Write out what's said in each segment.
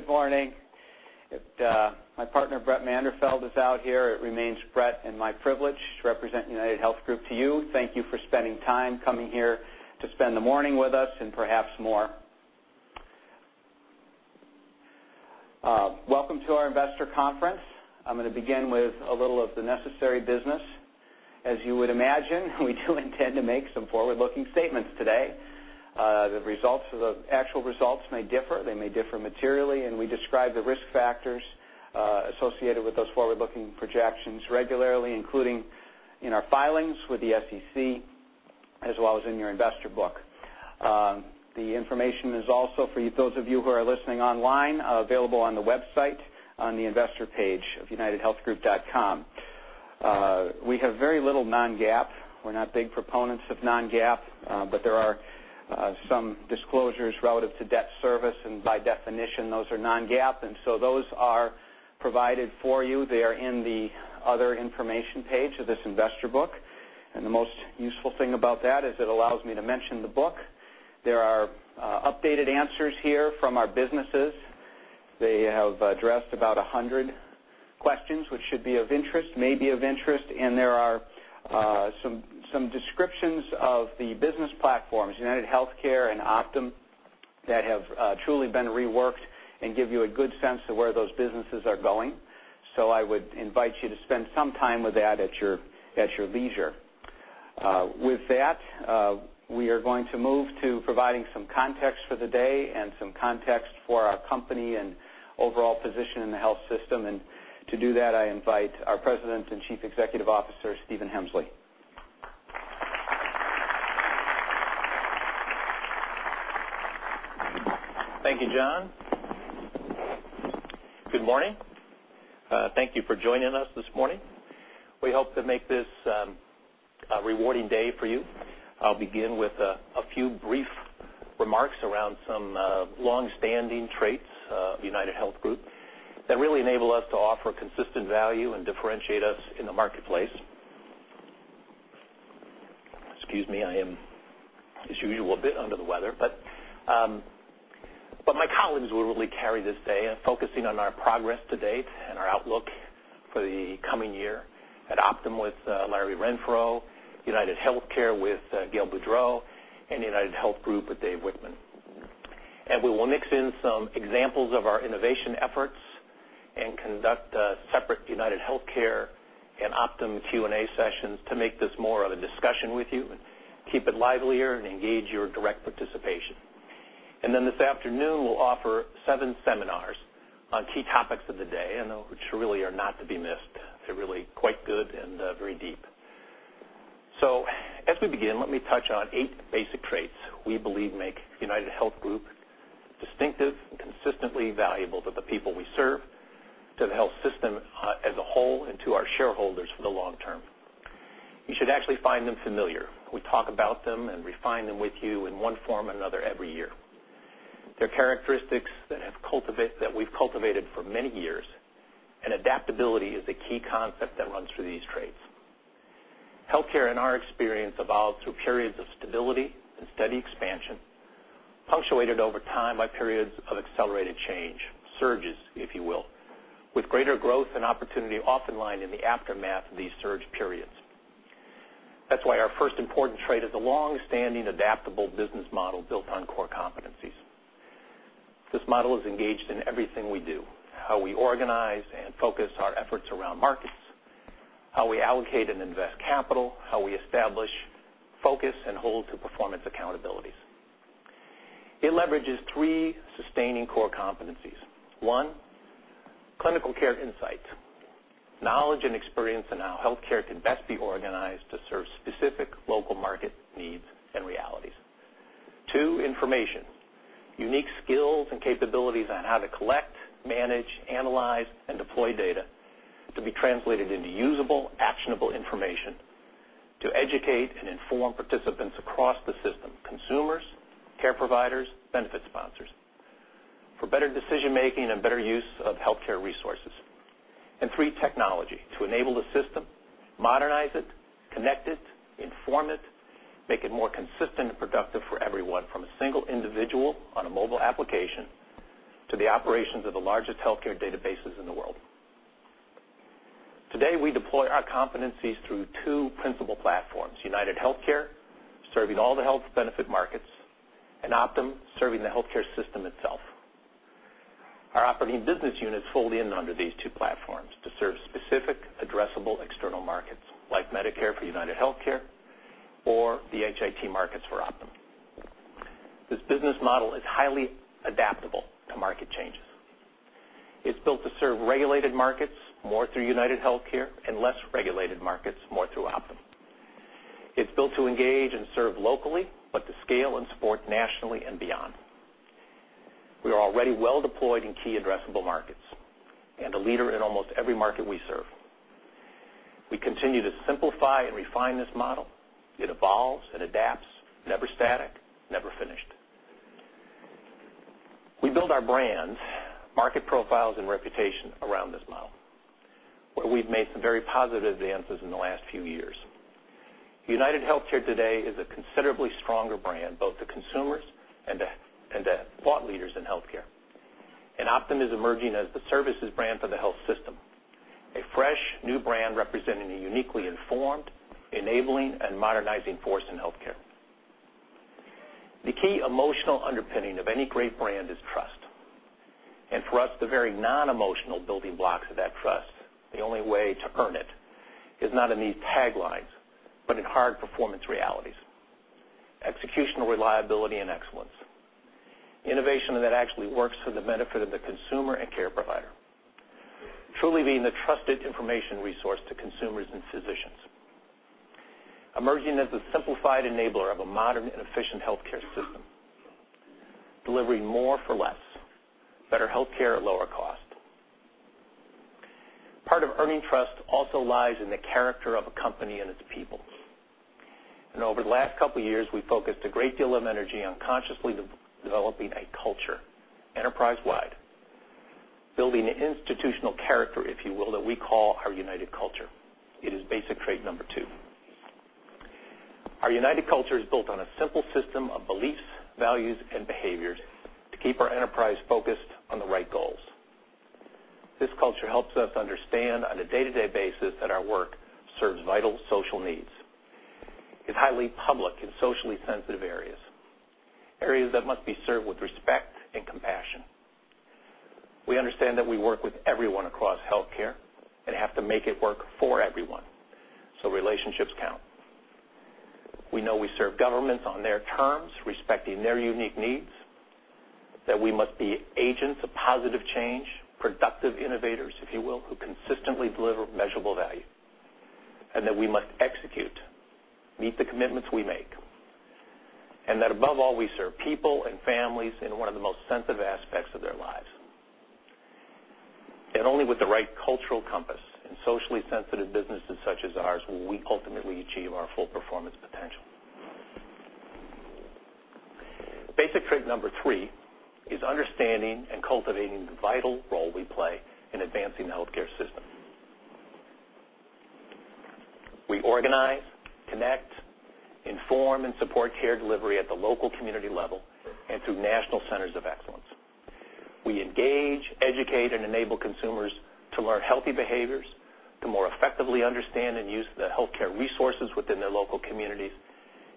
Good morning. My partner, Brett Manderfeld, is out here. It remains Brett and my privilege to represent UnitedHealth Group to you. Thank you for spending time coming here to spend the morning with us and perhaps more. Welcome to our investor conference. I am going to begin with a little of the necessary business. As you would imagine, we do intend to make some forward-looking statements today. The actual results may differ. They may differ materially, and we describe the risk factors associated with those forward-looking projections regularly, including in our filings with the SEC, as well as in your investor book. The information is also for those of you who are listening online, available on the website on the investor page of unitedhealthgroup.com. We have very little non-GAAP. We're not big proponents of non-GAAP, but there are some disclosures relative to debt service and by definition, those are non-GAAP, and so those are provided for you. They are in the other information page of this investor book, and the most useful thing about that is it allows me to mention the book. There are updated answers here from our businesses. They have addressed about 100 questions, which should be of interest, may be of interest, and there are some descriptions of the business platforms, UnitedHealthcare and Optum, that have truly been reworked and give you a good sense of where those businesses are going. I would invite you to spend some time with that at your leisure. With that, we are going to move to providing some context for the day and some context for our company and overall position in the health system. To do that, I invite our President and Chief Executive Officer, Stephen Hemsley. Thank you, John. Good morning. Thank you for joining us this morning. We hope to make this a rewarding day for you. I'll begin with a few brief remarks around some longstanding traits of UnitedHealth Group that really enable us to offer consistent value and differentiate us in the marketplace. Excuse me, I am, as usual, a bit under the weather. My colleagues will really carry this day in focusing on our progress to date and our outlook for the coming year at Optum with Larry Renfro, UnitedHealthcare with Gail Boudreaux, and UnitedHealth Group with Dave Wichmann. We will mix in some examples of our innovation efforts and conduct separate UnitedHealthcare and Optum Q&A sessions to make this more of a discussion with you and keep it livelier and engage your direct participation. This afternoon, we'll offer seven seminars on key topics of the day and which really are not to be missed. They're really quite good and very deep. As we begin, let me touch on eight basic traits we believe make UnitedHealth Group distinctive and consistently valuable to the people we serve, to the health system as a whole, and to our shareholders for the long term. You should actually find them familiar. We talk about them and refine them with you in one form or another every year. They're characteristics that we've cultivated for many years, and adaptability is the key concept that runs through these traits. Healthcare, in our experience, evolves through periods of stability and steady expansion, punctuated over time by periods of accelerated change, surges, if you will, with greater growth and opportunity often lying in the aftermath of these surge periods. That's why our first important trait is a longstanding, adaptable business model built on core competencies. This model is engaged in everything we do, how we organize and focus our efforts around markets, how we allocate and invest capital, how we establish focus, and hold to performance accountabilities. It leverages three sustaining core competencies. One, clinical care insights. Knowledge and experience in how healthcare can best be organized to serve specific local market needs and realities. Two, information. Unique skills and capabilities on how to collect, manage, analyze, and deploy data to be translated into usable, actionable information to educate and inform participants across the system, consumers, care providers, benefit sponsors, for better decision-making and better use of healthcare resources. Three, technology to enable the system, modernize it, connect it, inform it, make it more consistent and productive for everyone, from a single individual on a mobile application to the operations of the largest healthcare databases in the world. Today, we deploy our competencies through two principal platforms, UnitedHealthcare, serving all the health benefit markets, and Optum, serving the healthcare system itself. Our operating business units fold in under these two platforms to serve specific addressable external markets, like Medicare for UnitedHealthcare or the HIT markets for Optum. This business model is highly adaptable to market changes. It's built to serve regulated markets more through UnitedHealthcare and less regulated markets more through Optum. It's built to engage and serve locally, but to scale and support nationally and beyond. We are already well deployed in key addressable markets and a leader in almost every market we serve. We continue to simplify and refine this model. It evolves, it adapts, never static, never finished. We build our brands, market profiles, and reputation around this model. Where we've made some very positive advances in the last few years. UnitedHealthcare today is a considerably stronger brand, both to consumers and to thought leaders in healthcare. Optum is emerging as the services brand for the health system, a fresh new brand representing a uniquely informed, enabling, and modernizing force in healthcare. The key emotional underpinning of any great brand is trust. For us, the very non-emotional building blocks of that trust, the only way to earn it, is not in these taglines, but in hard performance realities. Execution, reliability, and excellence. Innovation that actually works for the benefit of the consumer and care provider. Truly being the trusted information resource to consumers and physicians. Emerging as a simplified enabler of a modern and efficient healthcare system. Delivering more for less. Better healthcare at lower cost. Part of earning trust also lies in the character of a company and its peoples. Over the last couple of years, we focused a great deal of energy on consciously developing a culture enterprise-wide. Building institutional character, if you will, that we call our United Culture. It is basic trait number 2. Our United Culture is built on a simple system of beliefs, values, and behaviors to keep our enterprise focused on the right goals. This culture helps us understand on a day-to-day basis that our work serves vital social needs in highly public and socially sensitive areas that must be served with respect and compassion. We understand that we work with everyone across healthcare and have to make it work for everyone, so relationships count. We know we serve governments on their terms, respecting their unique needs, that we must be agents of positive change, productive innovators, if you will, who consistently deliver measurable value. That we must execute, meet the commitments we make, and that above all, we serve people and families in one of the most sensitive aspects of their lives. Only with the right cultural compass in socially sensitive businesses such as ours will we ultimately achieve our full performance potential. Basic trait number 3 is understanding and cultivating the vital role we play in advancing the healthcare system. We organize, connect, inform, and support care delivery at the local community level and through national centers of excellence. We engage, educate, and enable consumers to learn healthy behaviors, to more effectively understand and use the healthcare resources within their local communities,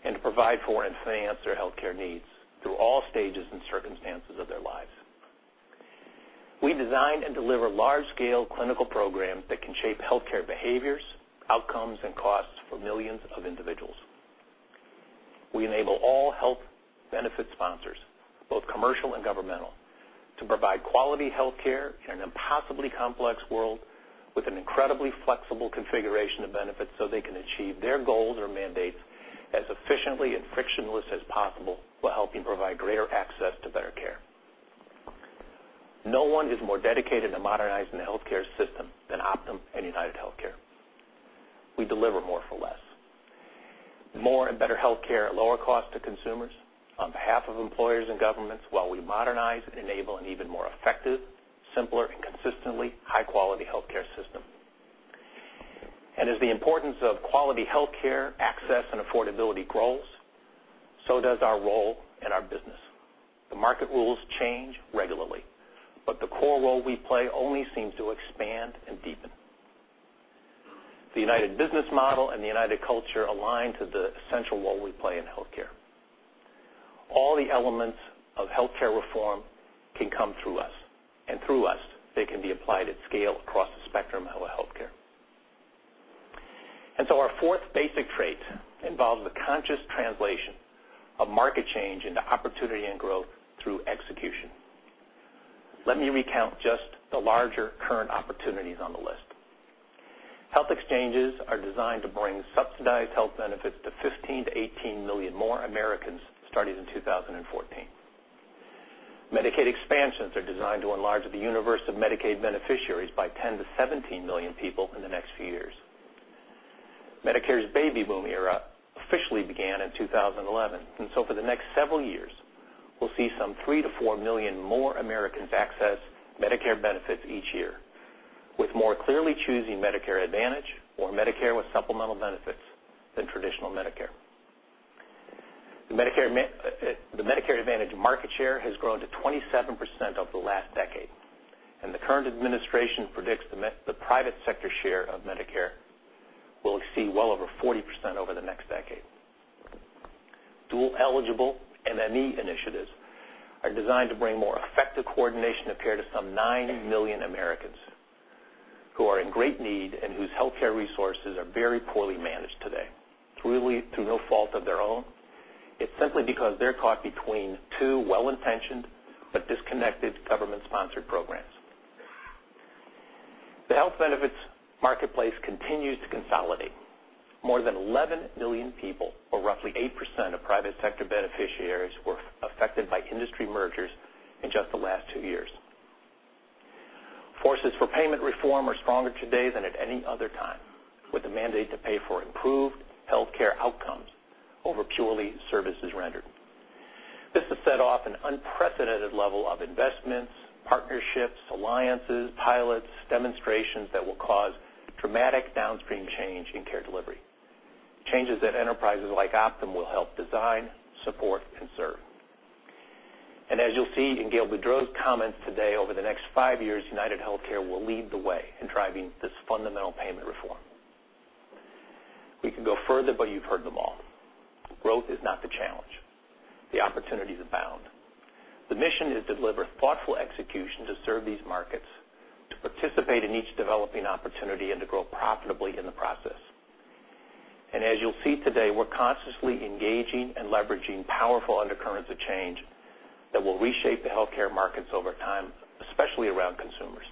and to provide for and finance their healthcare needs through all stages and circumstances of their lives. We design and deliver large-scale clinical programs that can shape healthcare behaviors, outcomes, and costs for millions of individuals. We enable all health benefit sponsors, both commercial and governmental, to provide quality healthcare in an impossibly complex world with an incredibly flexible configuration of benefits so they can achieve their goals or mandates as efficiently and frictionless as possible, while helping provide greater access to better care. No one is more dedicated to modernizing the healthcare system than Optum and UnitedHealthcare. We deliver more for less. More and better healthcare at lower cost to consumers, on behalf of employers and governments, while we modernize and enable an even more effective, simpler, and consistently high-quality healthcare system. As the importance of quality healthcare access and affordability grows, so does our role in our business. The market rules change regularly, but the core role we play only seems to expand and deepen. The United business model and the United Culture align to the central role we play in healthcare. All the elements of healthcare reform can come through us. Through us, they can be applied at scale across the spectrum of healthcare. So our fourth basic trait involves the conscious translation of market change into opportunity and growth through execution. Let me recount just the larger current opportunities on the list. Health exchanges are designed to bring subsidized health benefits to 15 million to 18 million more Americans starting in 2014. Medicaid expansions are designed to enlarge the universe of Medicaid beneficiaries by 10 million to 17 million people in the next few years. Medicare's baby boom era officially began in 2011, for the next several years, we'll see some 3 million to 4 million more Americans access Medicare benefits each year, with more clearly choosing Medicare Advantage or Medicare with supplemental benefits than traditional Medicare. The Medicare Advantage market share has grown to 27% over the last decade, and the current administration predicts the private sector share of Medicare will exceed well over 40% over the next decade. Dual eligible MME initiatives are designed to bring more effective coordination of care to some 9 million Americans who are in great need and whose healthcare resources are very poorly managed today. It's really through no fault of their own. It's simply because they're caught between two well-intentioned but disconnected government-sponsored programs. The health benefits marketplace continues to consolidate. More than 11 million people, or roughly 8% of private sector beneficiaries, were affected by industry mergers in just the last two years. Forces for payment reform are stronger today than at any other time, with the mandate to pay for improved healthcare outcomes over purely services rendered. This has set off an unprecedented level of investments, partnerships, alliances, pilots, demonstrations that will cause dramatic downstream change in care delivery. Changes that enterprises like Optum will help design, support, and serve. As you'll see in Gail Boudreaux's comments today, over the next five years, UnitedHealthcare will lead the way in driving this fundamental payment reform. We can go further, you've heard them all. Growth is not the challenge. The opportunities abound. The mission is to deliver thoughtful execution to serve these markets, to participate in each developing opportunity, and to grow profitably in the process. As you'll see today, we're consciously engaging and leveraging powerful undercurrents of change that will reshape the healthcare markets over time, especially around consumers.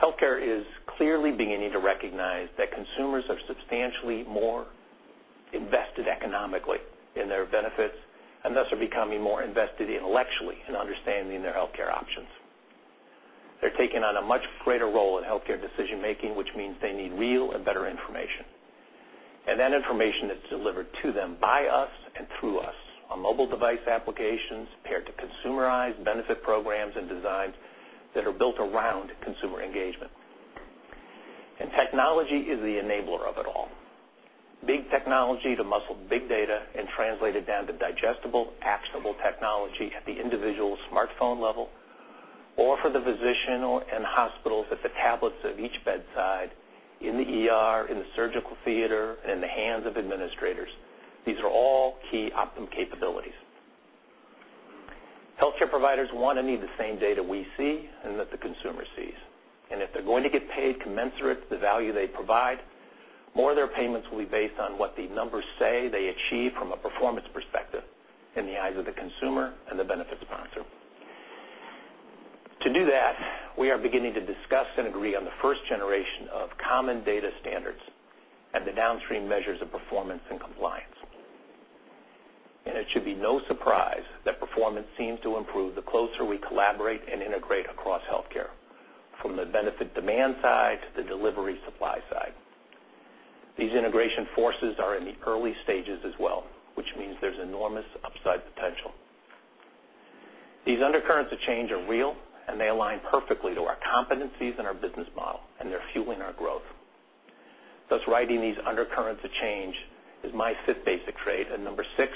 Healthcare is clearly beginning to recognize that consumers are substantially more invested economically in their benefits, and thus are becoming more invested intellectually in understanding their healthcare options. They're taking on a much greater role in healthcare decision-making, which means they need real and better information. That information is delivered to them by us and through us on mobile device applications, paired to consumerized benefit programs and designs that are built around consumer engagement. Technology is the enabler of it all. Big technology to muscle big data and translate it down to digestible, actionable technology at the individual smartphone level, or for the physician or in hospitals at the tablets of each bedside, in the ER, in the surgical theater, and in the hands of administrators. These are all key Optum capabilities. Healthcare providers want and need the same data we see and that the consumer sees. If they're going to get paid commensurate to the value they provide, more of their payments will be based on what the numbers say they achieve from a performance perspective in the eyes of the consumer and the benefits sponsor. To do that, we are beginning to discuss and agree on the first generation of common data standards and the downstream measures of performance and compliance. It should be no surprise that performance seems to improve the closer we collaborate and integrate across healthcare, from the benefit demand side to the delivery supply side. These integration forces are in the early stages as well, which means there's enormous upside potential. These undercurrents of change are real and they align perfectly to our competencies and our business model, and they're fueling our growth. Thus, riding these undercurrents of change is my fifth basic trait. Number six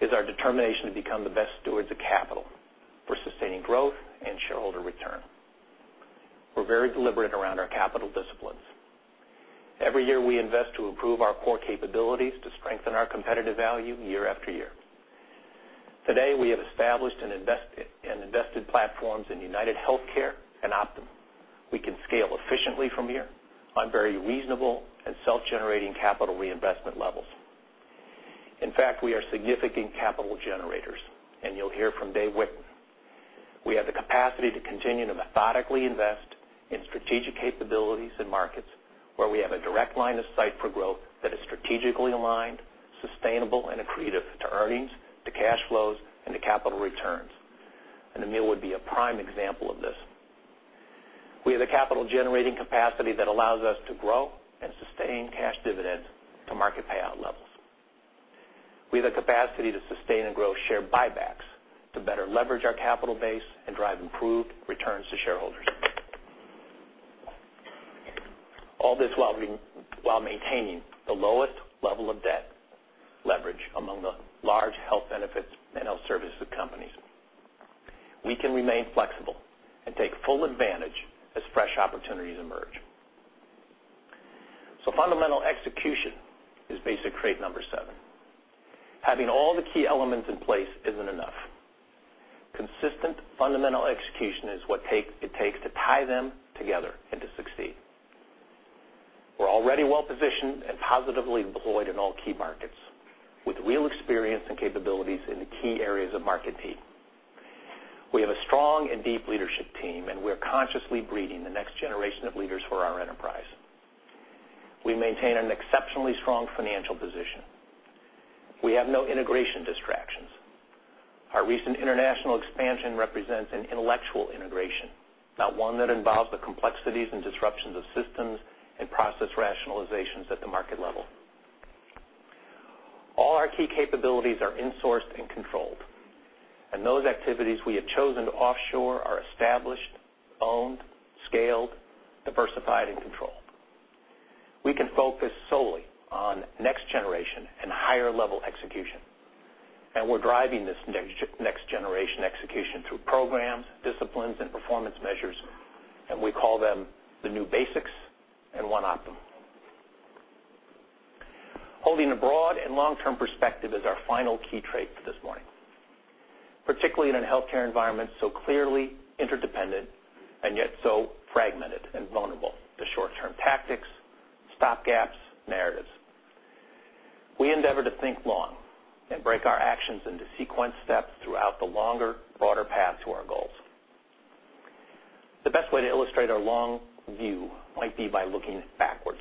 is our determination to become the best stewards of capital for sustaining growth and shareholder return. We're very deliberate around our capital disciplines. Every year, we invest to improve our core capabilities to strengthen our competitive value year after year. Today, we have established and invested platforms in UnitedHealthcare and Optum. We can scale efficiently from here on very reasonable and self-generating capital reinvestment levels. In fact, we are significant capital generators, and you'll hear from Dave Wichmann. We have the capacity to continue to methodically invest in strategic capabilities and markets where we have a direct line of sight for growth that is strategically aligned, sustainable, and accretive to earnings, to cash flows, and to capital returns. Amil would be a prime example of this. We have the capital-generating capacity that allows us to grow and sustain cash dividends to market payout levels. We have the capacity to sustain and grow share buybacks to better leverage our capital base and drive improved returns to shareholders. All this while maintaining the lowest level of debt leverage among the large health benefits and health services companies. We can remain flexible and take full advantage as fresh opportunities emerge. Fundamental execution is basic trait number seven. Having all the key elements in place isn't enough. Consistent fundamental execution is what it takes to tie them together and to succeed. We're already well-positioned and positively deployed in all key markets with real experience and capabilities in the key areas of market need. We have a strong and deep leadership team, and we're consciously breeding the next generation of leaders for our enterprise. We maintain an exceptionally strong financial position. We have no integration distractions. Our recent international expansion represents an intellectual integration, not one that involves the complexities and disruptions of systems and process rationalizations at the market level. All our key capabilities are insourced and controlled, and those activities we have chosen to offshore are established, owned, scaled, diversified, and controlled. We can focus solely on next generation and higher level execution. We're driving this next generation execution through programs, disciplines, and performance measures, and we call them the new basics and One Optum. Holding a broad and long-term perspective is our final key trait for this morning. Particularly in a healthcare environment so clearly interdependent and yet so fragmented and vulnerable to short-term tactics, stopgaps, narratives. We endeavor to think long and break our actions into sequenced steps throughout the longer, broader path to our goals. The best way to illustrate our long view might be by looking backwards.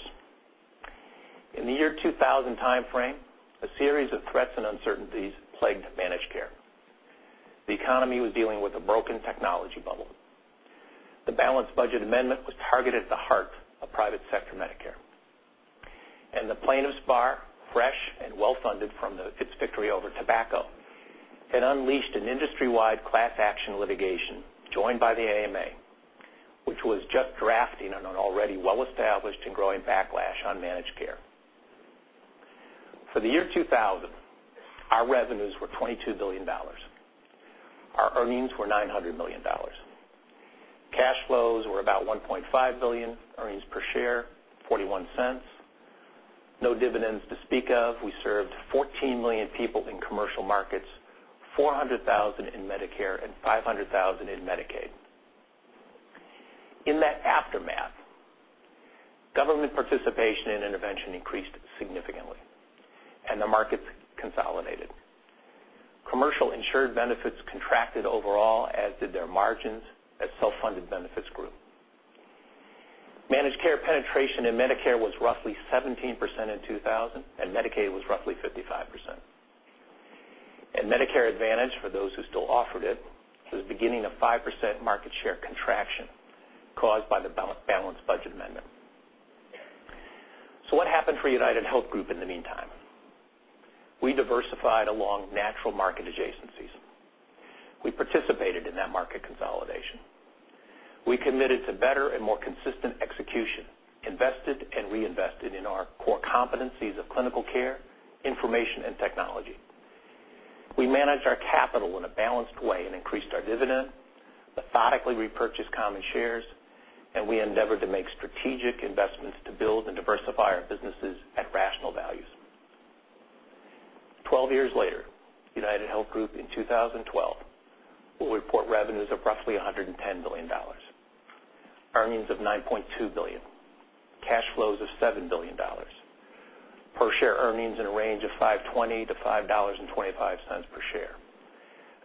In the year 2000 timeframe, a series of threats and uncertainties plagued managed care. The economy was dealing with a broken technology bubble. The Balanced Budget Act was targeted at the heart of private sector Medicare. The plaintiffs' bar, fresh and well-funded from its victory over tobacco, had unleashed an industry-wide class action litigation, joined by the AMA, which was just drafting on an already well-established and growing backlash on managed care. For the year 2000, our revenues were $22 billion. Our earnings were $900 million. Cash flows were about $1.5 billion. Earnings per share, $0.41. No dividends to speak of. We served 14 million people in commercial markets, 400,000 in Medicare, and 500,000 in Medicaid. In that aftermath, government participation and intervention increased significantly, and the markets consolidated. Commercial insured benefits contracted overall, as did their margins, as self-funded benefits grew. Managed care penetration in Medicare was roughly 17% in 2000, and Medicaid was roughly 55%. Medicare Advantage, for those who still offered it, was beginning a 5% market share contraction caused by the Balanced Budget Amendment. What happened for UnitedHealth Group in the meantime? We diversified along natural market adjacencies. We participated in that market consolidation. We committed to better and more consistent execution, invested and reinvested in our core competencies of clinical care, information, and technology. We managed our capital in a balanced way and increased our dividend, methodically repurchased common shares, and we endeavored to make strategic investments to build and diversify our businesses at rational values. Twelve years later, UnitedHealth Group in 2012 will report revenues of roughly $110 billion, earnings of $9.2 billion, cash flows of $7 billion, per share earnings in a range of $5.20-$5.25 per share,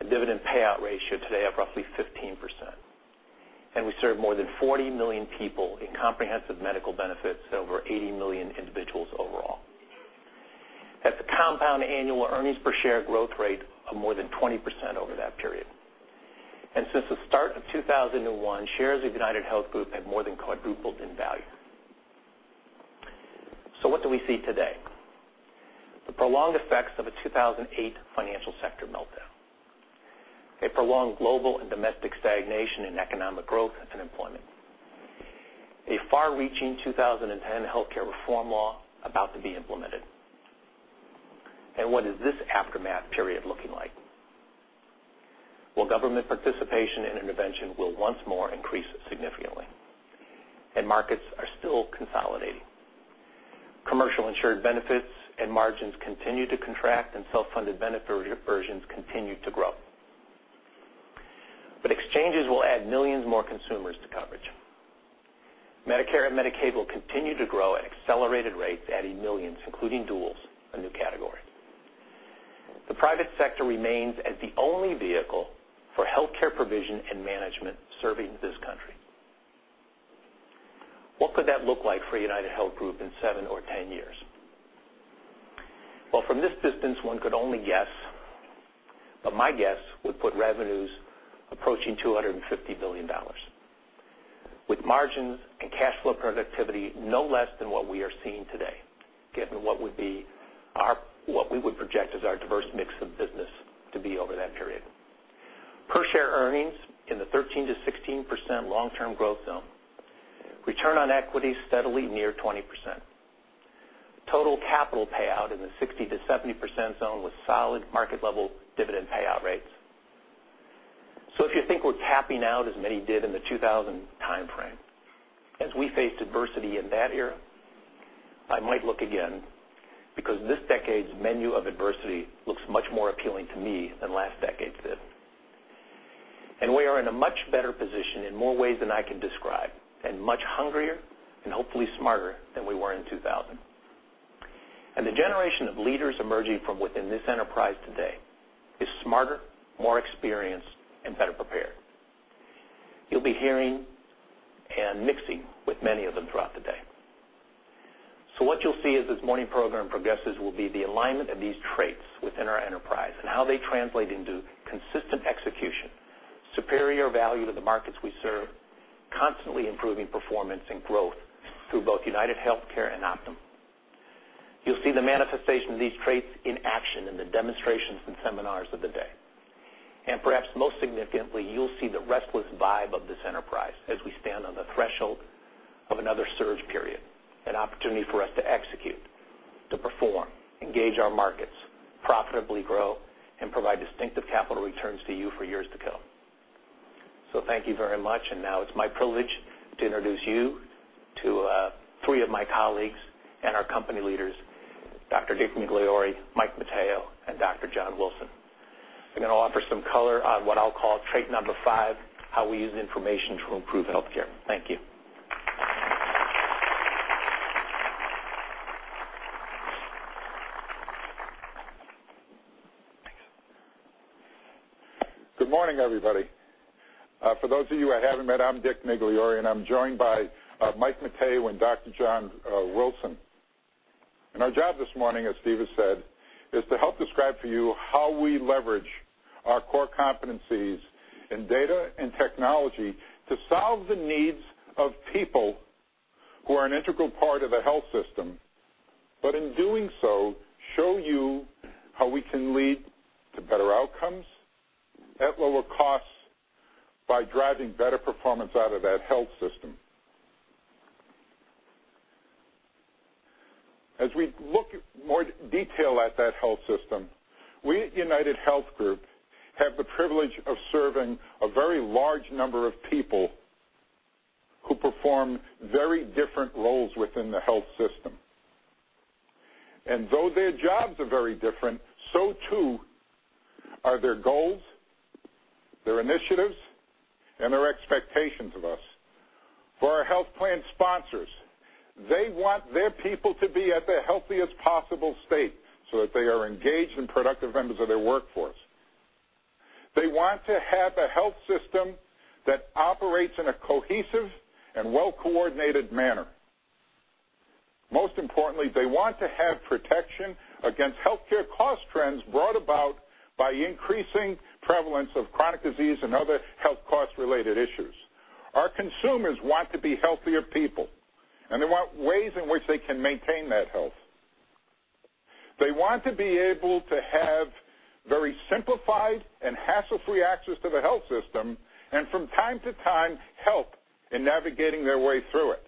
a dividend payout ratio today of roughly 15%, and we serve more than 40 million people in comprehensive medical benefits, over 80 million individuals overall. That's a compound annual earnings per share growth rate of more than 20% over that period. Since the start of 2001, shares of UnitedHealth Group have more than quadrupled in value. What do we see today? The prolonged effects of a 2008 financial sector meltdown, a prolonged global and domestic stagnation in economic growth and employment, a far-reaching 2010 Healthcare Reform Law about to be implemented. What is this aftermath period looking like? Government participation and intervention will once more increase significantly, and markets are still consolidating. Commercial insured benefits and margins continue to contract, and self-funded benefit versions continue to grow. But exchanges will add millions more consumers to coverage. Medicare and Medicaid will continue to grow at accelerated rates, adding millions, including duals, a new category. The private sector remains as the only vehicle for healthcare provision and management serving this country. What could that look like for UnitedHealth Group in seven or 10 years? From this distance, one could only guess. My guess would put revenues approaching $250 billion, with margins and cash flow productivity no less than what we are seeing today, given what we would project as our diverse mix of business to be over that period. Per share earnings in the 13%-16% long-term growth zone. Return on equity steadily near 20%. Total capital payout in the 60%-70% zone, with solid market level dividend payout rates. If you think we're capping out as many did in the 2000 timeframe, as we faced adversity in that era, I might look again because this decade's menu of adversity looks much more appealing to me than last decade's did. We are in a much better position in more ways than I can describe, and much hungrier and hopefully smarter than we were in 2000. The generation of leaders emerging from within this enterprise today is smarter, more experienced, and better prepared. You'll be hearing and mixing with many of them throughout the day. What you'll see as this morning program progresses will be the alignment of these traits within our enterprise and how they translate into consistent execution, superior value to the markets we serve, constantly improving performance and growth through both UnitedHealthcare and Optum. You'll see the manifestation of these traits in action in the demonstrations and seminars of the day. Perhaps most significantly, you'll see the restless vibe of this enterprise as we stand on the threshold of another surge period, an opportunity for us to execute, to perform, engage our markets, profitably grow, and provide distinctive capital returns to you for years to come. Thank you very much. Now it's my privilege to introduce you to three of my colleagues and our company leaders, Dr. Dick Migliore, Mike Mateo, and Dr. John Wilson. They're going to offer some color on what I'll call trait number 5, how we use information to improve healthcare. Thank you. Good morning, everybody. For those of you I haven't met, I'm Dick Migliore, and I'm joined by Mike Mateo and Dr. John Wilson. Our job this morning, as Steve has said, is to help describe for you how we leverage our core competencies in data and technology to solve the needs of people who are an integral part of the health system, but in doing so, show you how we can lead to better outcomes at lower costs by driving better performance out of that health system. As we look more detail at that health system, we at UnitedHealth Group have the privilege of serving a very large number of people who perform very different roles within the health system. Though their jobs are very different, so too are their goals, their initiatives, and their expectations of us. For our health plan sponsors, they want their people to be at their healthiest possible state so that they are engaged and productive members of their workforce. They want to have a health system that operates in a cohesive and well-coordinated manner. Most importantly, they want to have protection against healthcare cost trends brought about by increasing prevalence of chronic disease and other health cost-related issues. Our consumers want to be healthier people, and they want ways in which they can maintain that health. They want to be able to have very simplified and hassle-free access to the health system, and from time to time, help in navigating their way through it.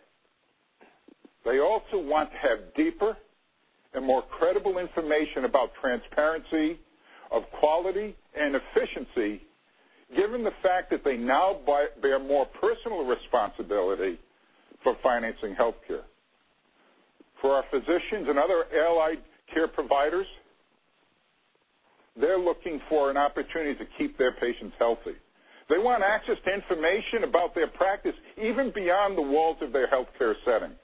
They also want to have deeper and more credible information about transparency, of quality, and efficiency given the fact that they now bear more personal responsibility for financing healthcare. For our physicians and other allied care providers, they're looking for an opportunity to keep their patients healthy. They want access to information about their practice, even beyond the walls of their healthcare setting.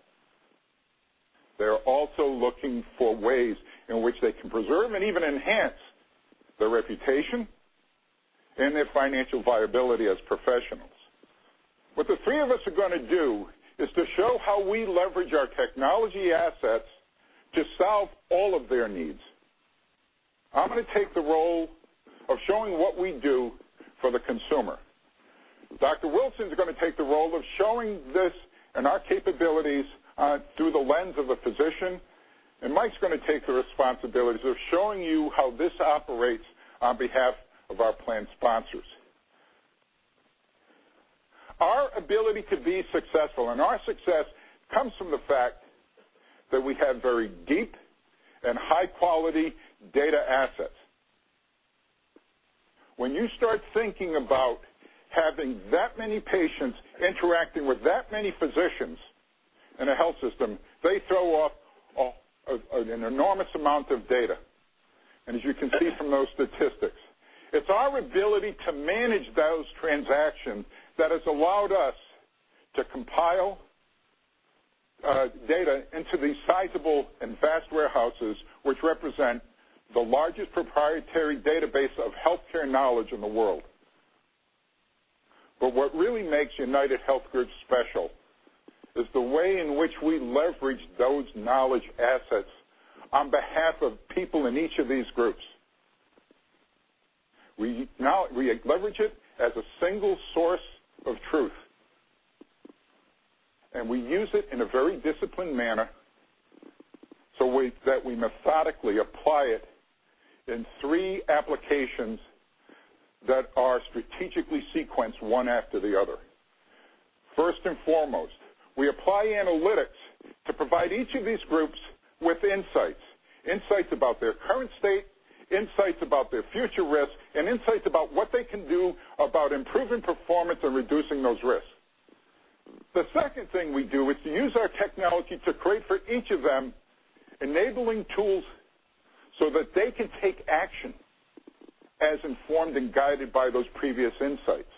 They're also looking for ways in which they can preserve and even enhance their reputation and their financial viability as professionals. What the three of us are going to do is to show how we leverage our technology assets to solve all of their needs. I'm going to take the role of showing what we do for the consumer. Dr. Wilson's going to take the role of showing this and our capabilities through the lens of a physician, and Mike's going to take the responsibilities of showing you how this operates on behalf of our plan sponsors. Our ability to be successful and our success comes from the fact that we have very deep and high-quality data assets. When you start thinking about having that many patients interacting with that many physicians in a health system, they throw up an enormous amount of data. As you can see from those statistics, it's our ability to manage those transactions that has allowed us to compile data into these sizable and vast warehouses, which represent the largest proprietary database of healthcare knowledge in the world. What really makes UnitedHealth Group special is the way in which we leverage those knowledge assets on behalf of people in each of these groups. We leverage it as a single source of truth, and we use it in a very disciplined manner so that we methodically apply it in three applications that are strategically sequenced one after the other. First and foremost, we apply analytics to provide each of these groups with insights. Insights about their current state, insights about their future risks, and insights about what they can do about improving performance and reducing those risks. The second thing we do is to use our technology to create for each of them enabling tools so that they can take action as informed and guided by those previous insights.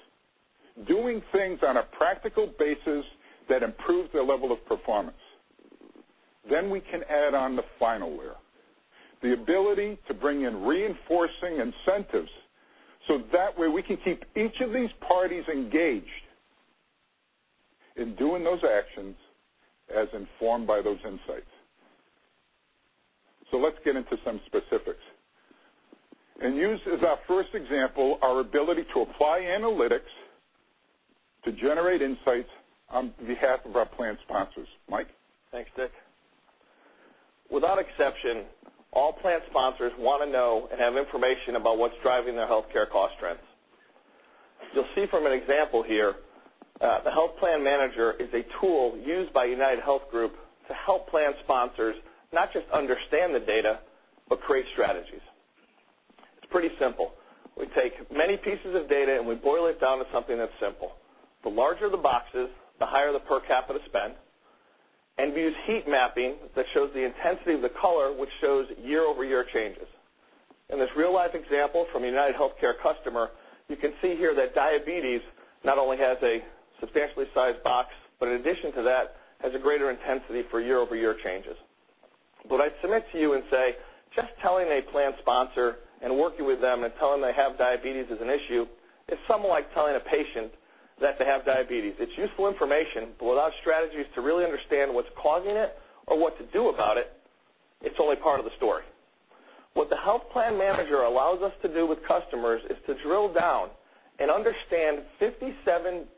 Doing things on a practical basis that improve their level of performance. We can add on the final layer. The ability to bring in reinforcing incentives, so that way, we can keep each of these parties engaged in doing those actions as informed by those insights. Let's get into some specifics and use as our first example our ability to apply analytics to generate insights on behalf of our plan sponsors. Mike? Thanks, Dick. Without exception, all plan sponsors want to know and have information about what's driving their healthcare cost trends. You'll see from an example here, the Health Plan Manager is a tool used by UnitedHealth Group to help plan sponsors not just understand the data but create strategies. It's pretty simple. We take many pieces of data, and we boil it down to something that's simple. The larger the boxes, the higher the per capita spend. We use heat mapping that shows the intensity of the color, which shows year-over-year changes. In this real-life example from a UnitedHealthcare customer, you can see here that Diabetes not only has a substantially sized box but in addition to that, has a greater intensity for year-over-year changes. I'd submit to you and say, just telling a plan sponsor and working with them and telling them they have diabetes is an issue is somewhat like telling a patient that they have diabetes. It's useful information, without strategies to really understand what's causing it or what to do about it's only part of the story. What the Health Plan Manager allows us to do with customers is to drill down and understand 57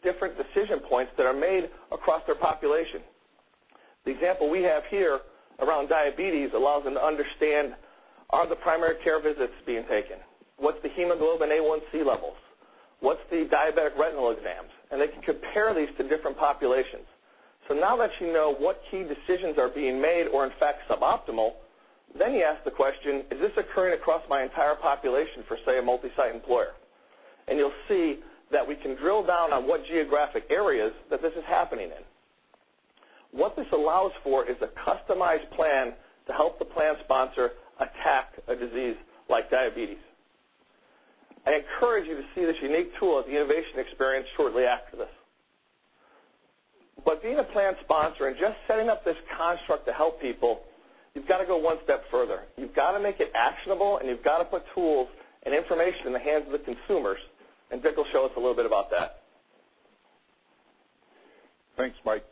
different decision points that are made across their population. The example we have here around diabetes allows them to understand, are the primary care visits being taken? What's the hemoglobin A1C levels? What's the diabetic retinal exams? They can compare these to different populations. Now that you know what key decisions are being made, or in fact, suboptimal, you ask the question, is this occurring across my entire population for, say, a multi-site employer? You'll see that we can drill down on what geographic areas that this is happening in. What this allows for is a customized plan to help the plan sponsor attack a disease like diabetes. I encourage you to see this unique tool at the innovation experience shortly after this. Being a plan sponsor and just setting up this construct to help people, you've got to go one step further. You've got to make it actionable, you've got to put tools and information in the hands of the consumers, Vic will show us a little bit about that. Thanks, Mike.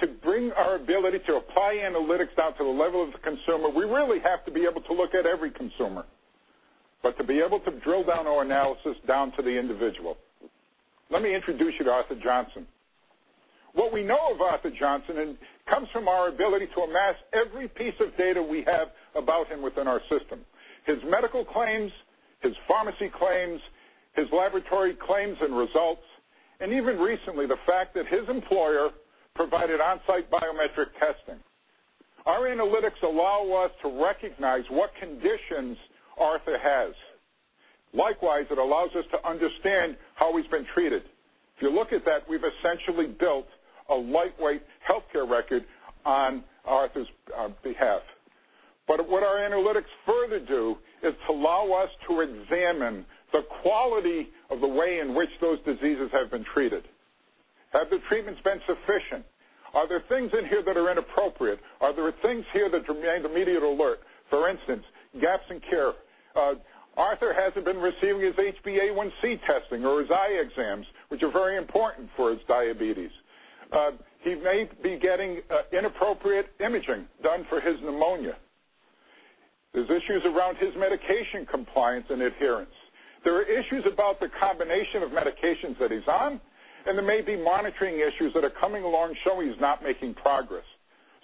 To bring our ability to apply analytics down to the level of the consumer, we really have to be able to look at every consumer. To be able to drill down our analysis down to the individual. Let me introduce you to Andrew Witty. What we know of Andrew Witty comes from our ability to amass every piece of data we have about him within our system. His medical claims, his pharmacy claims, his laboratory claims and results, and even recently, the fact that his employer provided on-site biometric testing. Our analytics allow us to recognize what conditions Andrew has. Likewise, it allows us to understand how he's been treated. If you look at that, we've essentially built a lightweight healthcare record on Andrew's behalf. What our analytics further do is to allow us to examine the quality of the way in which those diseases have been treated. Have the treatments been sufficient? Are there things in here that are inappropriate? Are there things here that demand immediate alert? For instance, gaps in care. Andrew hasn't been receiving his HbA1c testing or his eye exams, which are very important for his diabetes. He may be getting inappropriate imaging done for his pneumonia. There's issues around his medication compliance and adherence. There are issues about the combination of medications that he's on, there may be monitoring issues that are coming along showing he's not making progress.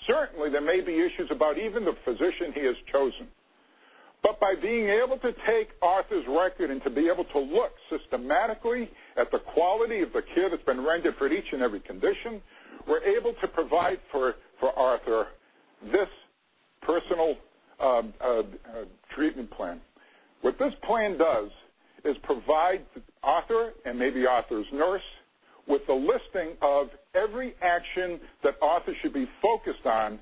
Certainly, there may be issues about even the physician he has chosen. By being able to take Andrew's record and to be able to look systematically at the quality of the care that's been rendered for each and every condition, we're able to provide for Andrew this personal treatment plan. What this plan does is provide Andrew, and maybe Andrew's nurse, with a listing of every action that Andrew should be focused on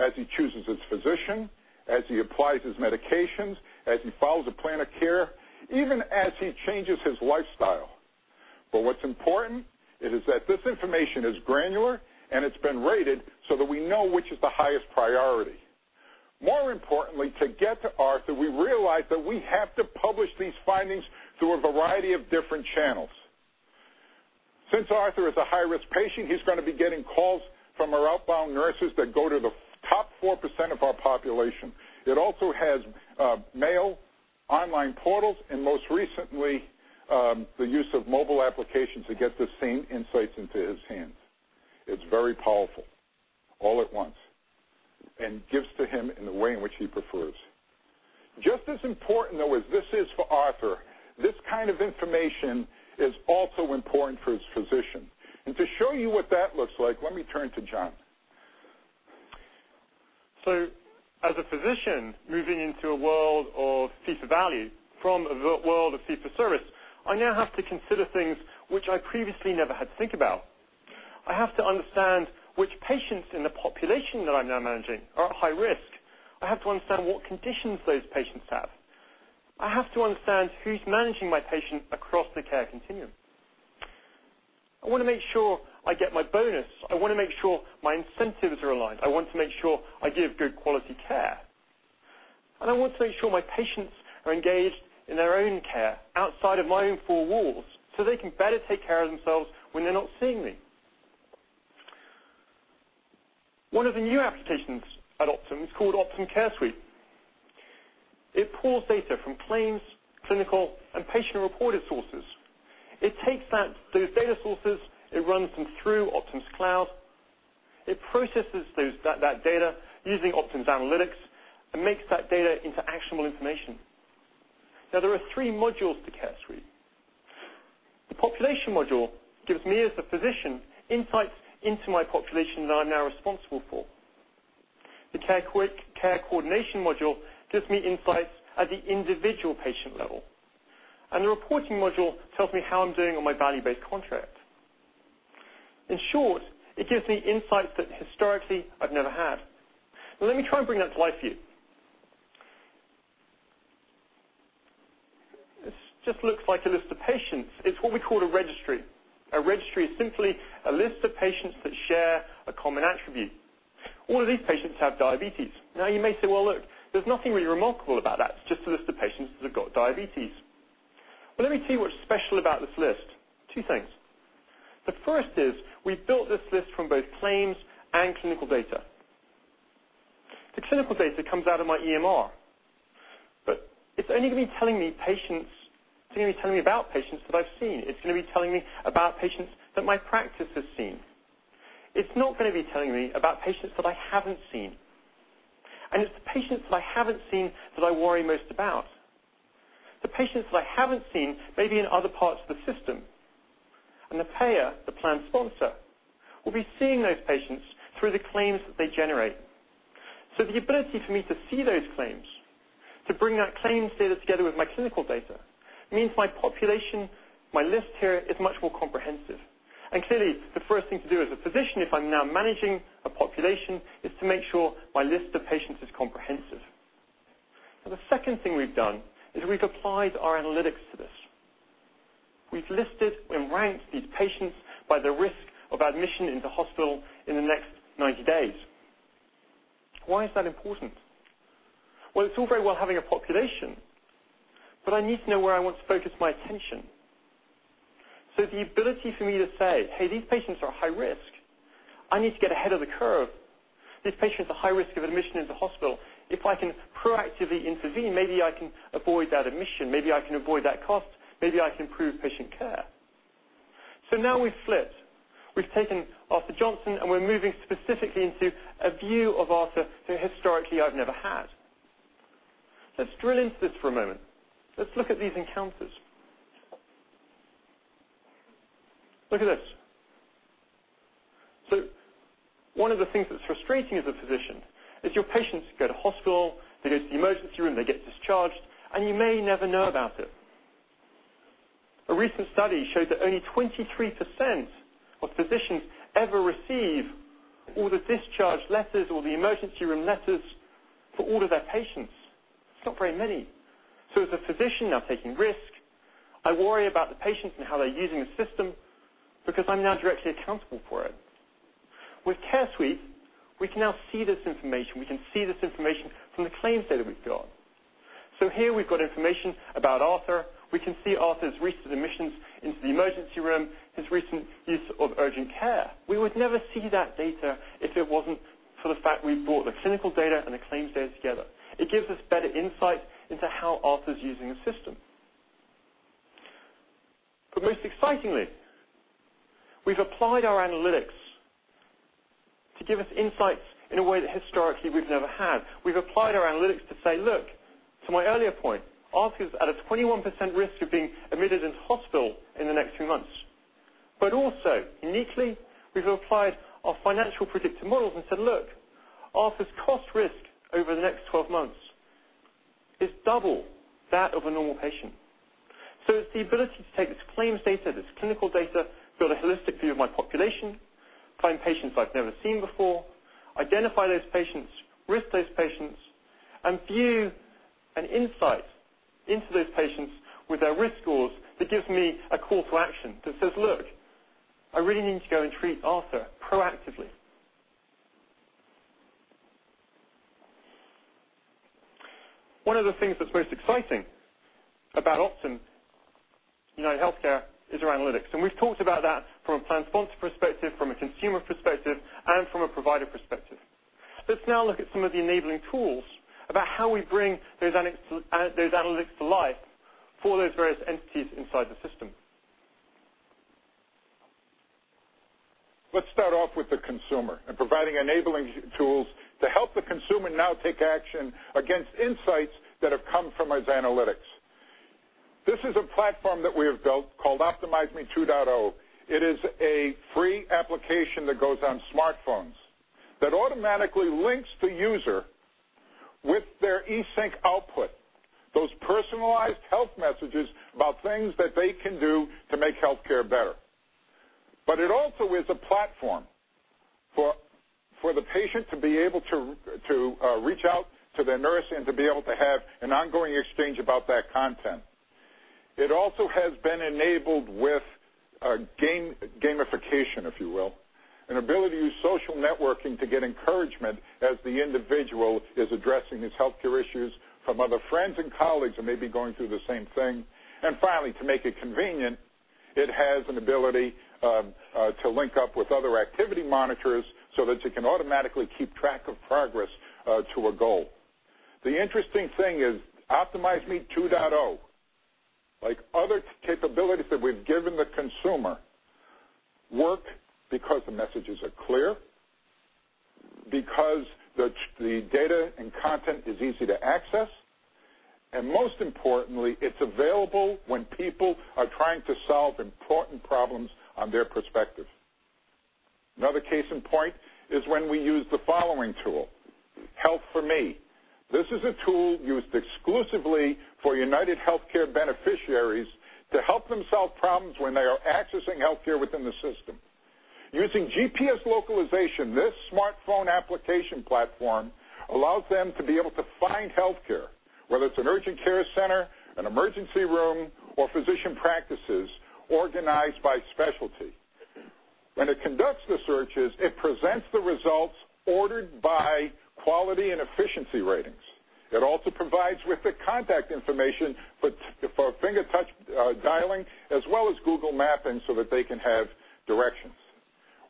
as he chooses his physician, as he applies his medications, as he follows a plan of care, even as he changes his lifestyle. What's important is that this information is granular, and it's been rated so that we know which is the highest priority. More importantly, to get to Andrew, we realize that we have to publish these findings through a variety of different channels. Since Andrew is a high-risk patient, he's going to be getting calls from our outbound nurses that go to the top 4% of our population. It also has mail, online portals, and most recently, the use of mobile applications to get the same insights into his hands. It's very powerful all at once and gives to him in the way in which he prefers. Just as important, though, as this is for Andrew, this kind of information is also important for his physician. To show you what that looks like, let me turn to John. As a physician, moving into a world of fee for value from a world of fee for service, I now have to consider things which I previously never had to think about. I have to understand which patients in the population that I'm now managing are at high risk. I have to understand what conditions those patients have. I have to understand who's managing my patient across the care continuum. I want to make sure I get my bonus. I want to make sure my incentives are aligned. I want to make sure I give good quality care. And I want to make sure my patients are engaged in their own care outside of my own four walls so they can better take care of themselves when they're not seeing me. One of the new applications at Optum is called Optum Care Suite. It pulls data from claims, clinical, and patient-reported sources. It takes those data sources, it runs them through Optum's cloud, it processes that data using Optum's analytics, and makes that data into actionable information. There are three modules to Care Suite. The population module gives me, as a physician, insights into my population that I'm now responsible for. The care coordination module gives me insights at the individual patient level, and the reporting module tells me how I'm doing on my value-based contract. In short, it gives me insights that historically I've never had. Let me try and bring that to life for you. This just looks like a list of patients. It's what we call a registry. A registry is simply a list of patients that share a common attribute. All of these patients have diabetes. You may say, "Well, look, there's nothing really remarkable about that. It's just a list of patients that have got diabetes." Let me tell you what's special about this list. Two things. The first is we built this list from both claims and clinical data. The clinical data comes out of my EMR, but it's only going to be telling me about patients that I've seen. It's going to be telling me about patients that my practice has seen. It's not going to be telling me about patients that I haven't seen, and it's the patients that I haven't seen that I worry most about. The patients that I haven't seen may be in other parts of the system, and the payer, the plan sponsor, will be seeing those patients through the claims that they generate. The ability for me to see those claims, to bring that claims data together with my clinical data, means my population, my list here, is much more comprehensive. Clearly, the first thing to do as a physician, if I'm now managing a population, is to make sure my list of patients is comprehensive. The second thing we've done is we've applied our analytics to this. We've listed and ranked these patients by the risk of admission into hospital in the next 90 days. Why is that important? It's all very well having a population, but I need to know where I want to focus my attention. The ability for me to say, "Hey, these patients are high risk. I need to get ahead of the curve. This patient is a high risk of admission into hospital. If I can proactively intervene, maybe I can avoid that admission. Maybe I can avoid that cost. Maybe I can improve patient care." Now we've flipped. We've taken Andrew Witty, and we're moving specifically into a view of Andrew that historically I've never had. Let's drill into this for a moment. Let's look at these encounters. Look at this. One of the things that's frustrating as a physician is your patients go to hospital, they go to the emergency room, they get discharged, and you may never know about it. A recent study showed that only 23% of physicians ever receive all the discharge letters or the emergency room letters for all of their patients. It's not very many. As a physician, now taking risk, I worry about the patients and how they're using the system because I'm now directly accountable for it. With Care Suite, we can now see this information. We can see this information from the claims data we've got. Here we've got information about Andrew. We can see Andrew's recent admissions into the emergency room, his recent use of urgent care. We would never see that data if it wasn't for the fact we brought the clinical data and the claims data together. It gives us better insight into how Andrew's using the system. Most excitingly, we've applied our analytics to give us insights in a way that historically we've never had. We've applied our analytics to say, look, to my earlier point, Andrew's at a 21% risk of being admitted into hospital in the next few months. Also, uniquely, we've applied our financial predictor models and said, look, Andrew's cost risk over the next 12 months is double that of a normal patient. It's the ability to take this claims data, this clinical data, build a holistic view of my population, find patients I have never seen before, identify those patients, risk those patients, and view an insight into those patients with their risk scores that gives me a call to action that says, look, I really need to go and treat Andrew proactively. One of the things that's most exciting about Optum UnitedHealthcare is our analytics, and we have talked about that from a plan sponsor perspective, from a consumer perspective, and from a provider perspective. Let's now look at some of the enabling tools about how we bring those analytics to life for those various entities inside the system. Let's start off with the consumer and providing enabling tools to help the consumer now take action against insights that have come from those analytics. This is a platform that we have built called optimumMe 2.0. It is a free application that goes on smartphones that automatically links the user with their eSync output, those personalized health messages about things that they can do to make healthcare better. It also is a platform for the patient to be able to reach out to their nurse and to be able to have an ongoing exchange about that content. It also has been enabled with gamification, if you will, an ability to use social networking to get encouragement as the individual is addressing his healthcare issues from other friends and colleagues who may be going through the same thing. Finally, to make it convenient, it has an ability to link up with other activity monitors so that it can automatically keep track of progress to a goal. The interesting thing is, optimumMe 2.0, like other capabilities that we have given the consumer, work because the messages are clear, because the data and content is easy to access, and most importantly, it's available when people are trying to solve important problems on their perspective. Another case in point is when we use the following tool, Health4Me. This is a tool used exclusively for UnitedHealthcare beneficiaries to help them solve problems when they are accessing healthcare within the system. Using GPS localization, this smartphone application platform allows them to be able to find healthcare, whether it's an urgent care center, an emergency room, or physician practices organized by specialty. When it conducts the searches, it presents the results ordered by quality and efficiency ratings. It also provides with the contact information for finger touch dialing, as well as Google mapping so that they can have directions.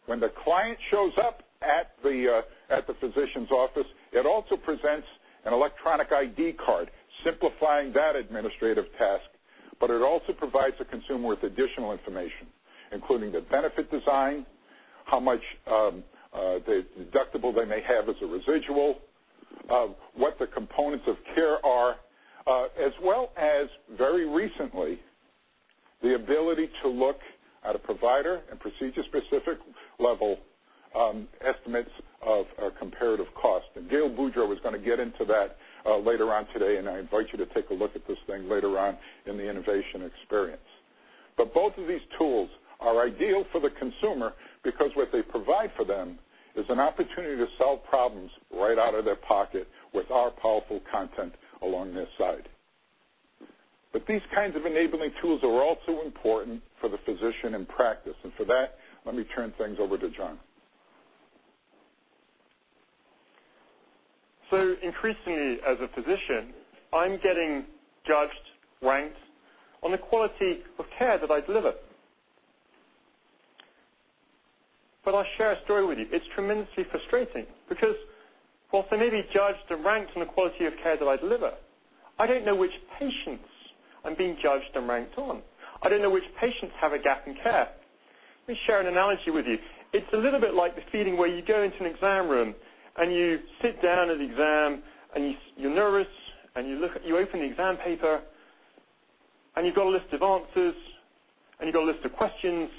When the client shows up at the physician's office, it also presents an electronic ID card, simplifying that administrative task. It also provides the consumer with additional information, including the benefit design, how much the deductible they may have as a residual, what the components of care are, as well as, very recently, the ability to look at a provider and procedure-specific level estimates of comparative cost. Gail Boudreaux is going to get into that later on today, and I invite you to take a look at this thing later on in the innovation experience. Both of these tools are ideal for the consumer because what they provide for them is an opportunity to solve problems right out of their pocket with our powerful content along their side. These kinds of enabling tools are also important for the physician in practice. For that, let me turn things over to John. Increasingly, as a physician, I'm getting judged, ranked, on the quality of care that I deliver. I'll share a story with you. It's tremendously frustrating because whilst I may be judged and ranked on the quality of care that I deliver, I don't know which patients I'm being judged and ranked on. I don't know which patients have a gap in care. Let me share an analogy with you. It's a little bit like the feeling where you go into an exam room, and you sit down at the exam, and you're nervous, and you open the exam paper, and you've got a list of answers, and you've got a list of questions,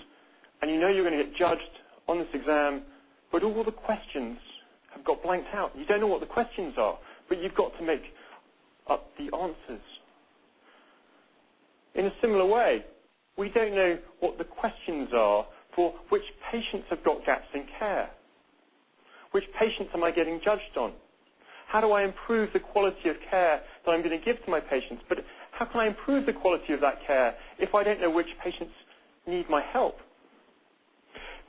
and you know you're going to get judged on this exam, but all the questions have got blanked out. You don't know what the questions are, but you've got to make up the answers. In a similar way, we don't know what the questions are for which patients have got gaps in care. Which patients am I getting judged on? How do I improve the quality of care that I'm going to give to my patients? How can I improve the quality of that care if I don't know which patients need my help?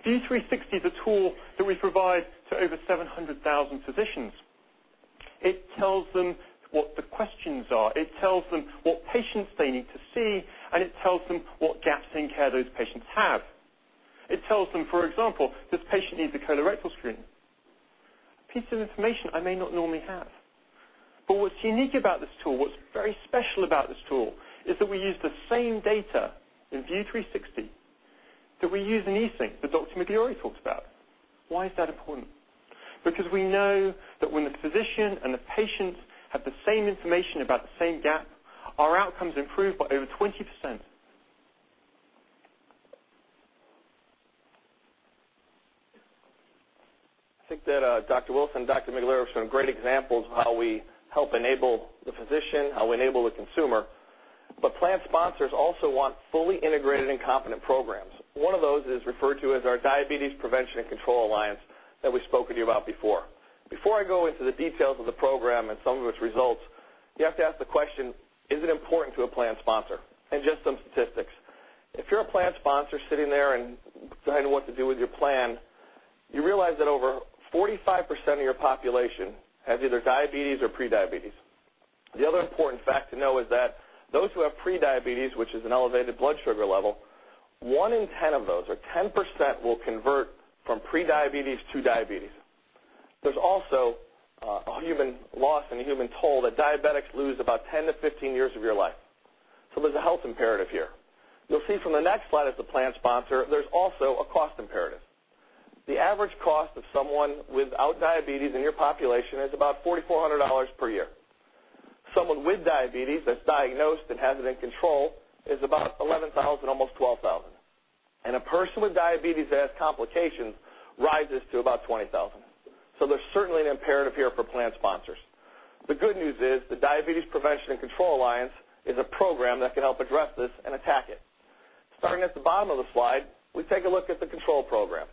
View360 is a tool that we provide to over 700,000 physicians. It tells them what the questions are, it tells them what patients they need to see, and it tells them what gaps in care those patients have. It tells them, for example, this patient needs a colorectal screen. A piece of information I may not normally have. What's unique about this tool, what's very special about this tool, is that we use the same data in View360 that we use in eSync that Dr. Migliori talks about. Why is that important? Because we know that when the physician and the patients have the same information about the same gap, our outcomes improve by over 20%. I think that Dr. Wilson and Dr. Migliori have shown great examples of how we help enable the physician, how we enable the consumer. Plan sponsors also want fully integrated and competent programs. One of those is referred to as our Diabetes Prevention and Control Alliance that we spoke with you about before. Before I go into the details of the program and some of its results, you have to ask the question, is it important to a plan sponsor? Just some statistics. If you're a plan sponsor sitting there and trying to know what to do with your plan, you realize that over 45% of your population has either diabetes or pre-diabetes. The other important fact to know is that those who have pre-diabetes, which is an elevated blood sugar level, one in 10 of those, or 10%, will convert from pre-diabetes to diabetes. There's also a human loss and a human toll that diabetics lose about 10 to 15 years of your life. There's a health imperative here. You'll see from the next slide as the plan sponsor, there's also a cost imperative. The average cost of someone without diabetes in your population is about $4,400 per year. Someone with diabetes that's diagnosed and has it in control is about $11,000, almost $12,000. A person with diabetes that has complications rises to about $20,000. There's certainly an imperative here for plan sponsors. The good news is the Diabetes Prevention and Control Alliance is a program that can help address this and attack it. Starting at the bottom of the slide, we take a look at the control program.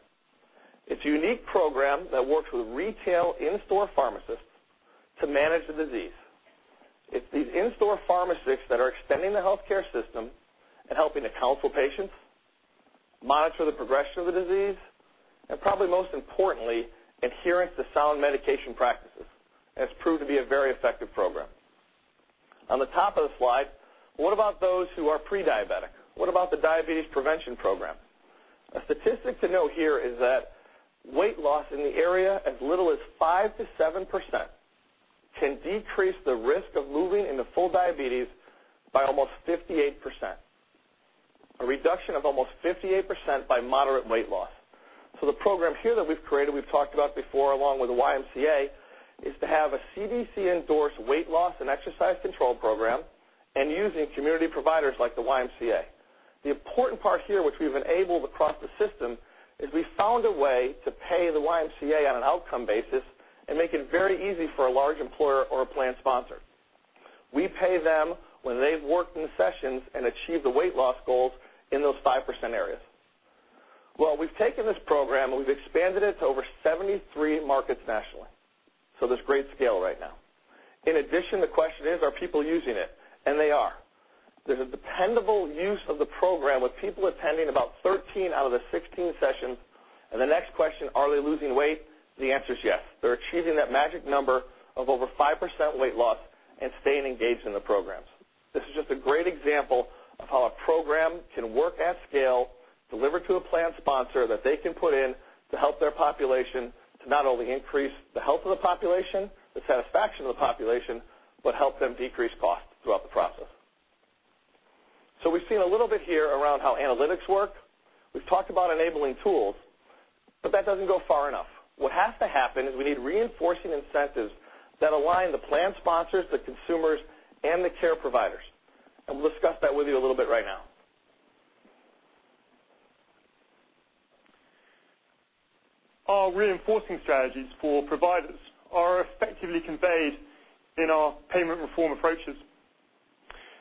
It's a unique program that works with retail in-store pharmacists to manage the disease. It's these in-store pharmacists that are extending the healthcare system and helping to counsel patients, monitor the progression of the disease, and probably most importantly, adherence to sound medication practices. It's proved to be a very effective program. On the top of the slide, what about those who are pre-diabetic? What about the diabetes prevention program? A statistic to note here is that weight loss in the area as little as 5%-7% can decrease the risk of moving into full diabetes by almost 58%. A reduction of almost 58% by moderate weight loss. The program here that we've created, we've talked about before, along with the YMCA, is to have a CDC-endorsed weight loss and exercise control program and using community providers like the YMCA. The important part here, which we've enabled across the system, is we found a way to pay the YMCA on an outcome basis and make it very easy for a large employer or a plan sponsor. We pay them when they've worked in the sessions and achieved the weight loss goals in those 5% areas. We've taken this program, and we've expanded it to over 73 markets nationally. There's great scale right now. In addition, the question is: are people using it? They are. There's a dependable use of the program, with people attending about 13 out of the 16 sessions. The next question, are they losing weight? The answer is yes. They're achieving that magic number of over 5% weight loss and staying engaged in the programs. This is just a great example of how a program can work at scale, delivered to a plan sponsor that they can put in to help their population to not only increase the health of the population, the satisfaction of the population, but help them decrease costs throughout the process. We've seen a little bit here around how analytics work. We've talked about enabling tools, but that doesn't go far enough. What has to happen is we need reinforcing incentives that align the plan sponsors, the consumers, and the care providers, and we'll discuss that with you a little bit right now. Our reinforcing strategies for providers are effectively conveyed in our payment reform approaches.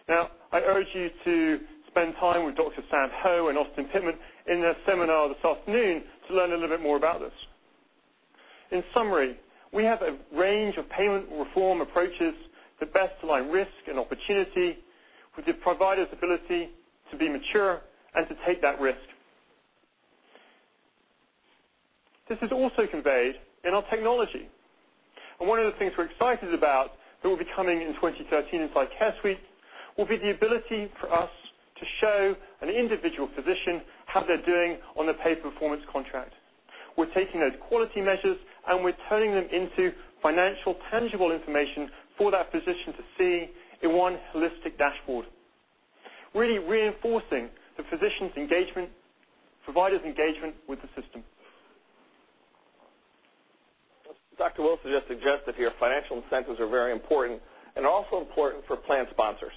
Now, I urge you to spend time with Dr. Sam Ho and Austin Pittman in their seminar this afternoon to learn a little bit more about this. In summary, we have a range of payment reform approaches to best align risk and opportunity with the provider's ability to be mature and to take that risk. This is also conveyed in our technology. One of the things we're excited about that will be coming in 2023 inside Care Suite will be the ability for us to show an individual physician how they're doing on their pay-for-performance contract. We're taking those quality measures, and we're turning them into financial, tangible information for that physician to see in one holistic dashboard, really reinforcing the physician's engagement, provider's engagement with the system. As Dr. Wilson just suggested here, financial incentives are very important and are also important for plan sponsors.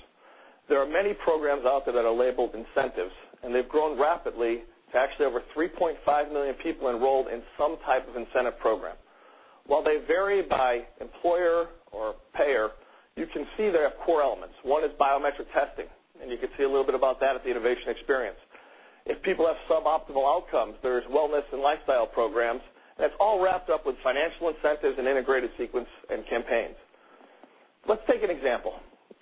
There are many programs out there that are labeled incentives, and they've grown rapidly to actually over 3.5 million people enrolled in some type of incentive program. While they vary by employer or payer, you can see they have core elements. One is biometric testing, and you can see a little bit about that at the innovation experience. If people have suboptimal outcomes, there's wellness and lifestyle programs, and it's all wrapped up with financial incentives and integrated sequence and campaigns. Let's take an example.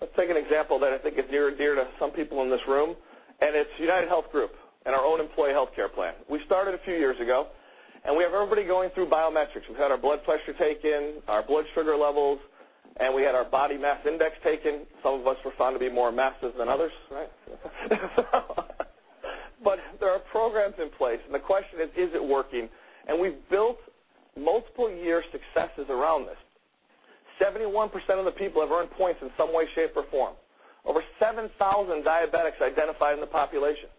Let's take an example that I think is near and dear to some people in this room, and it's UnitedHealth Group and our own employee healthcare plan. We started a few years ago, and we have everybody going through biometrics. We've had our blood pressure taken, our blood sugar levels, and we had our body mass index taken. Some of us were found to be more massive than others, right? There are programs in place, and the question is: is it working? We've built multiple-year successes around this. 71% of the people have earned points in some way, shape, or form. Over 7,000 diabetics identified in the population.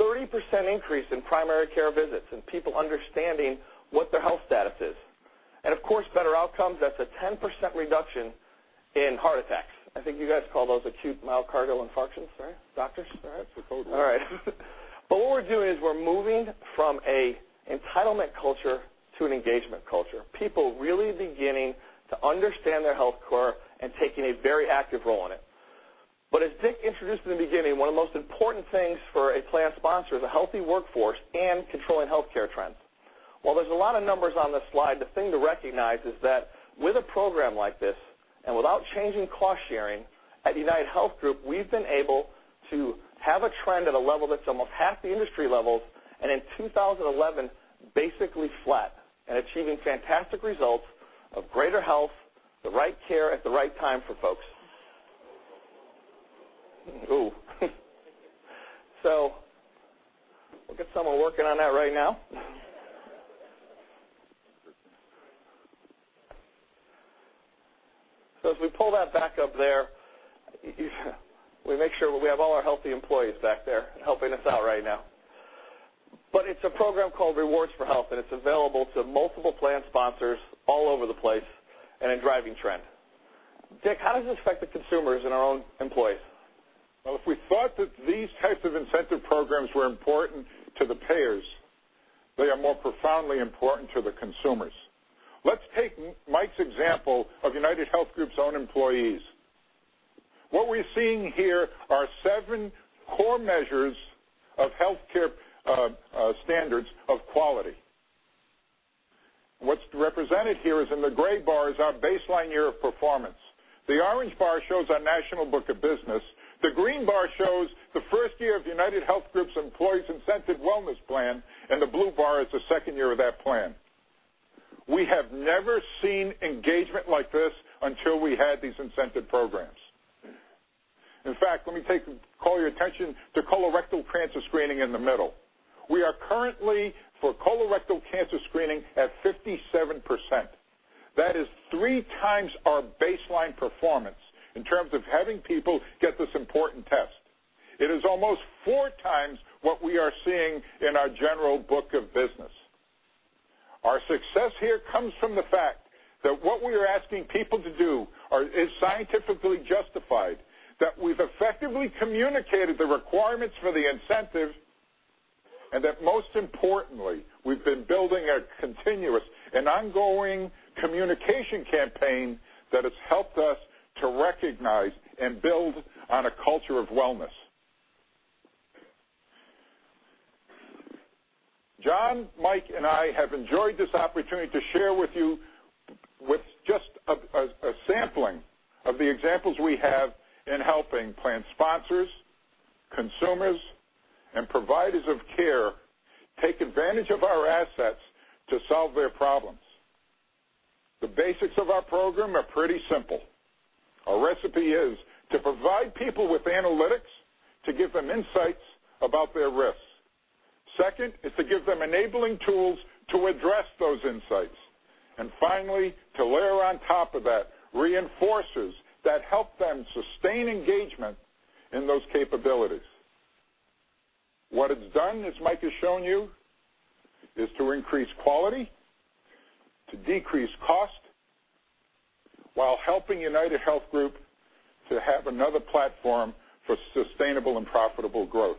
30% increase in primary care visits and people understanding what their health status is. Of course, better outcomes. That's a 10% reduction in heart attacks. I think you guys call those acute myocardial infarctions, right, doctors? All right. What we're doing is we're moving from an entitlement culture to an engagement culture, people really beginning to understand their healthcare and taking a very active role in it. As Dick introduced in the beginning, one of the most important things for a plan sponsor is a healthy workforce and controlling healthcare trends. While there's a lot of numbers on this slide, the thing to recognize is that with a program like this, and without changing cost-sharing, at UnitedHealth Group, we've been able to have a trend at a level that's almost half the industry levels, and in 2011, basically flat and achieving fantastic results of greater health, the right care at the right time for folks. We'll get someone working on that right now. As we pull that back up there, we make sure we have all our healthy employees back there helping us out right now. It's a program called Rewards for Health, and it's available to multiple plan sponsors all over the place and in driving trend. Dick, how does this affect the consumers and our own employees? Well, if we thought that these types of incentive programs were important to the payers, they are more profoundly important to the consumers. Let's take Mike's example of UnitedHealth Group's own employees. What we're seeing here are seven core measures of healthcare standards of quality. What's represented here is in the gray bar is our baseline year of performance. The orange bar shows our national book of business. The green bar shows the first year of UnitedHealth Group's employees' incentive wellness plan, and the blue bar is the second year of that plan. We have never seen engagement like this until we had these incentive programs. In fact, let me call your attention to colorectal cancer screening in the middle. We are currently for colorectal cancer screening at 57%. That is three times our baseline performance in terms of having people get this important test. It is almost four times what we are seeing in our general book of business. Our success here comes from the fact that what we are asking people to do is scientifically justified, that we've effectively communicated the requirements for the incentives, and that most importantly, we've been building a continuous and ongoing communication campaign that has helped us to recognize and build on a culture of wellness. John, Mike, and I have enjoyed this opportunity to share with you what's just a sampling of the examples we have in helping plan sponsors, consumers, and providers of care take advantage of our assets to solve their problems. The basics of our program are pretty simple. Our recipe is to provide people with analytics to give them insights about their risks. Second is to give them enabling tools to address those insights. To layer on top of that reinforcers that help them sustain engagement in those capabilities. What it's done, as Mike has shown you, is to increase quality, to decrease cost, while helping UnitedHealth Group to have another platform for sustainable and profitable growth.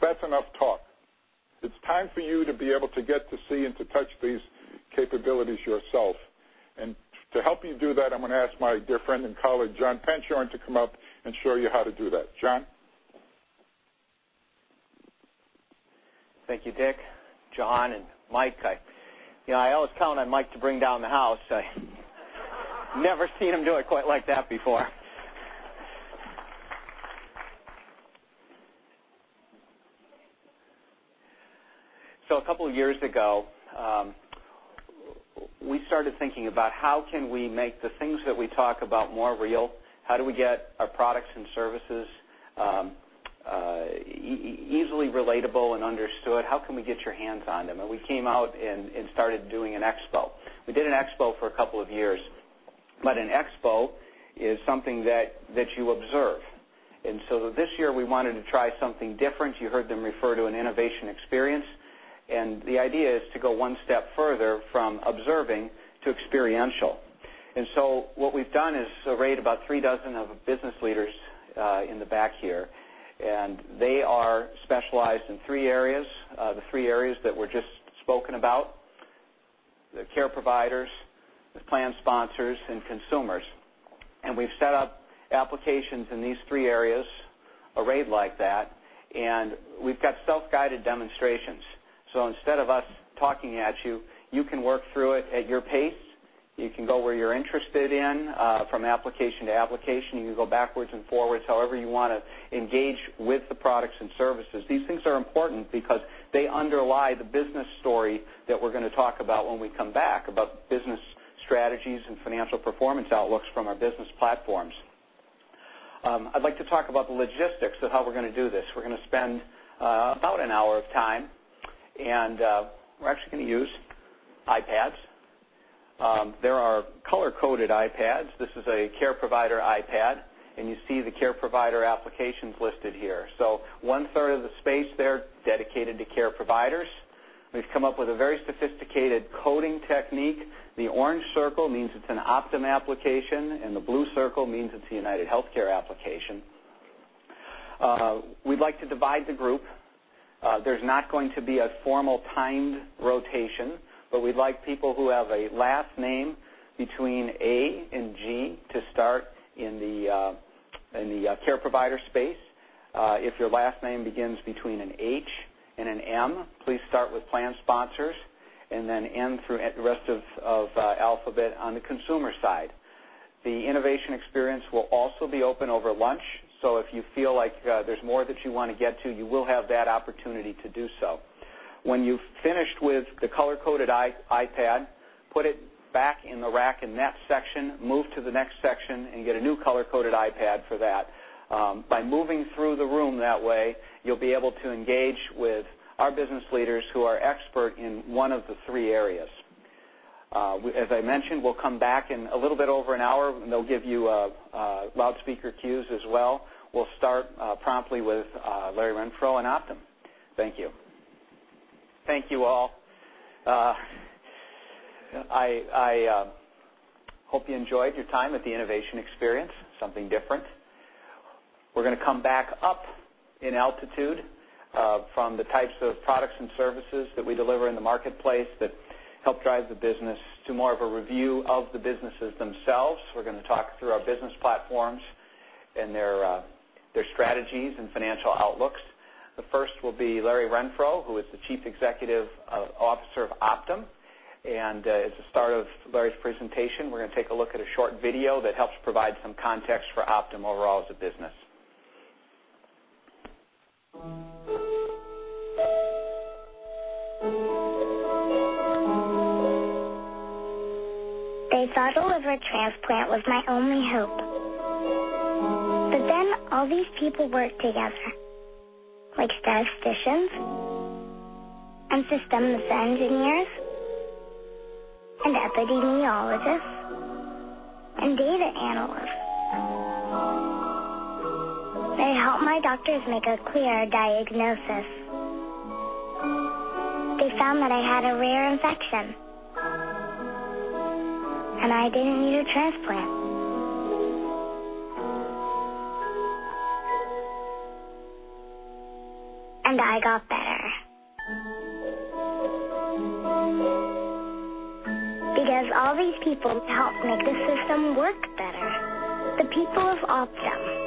That's enough talk. It's time for you to be able to get to see and to touch these capabilities yourself. To help you do that, I'm going to ask my dear friend and colleague, John Penshorn, to come up and show you how to do that. John? Thank you, Dick, John, and Mike. I always count on Mike to bring down the house. I've never seen him do it quite like that before. A couple of years ago, we started thinking about how can we make the things that we talk about more real, how do we get our products and services easily relatable and understood? How can we get your hands on them? We came out and started doing an expo. We did an expo for a couple of years, but an expo is something that you observe. This year, we wanted to try something different. You heard them refer to an innovation experience, and the idea is to go one step further from observing to experiential. What we've done is arrayed about three dozen of business leaders in the back here, and they are specialized in three areas, the three areas that were just spoken about, the care providers, the plan sponsors, and consumers. We've set up applications in these three areas, arrayed like that, and we've got self-guided demonstrations. Instead of us talking at you can work through it at your pace. You can go where you're interested in, from application to application. You can go backwards and forwards, however you want to engage with the products and services. These things are important because they underlie the business story that we're going to talk about when we come back about business strategies and financial performance outlooks from our business platforms. I'd like to talk about the logistics of how we're going to do this. We're going to spend about an hour of time. We're actually going to use iPads. There are color-coded iPads. This is a care provider iPad, and you see the care provider applications listed here. One-third of the space there dedicated to care providers. We've come up with a very sophisticated coding technique. The orange circle means it's an Optum application, and the blue circle means it's a UnitedHealthcare application. We'd like to divide the group. There's not going to be a formal timed rotation, we'd like people who have a last name between A and G to start in the care provider space. If your last name begins between an H and an M, please start with plan sponsors, and then N through the rest of the alphabet on the consumer side. The innovation experience will also be open over lunch. If you feel like there's more that you want to get to, you will have that opportunity to do so. When you've finished with the color-coded iPad, put it back in the rack in that section, move to the next section, and get a new color-coded iPad for that. By moving through the room that way, you'll be able to engage with our business leaders who are expert in one of the three areas. As I mentioned, we'll come back in a little bit over an hour. They'll give you loudspeaker cues as well. We'll start promptly with Larry Renfro and Optum. Thank you. Thank you, all. I hope you enjoyed your time at the Innovation Experience. Something different. We're going to come back up in altitude from the types of products and services that we deliver in the marketplace that help drive the business to more of a review of the businesses themselves. We're going to talk through our business platforms and their strategies and financial outlooks. The first will be Larry Renfro, who is the Chief Executive Officer of Optum. As a start of Larry's presentation, we're going to take a look at a short video that helps provide some context for Optum overall as a business. They thought a liver transplant was my only hope. All these people worked together, like statisticians, and systems engineers, and epidemiologists, and data analysts. They helped my doctors make a clear diagnosis. They found that I had a rare infection, and I didn't need a transplant. I got better. All these people help make the system work better. The people of Optum,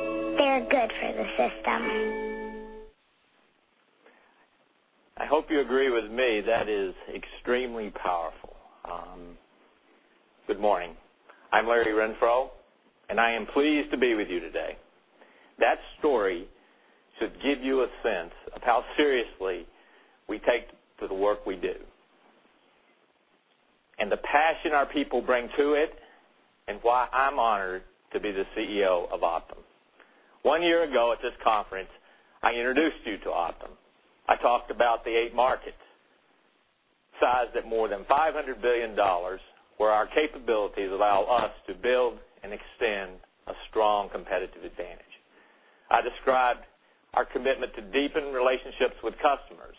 they're good for the system. I hope you agree with me. That is extremely powerful. Good morning. I'm Larry Renfro, and I am pleased to be with you today. That story should give you a sense of how seriously we take the work we do, and the passion our people bring to it, and why I'm honored to be the CEO of Optum. One year ago at this conference, I introduced you to Optum. I talked about the eight markets, sized at more than $500 billion, where our capabilities allow us to build and extend a strong competitive advantage. I described our commitment to deepen relationships with customers,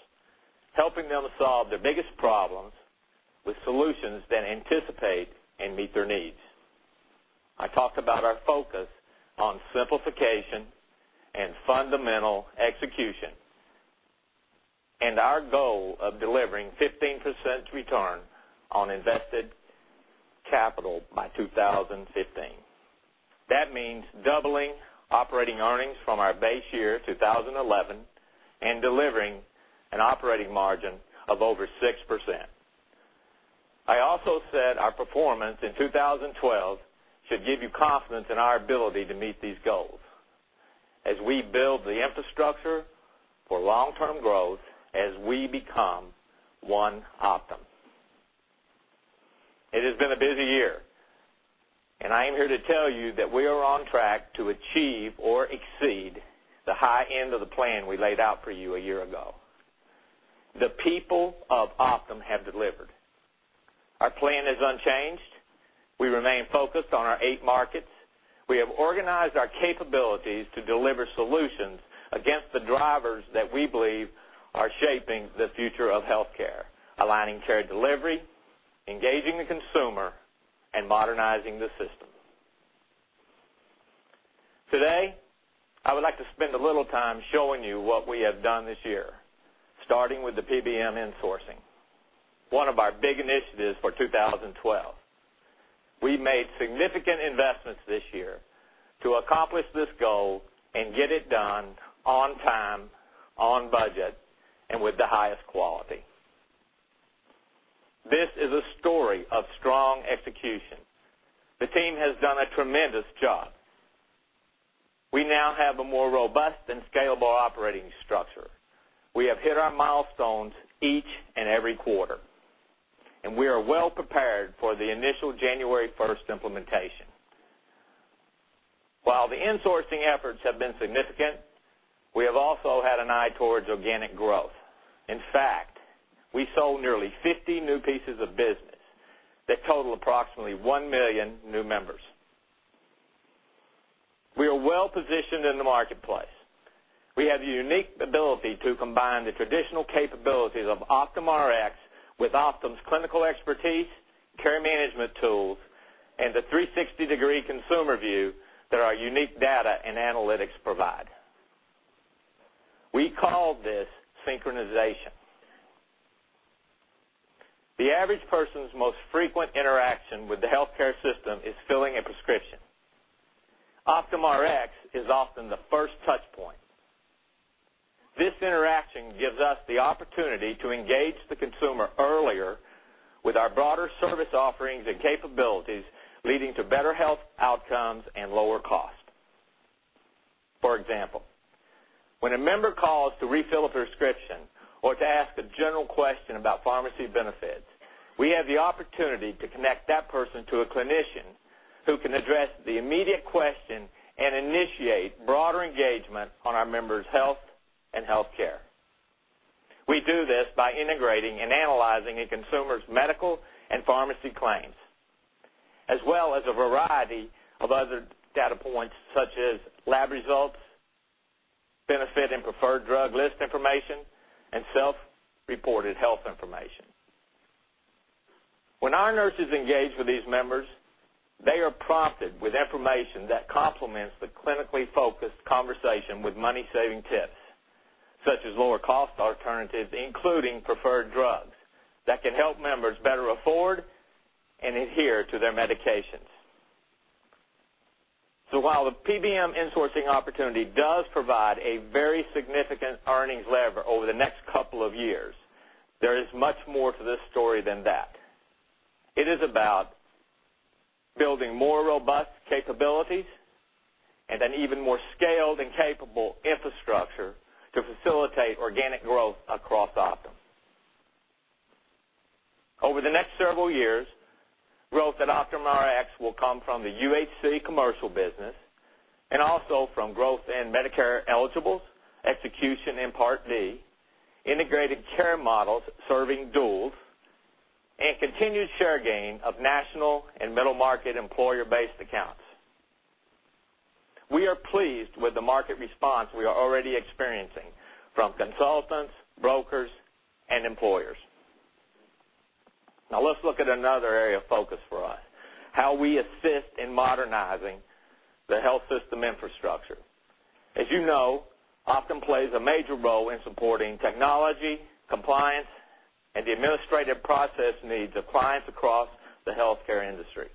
helping them solve their biggest problems with solutions that anticipate and meet their needs. I talked about our focus on simplification and fundamental execution, and our goal of delivering 15% return on invested capital by 2015. That means doubling operating earnings from our base year 2011 and delivering an operating margin of over 6%. I also said our performance in 2012 should give you confidence in our ability to meet these goals as we build the infrastructure for long-term growth, as we become One Optum. It has been a busy year, and I am here to tell you that we are on track to achieve or exceed the high end of the plan we laid out for you a year ago. The people of Optum have delivered. Our plan is unchanged. We remain focused on our eight markets. We have organized our capabilities to deliver solutions against the drivers that we believe are shaping the future of healthcare, aligning care delivery, engaging the consumer, and modernizing the system. Today, I would like to spend a little time showing you what we have done this year, starting with the PBM insourcing, one of our big initiatives for 2012. We made significant investments this year to accomplish this goal and get it done on time, on budget, and with the highest quality. This is a story of strong execution. The team has done a tremendous job. We now have a more robust and scalable operating structure. We have hit our milestones each and every quarter, and we are well prepared for the initial January 1st implementation. While the insourcing efforts have been significant, we have also had an eye towards organic growth. In fact, we sold nearly 50 new pieces of business that total approximately 1 million new members. We are well-positioned in the marketplace. We have the unique ability to combine the traditional capabilities of Optum Rx with Optum's clinical expertise, care management tools, and the 360-degree consumer view that our unique data and analytics provide. We call this synchronization. The average person's most frequent interaction with the healthcare system is filling a prescription. Optum Rx is often the first touchpoint. This interaction gives us the opportunity to engage the consumer earlier with our broader service offerings and capabilities, leading to better health outcomes and lower cost. For example, when a member calls to refill a prescription or to ask a general question about pharmacy benefits, we have the opportunity to connect that person to a clinician who can address the immediate question and initiate broader engagement on our members' health and healthcare. We do this by integrating and analyzing a consumer's medical and pharmacy claims, as well as a variety of other data points, such as lab results, benefit and preferred drug list information, and self-reported health information. When our nurses engage with these members, they are prompted with information that complements the clinically focused conversation with money-saving tips, such as lower-cost alternatives, including preferred drugs, that can help members better afford and adhere to their medications. While the PBM insourcing opportunity does provide a very significant earnings lever over the next couple of years, there is much more to this story than that. It is about building more robust capabilities and an even more scaled and capable infrastructure to facilitate organic growth across Optum. Over the next several years, growth at Optum Rx will come from the UHC commercial business and also from growth in Medicare eligibles, execution in Part D, integrated care models serving duals, and continued share gain of national and middle-market employer-based accounts. We are pleased with the market response we are already experiencing from consultants, brokers, and employers. Now let's look at another area of focus for us. How we assist in modernizing the health system infrastructure. As you know, Optum plays a major role in supporting technology, compliance, and the administrative process needs of clients across the healthcare industry.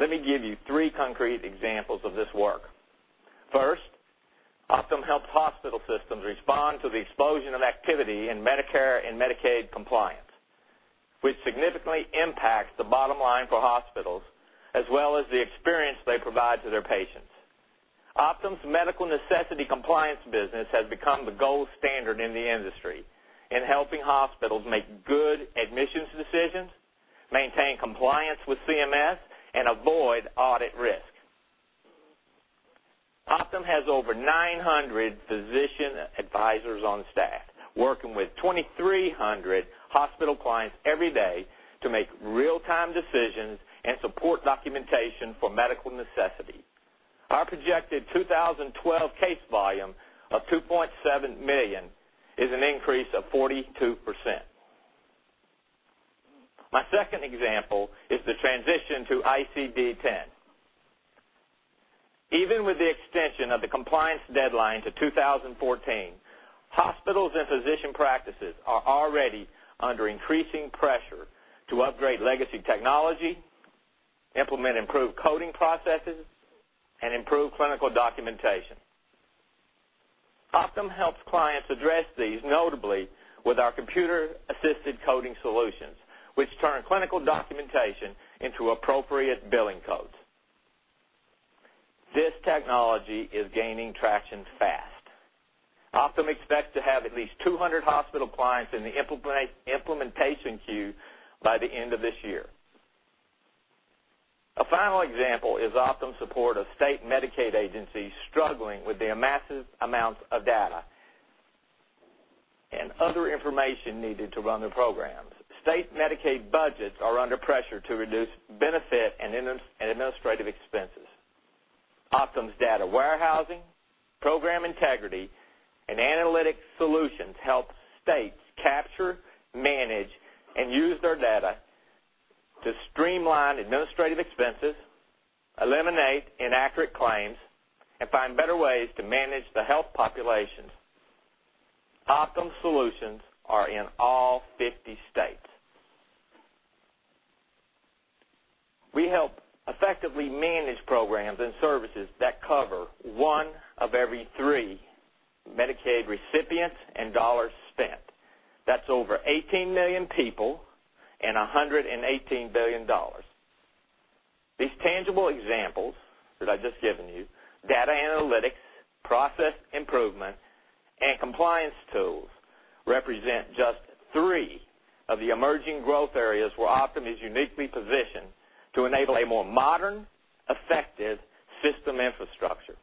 Let me give you three concrete examples of this work. First, Optum helps hospital systems respond to the explosion of activity in Medicare and Medicaid compliance, which significantly impacts the bottom line for hospitals as well as the experience they provide to their patients. Optum's medical necessity compliance business has become the gold standard in the industry in helping hospitals make good admissions decisions, maintain compliance with CMS, and avoid audit risk. Optum has over 900 physician advisors on staff, working with 2,300 hospital clients every day to make real-time decisions and support documentation for medical necessity. Our projected 2012 case volume of 2.7 million is an increase of 42%. My second example is the transition to ICD-10. Even with the extension of the compliance deadline to 2014, hospitals and physician practices are already under increasing pressure to upgrade legacy technology, implement improved coding processes, and improve clinical documentation. Optum helps clients address these notably with our computer-assisted coding solutions, which turn clinical documentation into appropriate billing codes. This technology is gaining traction fast. Optum expects to have at least 200 hospital clients in the implementation queue by the end of this year. A final example is Optum's support of state Medicaid agencies struggling with their massive amounts of data and other information needed to run their programs. State Medicaid budgets are under pressure to reduce benefit and administrative expenses. Optum's data warehousing, program integrity, and analytics solutions help states capture, manage, and use their data to streamline administrative expenses, eliminate inaccurate claims, and find better ways to manage the health populations. Optum solutions are in all 50 states. We help effectively manage programs and services that cover one of every three Medicaid recipients and dollars spent. That's over 18 million people and $118 billion. These tangible examples that I've just given you, data analytics, process improvement, and compliance tools represent just three of the emerging growth areas where Optum is uniquely positioned to enable a more modern, effective system infrastructure.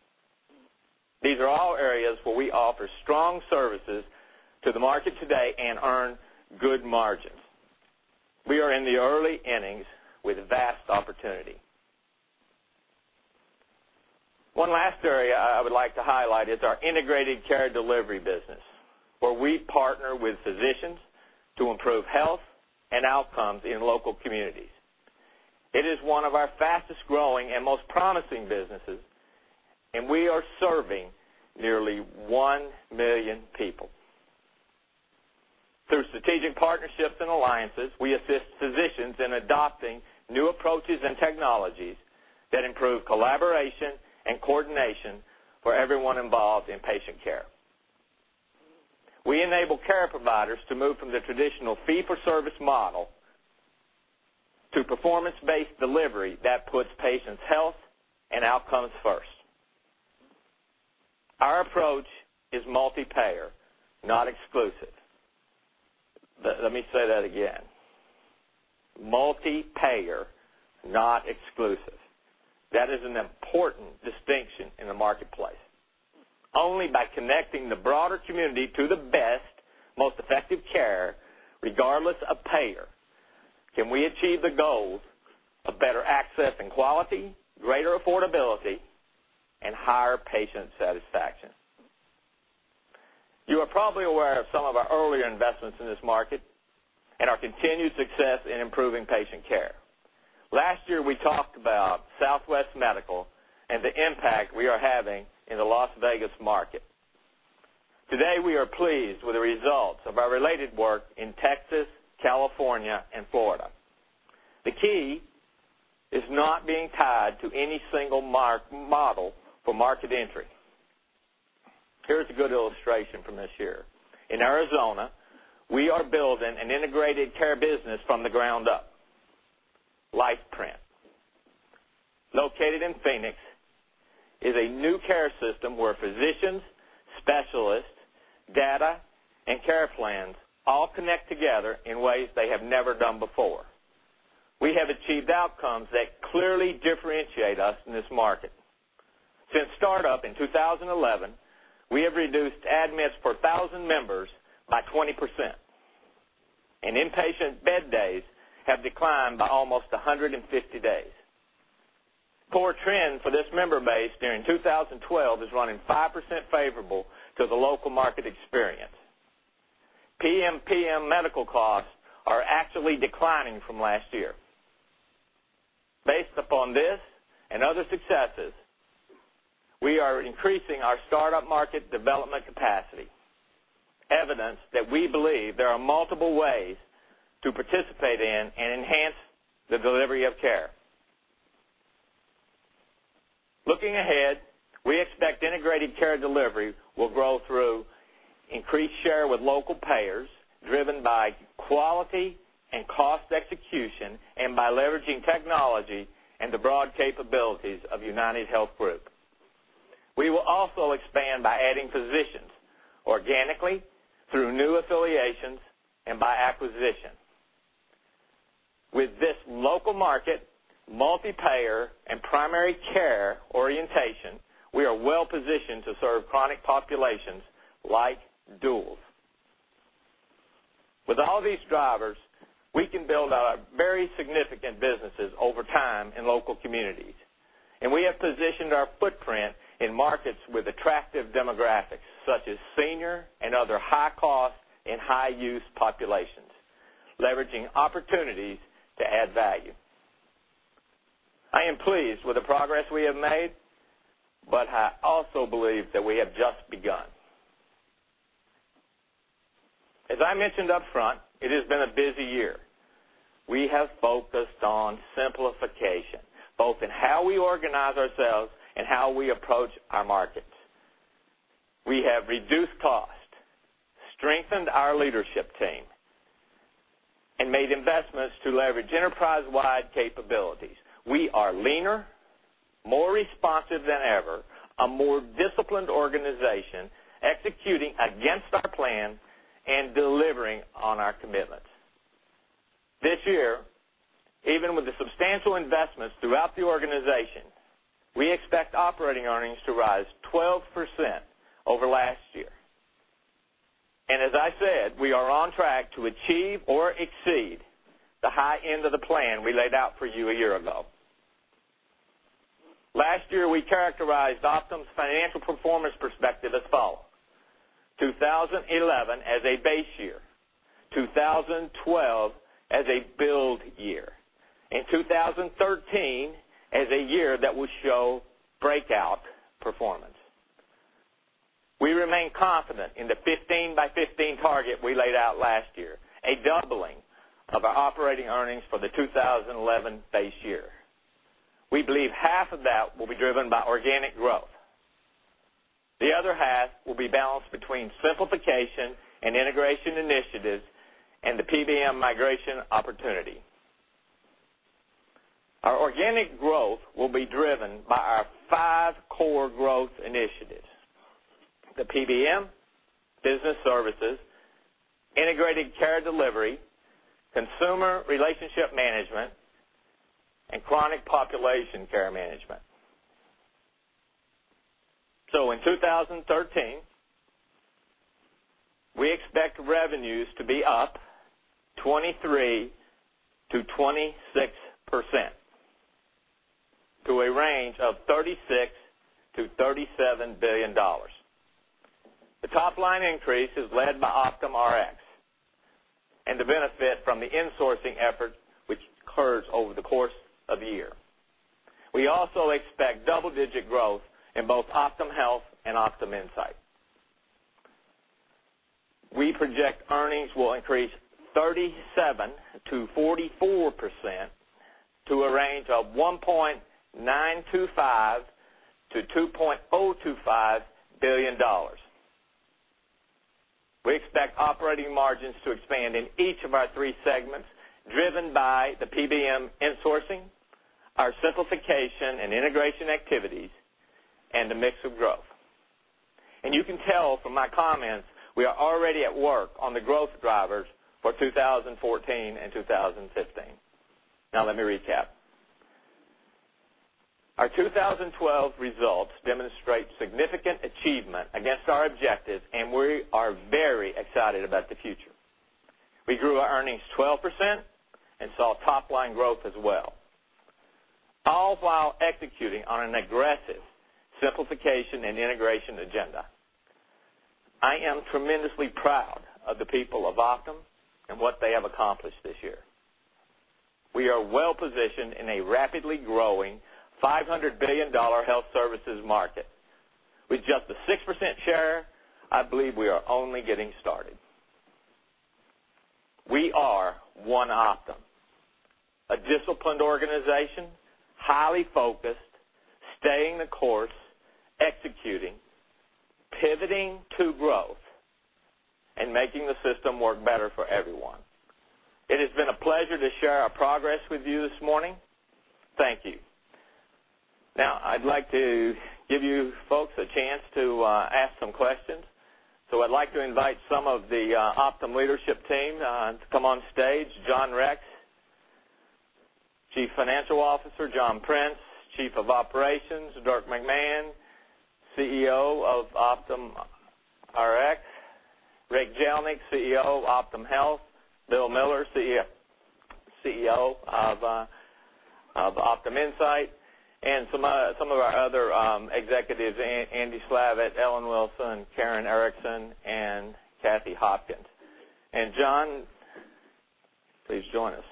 These are all areas where we offer strong services to the market today and earn good margins. We are in the early innings with vast opportunity. One last area I would like to highlight is our integrated care delivery business, where we partner with physicians to improve health and outcomes in local communities. It is one of our fastest-growing and most promising businesses, and we are serving nearly 1 million people. Through strategic partnerships and alliances, we assist physicians in adopting new approaches and technologies that improve collaboration and coordination for everyone involved in patient care. We enable care providers to move from the traditional fee-for-service model to performance-based delivery that puts patients' health and outcomes first. Our approach is multi-payer, not exclusive. Let me say that again. Multi-payer, not exclusive. That is an important distinction in the marketplace. Only by connecting the broader community to the best, most effective care, regardless of payer, can we achieve the goals of better access and quality, greater affordability, and higher patient satisfaction. You are probably aware of some of our earlier investments in this market and our continued success in improving patient care. Last year, we talked about Southwest Medical and the impact we are having in the Las Vegas market. Today, we are pleased with the results of our related work in Texas, California, and Florida. The key is not being tied to any single model for market entry. Here's a good illustration from this year. In Arizona, we are building an integrated care business from the ground up. LifePrint, located in Phoenix, is a new care system where physicians, specialists, data, and care plans all connect together in ways they have never done before. We have achieved outcomes that clearly differentiate us in this market. Since startup in 2011, we have reduced admits per thousand members by 20%, and inpatient bed days have declined by almost 150 days. Core trend for this member base during 2012 is running 5% favorable to the local market experience. PMPM medical costs are actually declining from last year. Based upon this and other successes, we are increasing our startup market development capacity, evidence that we believe there are multiple ways to participate in and enhance the delivery of care. Looking ahead, we expect integrated care delivery will grow through increased share with local payers, driven by quality and cost execution, and by leveraging technology and the broad capabilities of UnitedHealth Group. We will also expand by adding physicians organically through new affiliations and by acquisition. With this local market, multi-payer, and primary care orientation, we are well-positioned to serve chronic populations like duals. With all these drivers, we can build out very significant businesses over time in local communities. We have positioned our footprint in markets with attractive demographics, such as senior and other high-cost and high-use populations, leveraging opportunities to add value. I am pleased with the progress we have made. I also believe that we have just begun. As I mentioned upfront, it has been a busy year. We have focused on simplification, both in how we organize ourselves and how we approach our markets. We have reduced cost, strengthened our leadership team. Made investments to leverage enterprise-wide capabilities. We are leaner, more responsive than ever, a more disciplined organization, executing against our plan. Delivering on our commitments. This year, even with the substantial investments throughout the organization, we expect operating earnings to rise 12% over last year. As I said, we are on track to achieve or exceed the high end of the plan we laid out for you a year ago. Last year, we characterized Optum's financial performance perspective as follows: 2011 as a base year, 2012 as a build year, and 2013 as a year that will show breakout performance. We remain confident in the 15 by 15 target we laid out last year, a doubling of our operating earnings for the 2011 base year. We believe half of that will be driven by organic growth. Other half will be balanced between simplification and integration initiatives and the PBM migration opportunity. Our organic growth will be driven by our five core growth initiatives, the PBM, business services, integrated care delivery, consumer relationship management, and chronic population care management. In 2013, we expect revenues to be up 23%-26% to a range of $36 billion-$37 billion. The top-line increase is led by Optum Rx and the benefit from the insourcing effort which occurs over the course of the year. We also expect double-digit growth in both Optum Health and Optum Insight. We project earnings will increase 37%-44% to a range of $1.925 billion-$2.025 billion. We expect operating margins to expand in each of our three segments, driven by the PBM insourcing, our simplification and integration activities, and the mix of growth. You can tell from my comments, we are already at work on the growth drivers for 2014 and 2015. Let me recap. Our 2012 results demonstrate significant achievement against our objectives. We are very excited about the future. We grew our earnings 12% and saw top-line growth as well, all while executing on an aggressive simplification and integration agenda. I am tremendously proud of the people of Optum and what they have accomplished this year. We are well-positioned in a rapidly growing, $500 billion health services market. With just a 6% share, I believe we are only getting started. We are One Optum, a disciplined organization, highly focused, staying the course, executing, pivoting to growth, and making the system work better for everyone. It has been a pleasure to share our progress with you this morning. Thank you. I'd like to give you folks a chance to ask some questions. I'd like to invite some of the Optum leadership team to come on stage. John Rex, Chief Financial Officer, John Prince, Chief of Operations, Dirk McMahon, CEO of Optum Rx. Rick Jelinek, CEO of Optum Health. Bill Miller, CEO of Optum Insight, and some of our other executives, Andy Slavitt, Ellen Wilson, Karen Erickson, and Cathy Hopkins. John, please join us.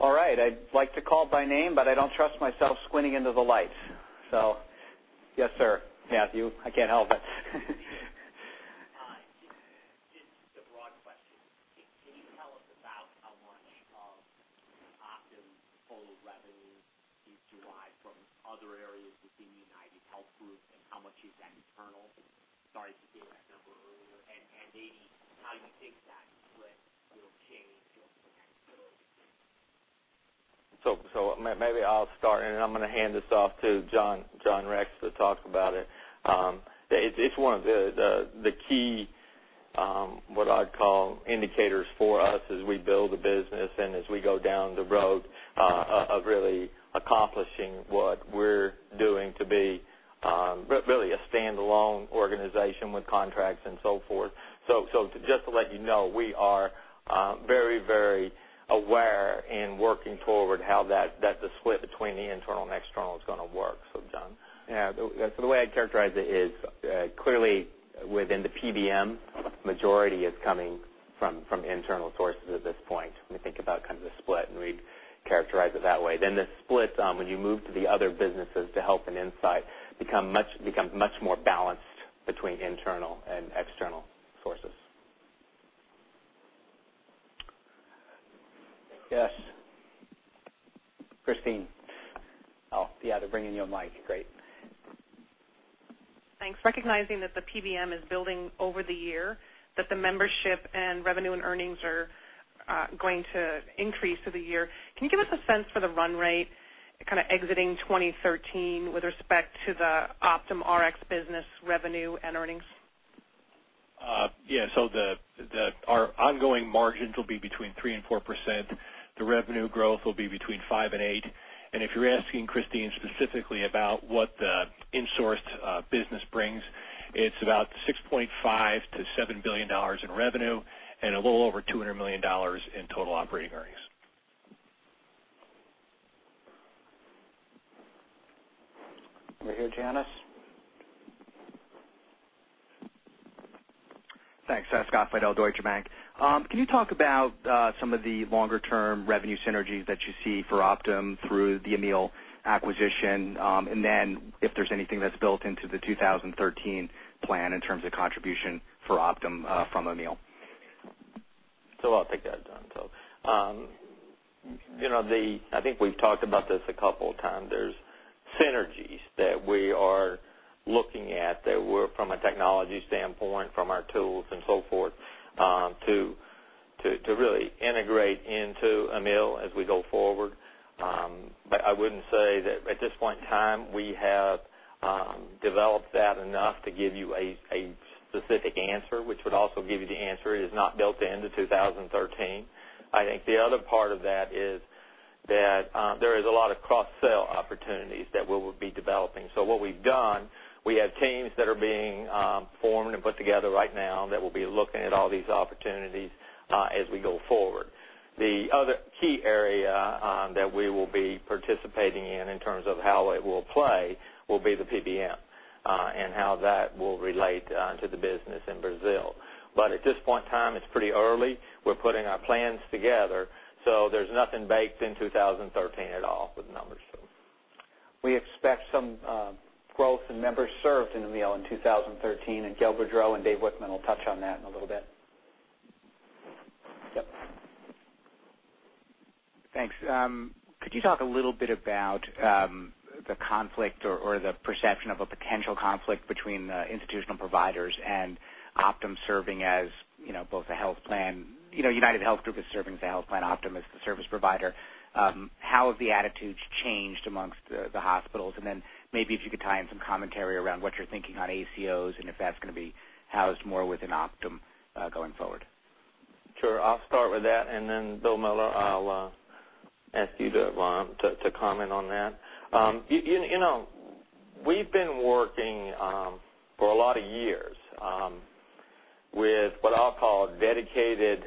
All right. I'd like to call by name, but I don't trust myself squinting into the lights. Yes, sir. Matthew, I can't help it. Hi. Just a broad question. Can you tell us about how much of Optum's total revenue is derived from other areas within UnitedHealth Group, and how much is that internal? Sorry to give that number earlier, and maybe how you think that split will change over the next several years. Maybe I'll start, and then I'm going to hand this off to John Rex to talk about it. It's one of the key, what I'd call indicators for us as we build the business and as we go down the road of really accomplishing what we're doing to be really a standalone organization with contracts and so forth. Just to let you know, we are very aware and working forward how the split between the internal and external is going to work. John? Yeah. The way I'd characterize it is, clearly within the PBM, majority is coming from internal sources at this point, when we think about the split, and we'd characterize it that way. The splits, when you move to the other businesses to help an insight become much more balanced between internal and external sources. Yes. Christine. Oh, yeah, they're bringing you a mic. Great. Thanks. Recognizing that the PBM is building over the year, that the membership and revenue and earnings are going to increase through the year, can you give us a sense for the run rate exiting 2013 with respect to the Optum Rx business revenue and earnings? Yeah. Our ongoing margins will be between 3%-4%. The revenue growth will be between 5%-8%. If you're asking, Christine, specifically about what the insourced business brings, it's about $6.5 billion-$7 billion in revenue and a little over $200 million in total operating earnings. We're here, Janice. Thanks. Scott Fidel, Deutsche Bank. Can you talk about some of the longer-term revenue synergies that you see for Optum through the Amil acquisition? If there's anything that's built into the 2013 plan in terms of contribution for Optum from Amil. I'll take that, Don. I think we've talked about this a couple of times. There's synergies that we are looking at that were from a technology standpoint, from our tools and so forth, to really integrate into Amil as we go forward. I wouldn't say that at this point in time, we have developed that enough to give you a specific answer, which would also give you the answer, it is not built into 2013. I think the other part of that is that there is a lot of cross-sell opportunities that we will be developing. What we've done, we have teams that are being formed and put together right now that will be looking at all these opportunities as we go forward. The other key area that we will be participating in terms of how it will play, will be the PBM, and how that will relate to the business in Brazil. At this point in time, it's pretty early. We're putting our plans together, there's nothing baked in 2013 at all with numbers. We expect some growth in members served in Amil in 2013, and Gail Boudreaux and Dave Wichmann will touch on that in a little bit. Yep. Thanks. Could you talk a little bit about the conflict or the perception of a potential conflict between the institutional providers and Optum serving as both a health plan? UnitedHealth Group is serving as a health plan, Optum is the service provider. How have the attitudes changed amongst the hospitals? Then maybe if you could tie in some commentary around what you're thinking on ACOs and if that's going to be housed more within Optum, going forward. Sure. I'll start with that, and then Bill Miller, I'll ask you to comment on that. We've been working for a lot of years with what I'll call dedicated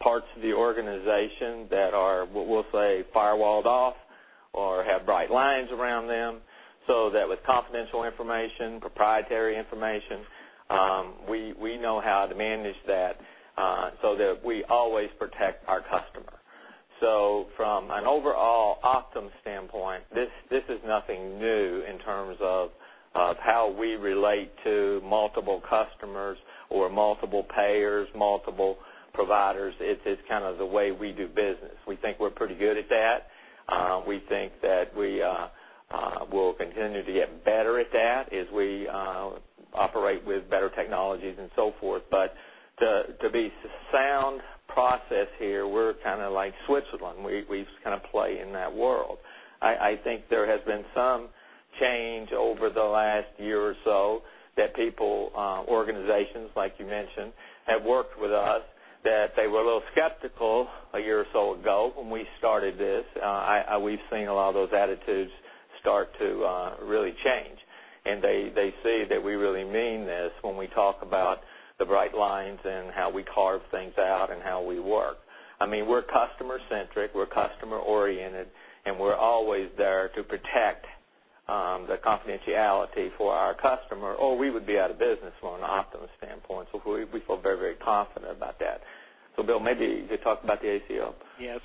parts of the organization that are, we'll say, firewalled off or have bright lines around them, so that with confidential information, proprietary information, we know how to manage that, so that we always protect our customer. From an overall Optum standpoint, this is nothing new in terms of how we relate to multiple customers or multiple payers, multiple providers. It's kind of the way we do business. We think we're pretty good at that. We think that we will continue to get better at that as we operate with better technologies and so forth. To be sound process here, we're kind of like Switzerland. We kind of play in that world. I think there has been some change over the last year or so that people, organizations like you mentioned, have worked with us, that they were a little skeptical a year or so ago when we started this. We've seen a lot of those attitudes start to really change, and they see that we really mean this when we talk about the bright lines and how we carve things out and how we work. We're customer-centric, we're customer-oriented, and we're always there to protect the confidentiality for our customer, or we would be out of business from an Optum standpoint. We feel very confident about that. Bill, maybe you talk about the ACO. Yeah.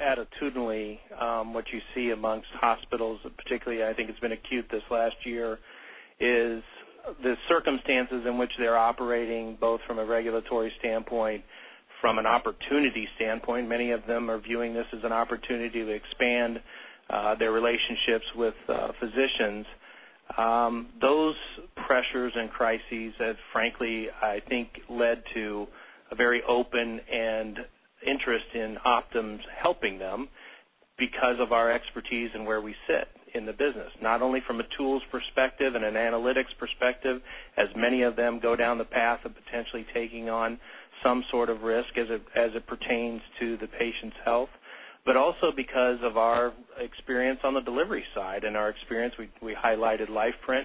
Attitudinally, what you see amongst hospitals particularly, I think it's been acute this last year, is the circumstances in which they're operating, both from a regulatory standpoint, from an opportunity standpoint. Many of them are viewing this as an opportunity to expand their relationships with physicians. Those pressures and crises have, frankly, I think led to a very open and interest in Optum's helping them because of our expertise and where we sit in the business. Not only from a tools perspective and an analytics perspective, as many of them go down the path of potentially taking on some sort of risk as it pertains to the patient's health. Also because of our experience on the delivery side and our experience, we highlighted LifePrint.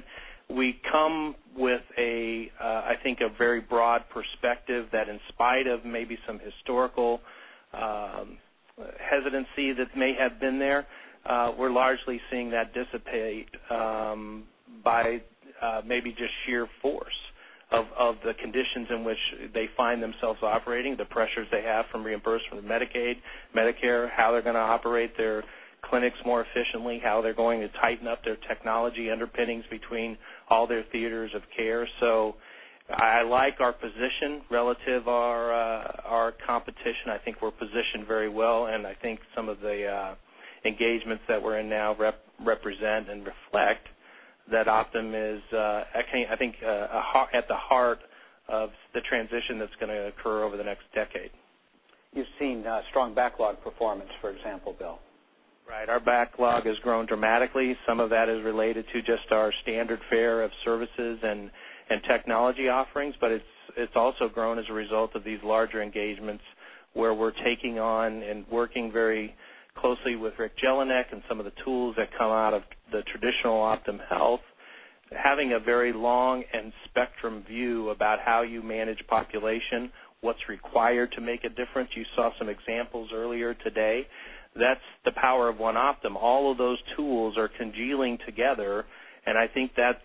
We come with, I think, a very broad perspective that in spite of maybe some historical hesitancy that may have been there, we're largely seeing that dissipate by maybe just sheer force of the conditions in which they find themselves operating, the pressures they have from reimbursement from Medicaid, Medicare, how they're going to operate their clinics more efficiently, how they're going to tighten up their technology underpinnings between all their theaters of care. I like our position relative our competition. I think we're positioned very well, and I think some of the engagements that we're in now represent and reflect that Optum is, I think, at the heart of the transition that's going to occur over the next decade. You've seen strong backlog performance, for example, Bill. Right. Our backlog has grown dramatically. Some of that is related to just our standard fare of services and technology offerings. It's also grown as a result of these larger engagements where we're taking on and working very closely with Rick Jelinek and some of the tools that come out of the traditional Optum Health. Having a very long and spectrum view about how you manage population, what's required to make a difference. You saw some examples earlier today. That's the power of One Optum. All of those tools are congealing together, and I think that's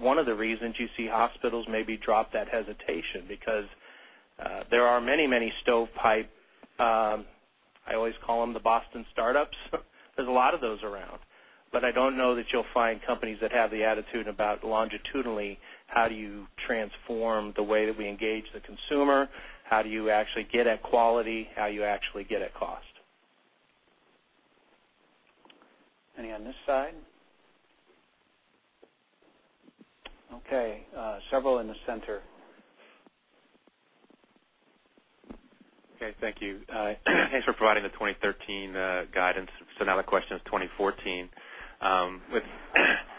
one of the reasons you see hospitals maybe drop that hesitation because there are many stovepipe, I always call them the Boston startups. There's a lot of those around. I don't know that you'll find companies that have the attitude about longitudinally, how do you transform the way that we engage the consumer? How do you actually get at quality? How you actually get at cost? Any on this side? Okay, several in the center. Okay, thank you. Thanks for providing the 2013 guidance. Now the question is 2014.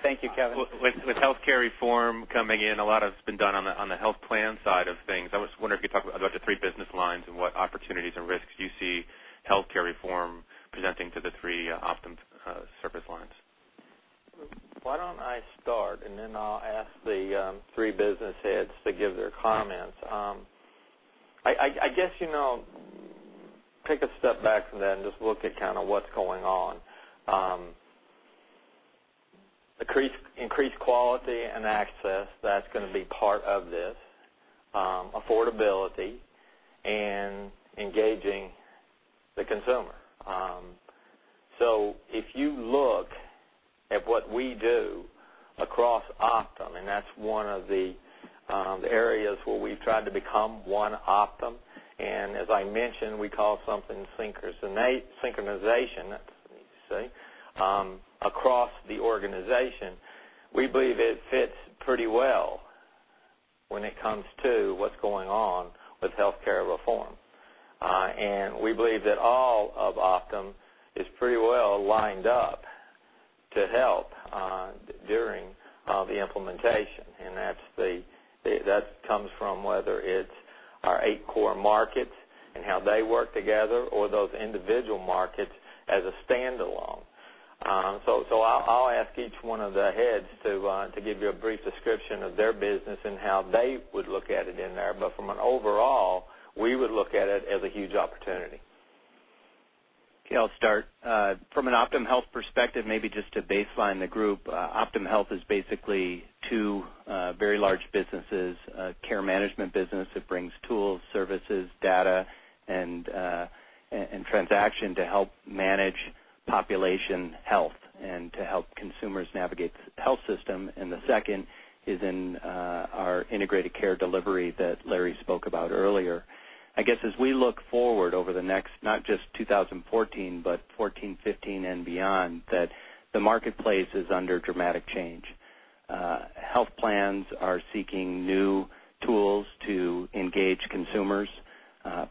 Thank you, Kevin With Healthcare reform coming in, a lot has been done on the health plan side of things. I was wondering if you could talk about the three business lines and what opportunities and risks you see Healthcare reform presenting to the three Optum service lines. Why don't I start, and then I'll ask the three business heads to give their comments. I guess, take a step back from that and just look at kind of what's going on. Increased quality and access, that's going to be part of this. Affordability and engaging the consumer. If you look at what we do across Optum, and that's one of the areas where we've tried to become One Optum, and as I mentioned, we call something synchronization, that's across the organization. We believe it fits pretty well when it comes to what's going on with Healthcare reform. We believe that all of Optum is pretty well lined up to help during the implementation. That comes from whether it's our eight core markets and how they work together or those individual markets as a standalone. I'll ask each one of the heads to give you a brief description of their business and how they would look at it in there. From an overall, we would look at it as a huge opportunity. Okay, I'll start. From an Optum Health perspective, maybe just to baseline the group, Optum Health is basically two very large businesses, a care management business that brings tools, services, data, and transaction to help manage population health and to help consumers navigate the health system. The second is in our integrated care delivery that Larry spoke about earlier. I guess, as we look forward over the next, not just 2014, but 2014, 2015, and beyond, that the marketplace is under dramatic change Health plans are seeking new tools to engage consumers.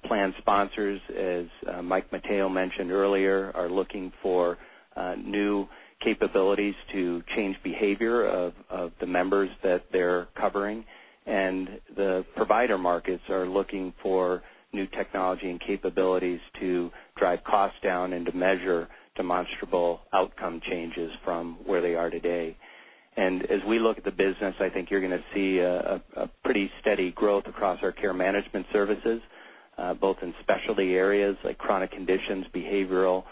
Plan sponsors, as Mike Mateo mentioned earlier, are looking for new capabilities to change behavior of the members that they're covering, and the provider markets are looking for new technology and capabilities to drive costs down and to measure demonstrable outcome changes from where they are today. As we look at the business, I think you're going to see a pretty steady growth across our care management services, both in specialty areas like chronic conditions, behavioral,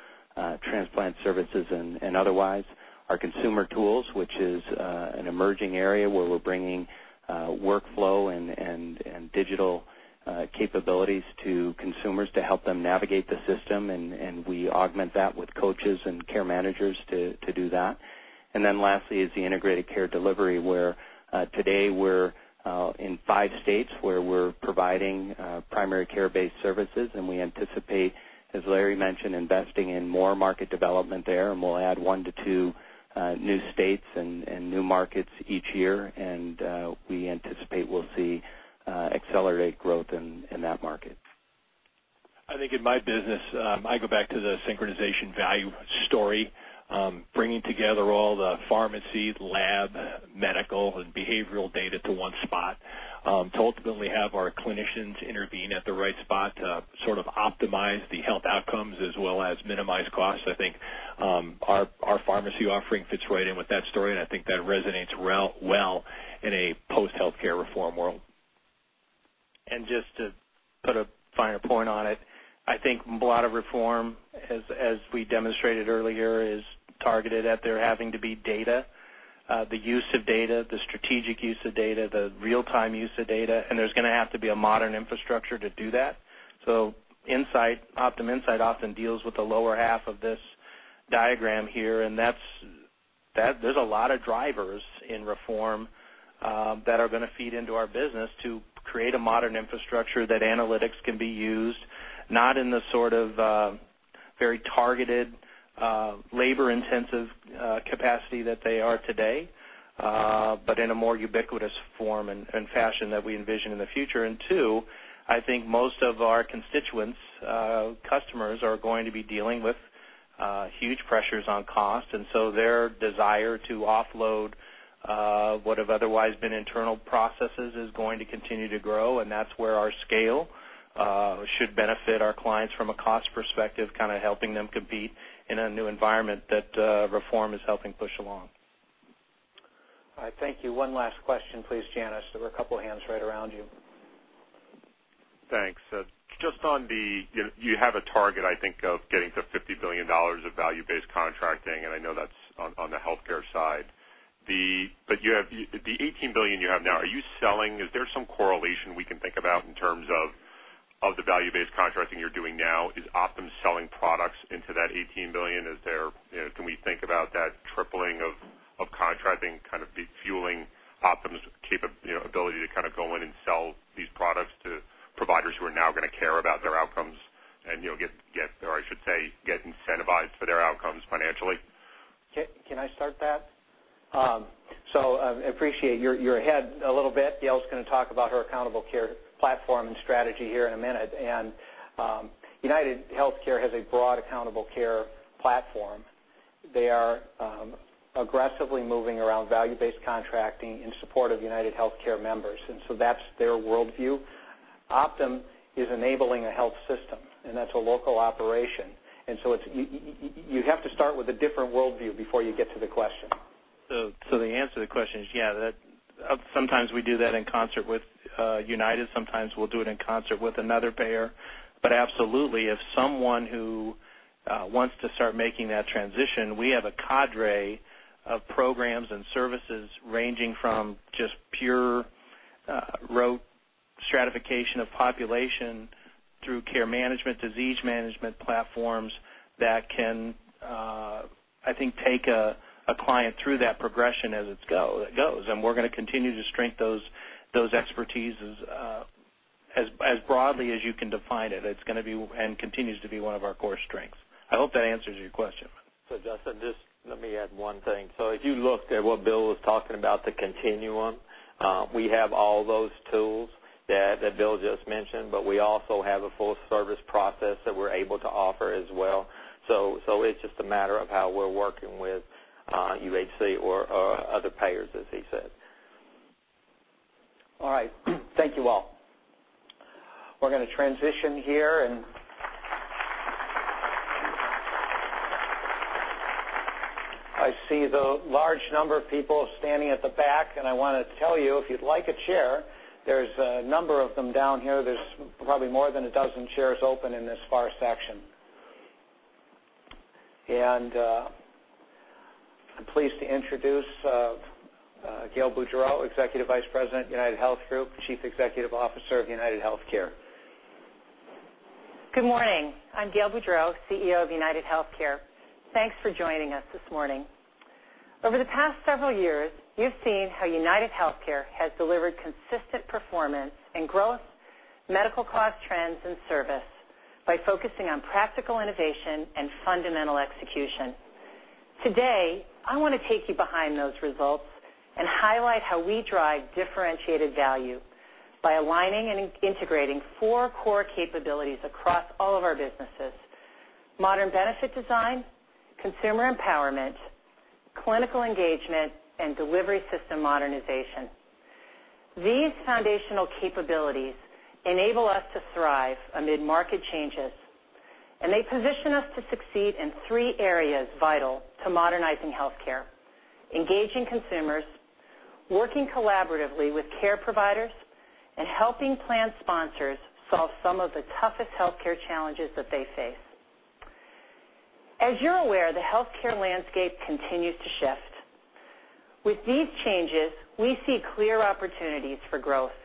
transplant services, and otherwise. Our consumer tools, which is an emerging area where we're bringing workflow and digital capabilities to consumers to help them navigate the system, and we augment that with coaches and care managers to do that. Lastly is the integrated care delivery, where today we're in five states where we're providing primary care-based services, and we anticipate, as Larry mentioned, investing in more market development there, and we'll add one to two new states and new markets each year. We anticipate we'll see accelerated growth in that market. I think in my business, I go back to the synchronization value story, bringing together all the pharmacy, lab, medical, and behavioral data to one spot to ultimately have our clinicians intervene at the right spot to sort of optimize the health outcomes as well as minimize costs. I think our pharmacy offering fits right in with that story, and I think that resonates well in a post-healthcare reform world. Just to put a finer point on it, I think a lot of reform, as we demonstrated earlier, is targeted at there having to be data, the use of data, the strategic use of data, the real-time use of data, and there's going to have to be a modern infrastructure to do that. Optum Insight often deals with the lower half of this diagram here, and there's a lot of drivers in reform that are going to feed into our business to create a modern infrastructure that analytics can be used, not in the sort of very targeted, labor-intensive capacity that they are today, but in a more ubiquitous form and fashion that we envision in the future. Two, I think most of our constituents, customers are going to be dealing with huge pressures on cost, and so their desire to offload what have otherwise been internal processes is going to continue to grow, and that's where our scale should benefit our clients from a cost perspective, kind of helping them compete in a new environment that reform is helping push along. All right. Thank you. One last question, please, Janice. There were a couple of hands right around you. Thanks. You have a target, I think, of getting to $50 billion of value-based contracting, and I know that's on the healthcare side. But the $18 billion you have now, are you selling? Is there some correlation we can think about in terms of the value-based contracting you're doing now? Is Optum selling products into that $18 billion? Can we think about that tripling of contracting kind of fueling Optum's ability to kind of go in and sell these products to providers who are now going to care about their outcomes and get incentivized for their outcomes financially? Can I start that? Appreciate you're ahead a little bit. Gail's going to talk about her accountable care platform and strategy here in a minute. UnitedHealthcare has a broad accountable care platform. They are aggressively moving around value-based contracting in support of UnitedHealthcare members. That's their worldview. Optum is enabling a health system, and that's a local operation. You have to start with a different worldview before you get to the question. The answer to the question is, yeah, sometimes we do that in concert with United. Sometimes we'll do it in concert with another payer. Absolutely, if someone who wants to start making that transition, we have a cadre of programs and services ranging from just pure rote stratification of population through care management, disease management platforms that can, I think, take a client through that progression as it goes. We're going to continue to strength those expertises as broadly as you can define it. It's going to be, and continues to be one of our core strengths. I hope that answers your question. Justin, just let me add one thing. If you looked at what Bill was talking about, the continuum, we have all those tools that Bill just mentioned, but we also have a full-service process that we're able to offer as well. It's just a matter of how we're working with UnitedHealthcare or other payers, as he said. All right. Thank you all. We're going to transition here. I see the large number of people standing at the back, and I want to tell you, if you'd like a chair, there's a number of them down here. There's probably more than a dozen chairs open in this far section. I'm pleased to introduce Gail Boudreaux, Executive Vice President of UnitedHealth Group, Chief Executive Officer of UnitedHealthcare. Good morning. I'm Gail Boudreaux, CEO of UnitedHealthcare. Thanks for joining us this morning. Over the past several years, you've seen how UnitedHealthcare has delivered consistent performance and growth Medical cost trends and service by focusing on practical innovation and fundamental execution. Today, I want to take you behind those results and highlight how we drive differentiated value by aligning and integrating four core capabilities across all of our businesses: modern benefit design, consumer empowerment, clinical engagement, and delivery system modernization. These foundational capabilities enable us to thrive amid market changes. They position us to succeed in three areas vital to modernizing healthcare: engaging consumers, working collaboratively with care providers, and helping plan sponsors solve some of the toughest healthcare challenges that they face. As you're aware, the healthcare landscape continues to shift. With these changes, we see clear opportunities for growth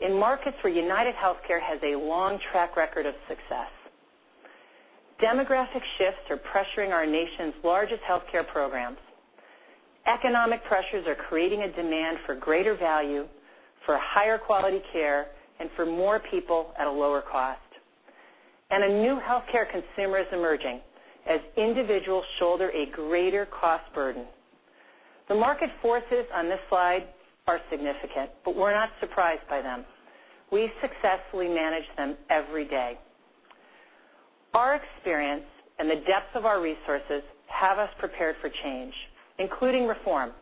in markets where UnitedHealthcare has a long track record of success. Demographic shifts are pressuring our nation's largest healthcare programs. Economic pressures are creating a demand for greater value, for higher quality care, and for more people at a lower cost. A new healthcare consumer is emerging as individuals shoulder a greater cost burden. The market forces on this slide are significant, but we're not surprised by them. We successfully manage them every day. Our experience and the depth of our resources have us prepared for change, including reform.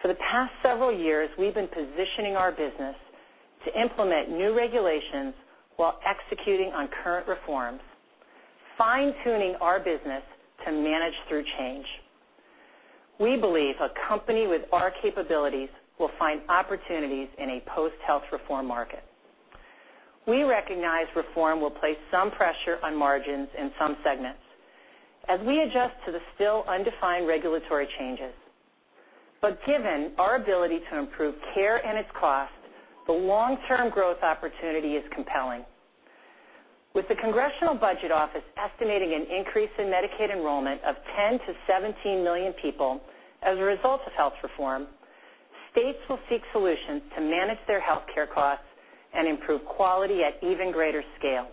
For the past several years, we've been positioning our business to implement new regulations while executing on current reforms, fine-tuning our business to manage through change. We believe a company with our capabilities will find opportunities in a post-health reform market. We recognize reform will place some pressure on margins in some segments as we adjust to the still undefined regulatory changes. Given our ability to improve care and its cost, the long-term growth opportunity is compelling. With the Congressional Budget Office estimating an increase in Medicaid enrollment of 10 to 17 million people as a result of health reform, states will seek solutions to manage their healthcare costs and improve quality at even greater scale.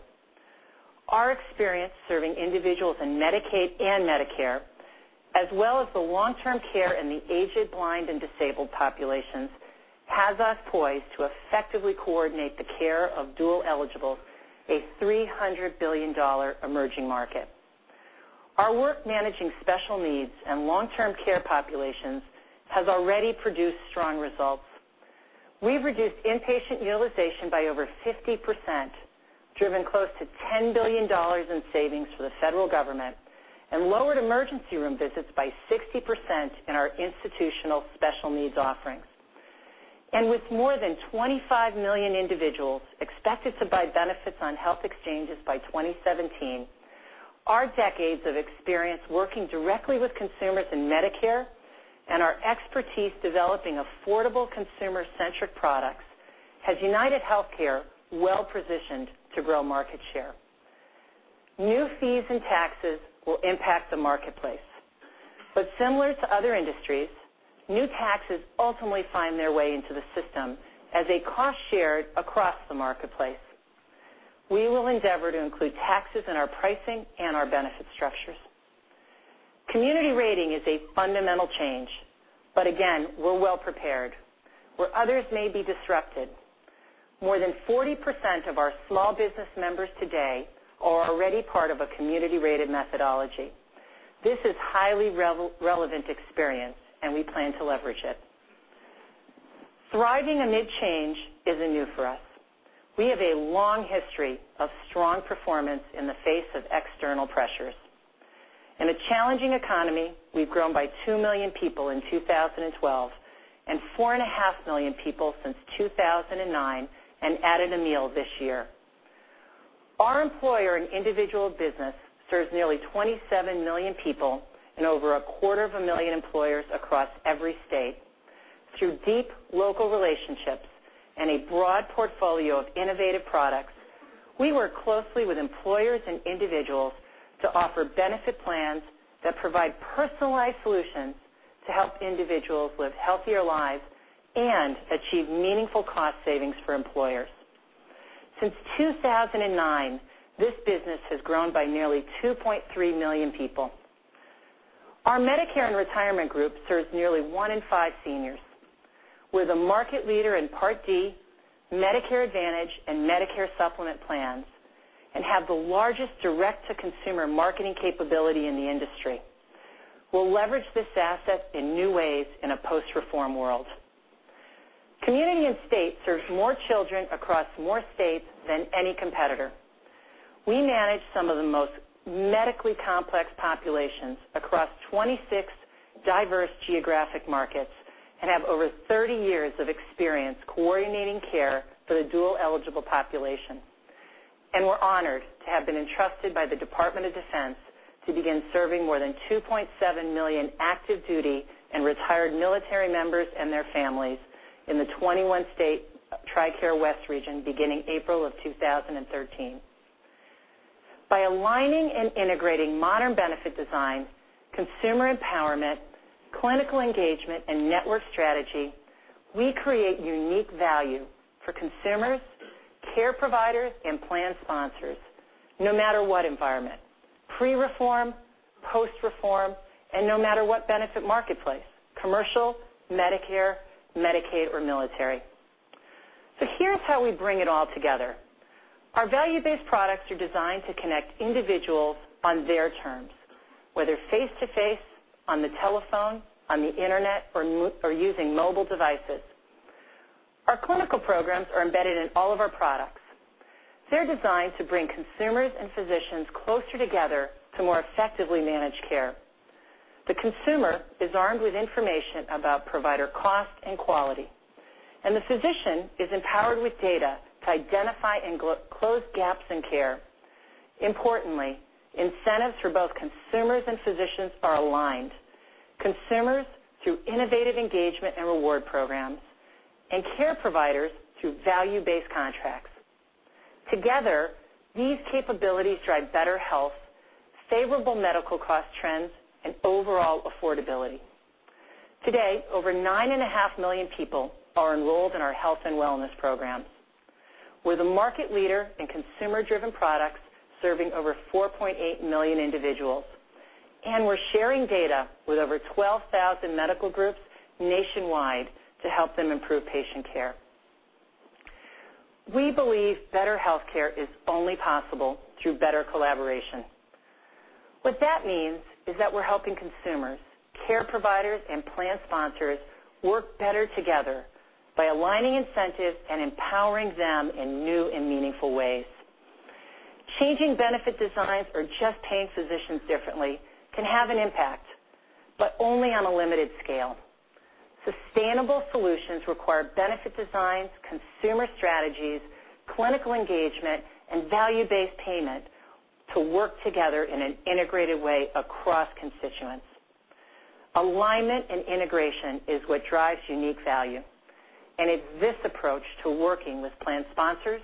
Our experience serving individuals in Medicaid and Medicare, as well as the long-term care in the aged, blind, and disabled populations, has us poised to effectively coordinate the care of dual-eligibles, a $300 billion emerging market. Our work managing special needs and long-term care populations has already produced strong results. We've reduced inpatient utilization by over 50%, driven close to $10 billion in savings for the federal government, and lowered emergency room visits by 60% in our institutional special needs offerings. With more than 25 million individuals expected to buy benefits on health exchanges by 2017, our decades of experience working directly with consumers in Medicare and our expertise developing affordable consumer-centric products has UnitedHealthcare well-positioned to grow market share. New fees and taxes will impact the marketplace. Similar to other industries, new taxes ultimately find their way into the system as a cost shared across the marketplace. We will endeavor to include taxes in our pricing and our benefit structures. Community rating is a fundamental change, but again, we're well prepared. Where others may be disrupted, more than 40% of our small business members today are already part of a community-rated methodology. This is highly relevant experience, and we plan to leverage it. Thriving amid change isn't new for us. We have a long history of strong performance in the face of external pressures. In a challenging economy, we've grown by 2 million people in 2012 and 4.5 million people since 2009 and added Amil this year. Our employer and individual business serves nearly 27 million people and over a quarter of a million employers across every state. Through deep local relationships and a broad portfolio of innovative products, we work closely with employers and individuals to offer benefit plans that provide personalized solutions to help individuals live healthier lives and achieve meaningful cost savings for employers. Since 2009, this business has grown by nearly 2.3 million people. Our Medicare and retirement group serves nearly one in five seniors. We're the market leader in Part D, Medicare Advantage, and Medicare Supplement plans and have the largest direct-to-consumer marketing capability in the industry. We'll leverage this asset in new ways in a post-reform world. Community & State serves more children across more states than any competitor. We manage some of the most medically complex populations across 26 diverse geographic markets and have over 30 years of experience coordinating care for the dual-eligible population. We're honored to have been entrusted by the Department of Defense to begin serving more than 2.7 million active duty and retired military members and their families in the 21-state TRICARE West Region beginning April of 2013. By aligning and integrating modern benefit design, consumer empowerment, clinical engagement, and network strategy, we create unique value for consumers, care providers, and plan sponsors, no matter what environment, pre-reform, post-reform, and no matter what benefit marketplace, commercial, Medicare, Medicaid, or military. Here's how we bring it all together. Our value-based products are designed to connect individuals on their terms, whether face-to-face, on the telephone, on the Internet, or using mobile devices. Our clinical programs are embedded in all of our products. They're designed to bring consumers and physicians closer together to more effectively manage care. The consumer is armed with information about provider cost and quality, and the physician is empowered with data to identify and close gaps in care. Importantly, incentives for both consumers and physicians are aligned, consumers through innovative engagement and reward programs, and care providers through value-based contracts. Together, these capabilities drive better health, favorable medical cost trends, and overall affordability. Today, over 9.5 million people are enrolled in our health and wellness programs. We're the market leader in consumer-driven products serving over 4.8 million individuals, and we're sharing data with over 12,000 medical groups nationwide to help them improve patient care. We believe better health care is only possible through better collaboration. What that means is that we're helping consumers, care providers, and plan sponsors work better together by aligning incentives and empowering them in new and meaningful ways. Changing benefit designs or just paying physicians differently can have an impact, but only on a limited scale. Sustainable solutions require benefit designs, consumer strategies, clinical engagement, and value-based payment to work together in an integrated way across constituents. Alignment and integration is what drives unique value. It's this approach to working with plan sponsors,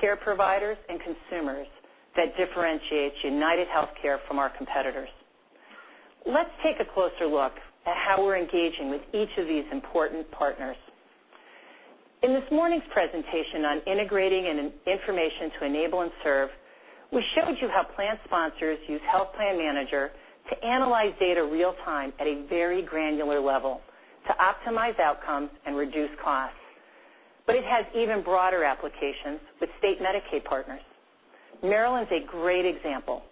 care providers, and consumers that differentiates UnitedHealthcare from our competitors. Let's take a closer look at how we're engaging with each of these important partners. In this morning's presentation on integrating information to enable and serve, we showed you how plan sponsors use Health Plan Manager to analyze data real time at a very granular level to optimize outcomes and reduce costs. It has even broader applications with state Medicaid partners. Maryland's a great example.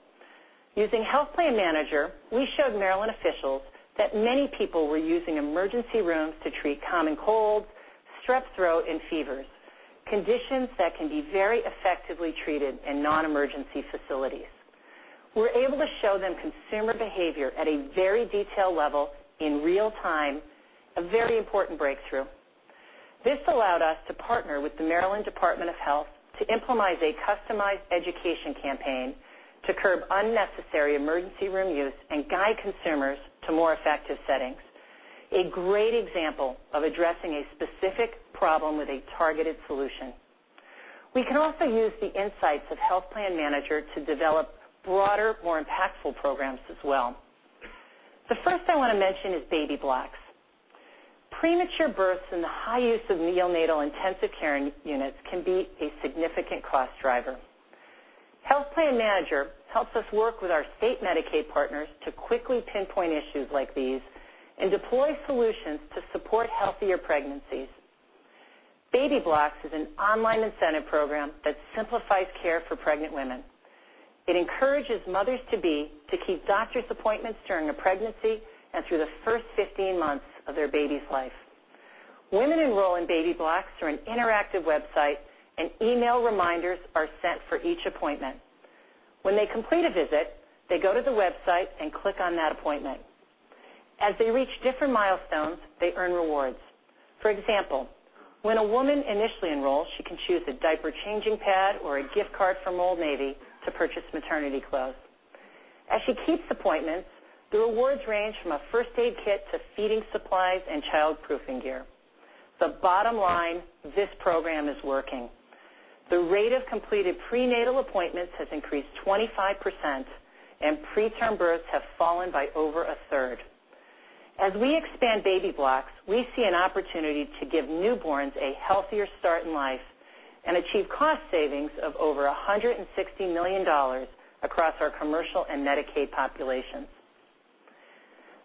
Using Health Plan Manager, we showed Maryland officials that many people were using emergency rooms to treat common colds, strep throat, and fevers, conditions that can be very effectively treated in non-emergency facilities. We were able to show them consumer behavior at a very detailed level in real time, a very important breakthrough. This allowed us to partner with the Maryland Department of Health to implement a customized education campaign to curb unnecessary emergency room use and guide consumers to more effective settings. A great example of addressing a specific problem with a targeted solution. We can also use the insights of Health Plan Manager to develop broader, more impactful programs as well. The first I want to mention is Baby Blocks. Premature births and the high use of neonatal intensive care units can be a significant cost driver. Health Plan Manager helps us work with our state Medicaid partners to quickly pinpoint issues like these and deploy solutions to support healthier pregnancies. Baby Blocks is an online incentive program that simplifies care for pregnant women. It encourages mothers-to-be to keep doctor's appointments during a pregnancy and through the first 15 months of their baby's life. Women enroll in Baby Blocks through an interactive website, and email reminders are sent for each appointment. When they complete a visit, they go to the website and click on that appointment. As they reach different milestones, they earn rewards. For example, when a woman initially enrolls, she can choose a diaper changing pad or a gift card from Old Navy to purchase maternity clothes. As she keeps appointments, the rewards range from a first aid kit to feeding supplies and childproofing gear. The bottom line, this program is working. The rate of completed prenatal appointments has increased 25%, and preterm births have fallen by over a third. As we expand Baby Blocks, we see an opportunity to give newborns a healthier start in life and achieve cost savings of over $160 million across our commercial and Medicaid populations.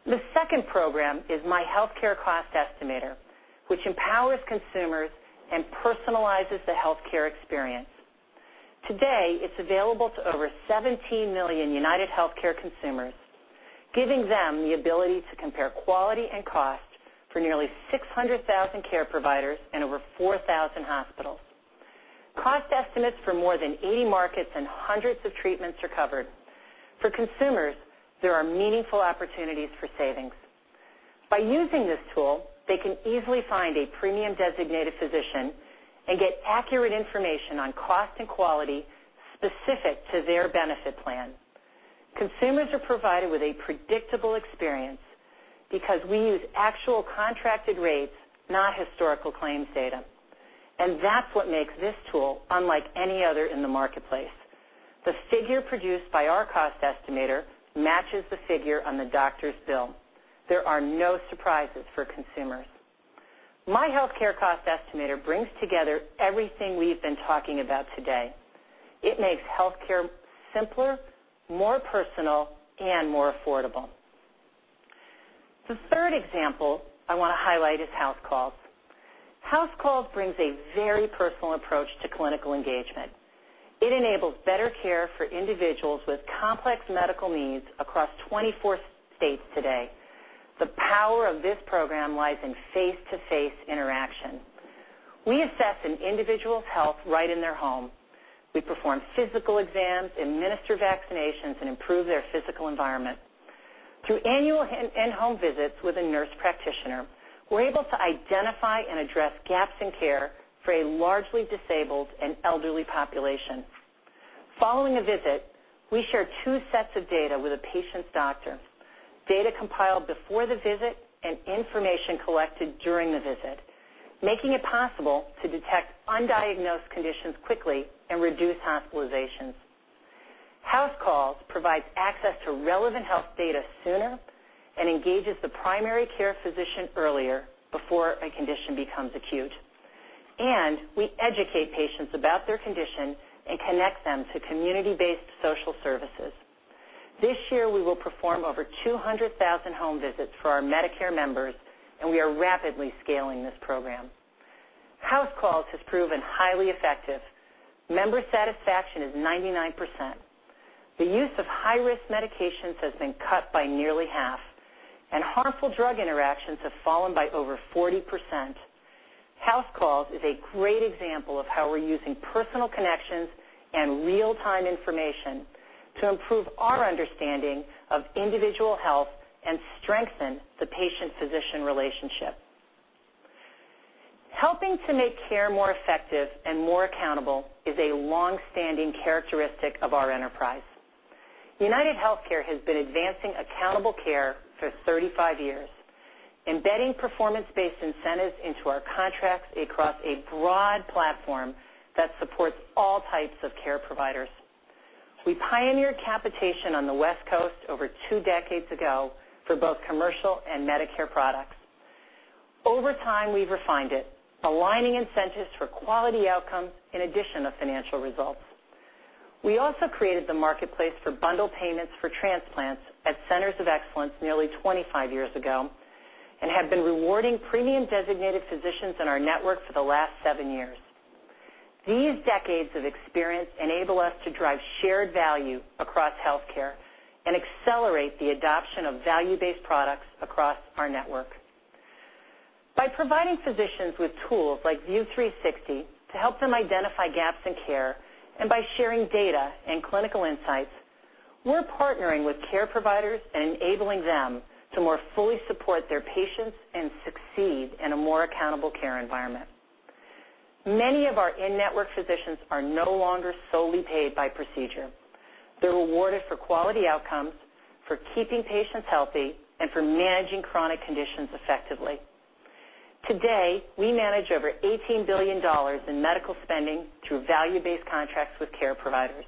The second program is my Healthcare Cost Estimator, which empowers consumers and personalizes the healthcare experience. Today, it is available to over 17 million UnitedHealthcare consumers, giving them the ability to compare quality and cost for nearly 600,000 care providers and over 4,000 hospitals. Cost estimates for more than 80 markets and hundreds of treatments are covered. For consumers, there are meaningful opportunities for savings. By using this tool, they can easily find a premium designated physician and get accurate information on cost and quality specific to their benefit plan. Consumers are provided with a predictable experience because we use actual contracted rates, not historical claims data. That is what makes this tool unlike any other in the marketplace. The figure produced by our cost estimator matches the figure on the doctor's bill. There are no surprises for consumers. My Healthcare Cost Estimator brings together everything we have been talking about today. It makes healthcare simpler, more personal, and more affordable. The third example I want to highlight is House Calls. House Calls brings a very personal approach to clinical engagement. It enables better care for individuals with complex medical needs across 24 states today. The power of this program lies in face-to-face interaction. We assess an individual's health right in their home. We perform physical exams, administer vaccinations, and improve their physical environment. Through annual in-home visits with a nurse practitioner, we are able to identify and address gaps in care for a largely disabled and elderly population. Following a visit, we share two sets of data with a patient's doctor, data compiled before the visit and information collected during the visit, making it possible to detect undiagnosed conditions quickly and reduce hospitalizations. House Calls provides access to relevant health data sooner and engages the primary care physician earlier before a condition becomes acute. We educate patients about their condition and connect them to community-based social services. This year, we will perform over 200,000 home visits for our Medicare members, and we are rapidly scaling this program. House Calls has proven highly effective. Member satisfaction is 99%. The use of high-risk medications has been cut by nearly half, and harmful drug interactions have fallen by over 40%. House Calls is a great example of how we are using personal connections and real-time information to improve our understanding of individual health and strengthen the patient-physician relationship. Helping to make care more effective and more accountable is a long-standing characteristic of our enterprise. UnitedHealthcare has been advancing accountable care for 35 years, embedding performance-based incentives into our contracts across a broad platform that supports all types of care providers. We pioneered capitation on the West Coast over two decades ago for both commercial and Medicare products. Over time, we have refined it, aligning incentives for quality outcomes in addition to financial results. We also created the marketplace for bundled payments for transplants at centers of excellence nearly 25 years ago and have been rewarding premium designated physicians in our network for the last seven years. These decades of experience enable us to drive shared value across healthcare and accelerate the adoption of value-based products across our network. By providing physicians with tools like View360 to help them identify gaps in care and by sharing data and clinical insights, we're partnering with care providers and enabling them to more fully support their patients and succeed in a more accountable care environment. Many of our in-network physicians are no longer solely paid by procedure. They're rewarded for quality outcomes, for keeping patients healthy, and for managing chronic conditions effectively. Today, we manage over $18 billion in medical spending through value-based contracts with care providers.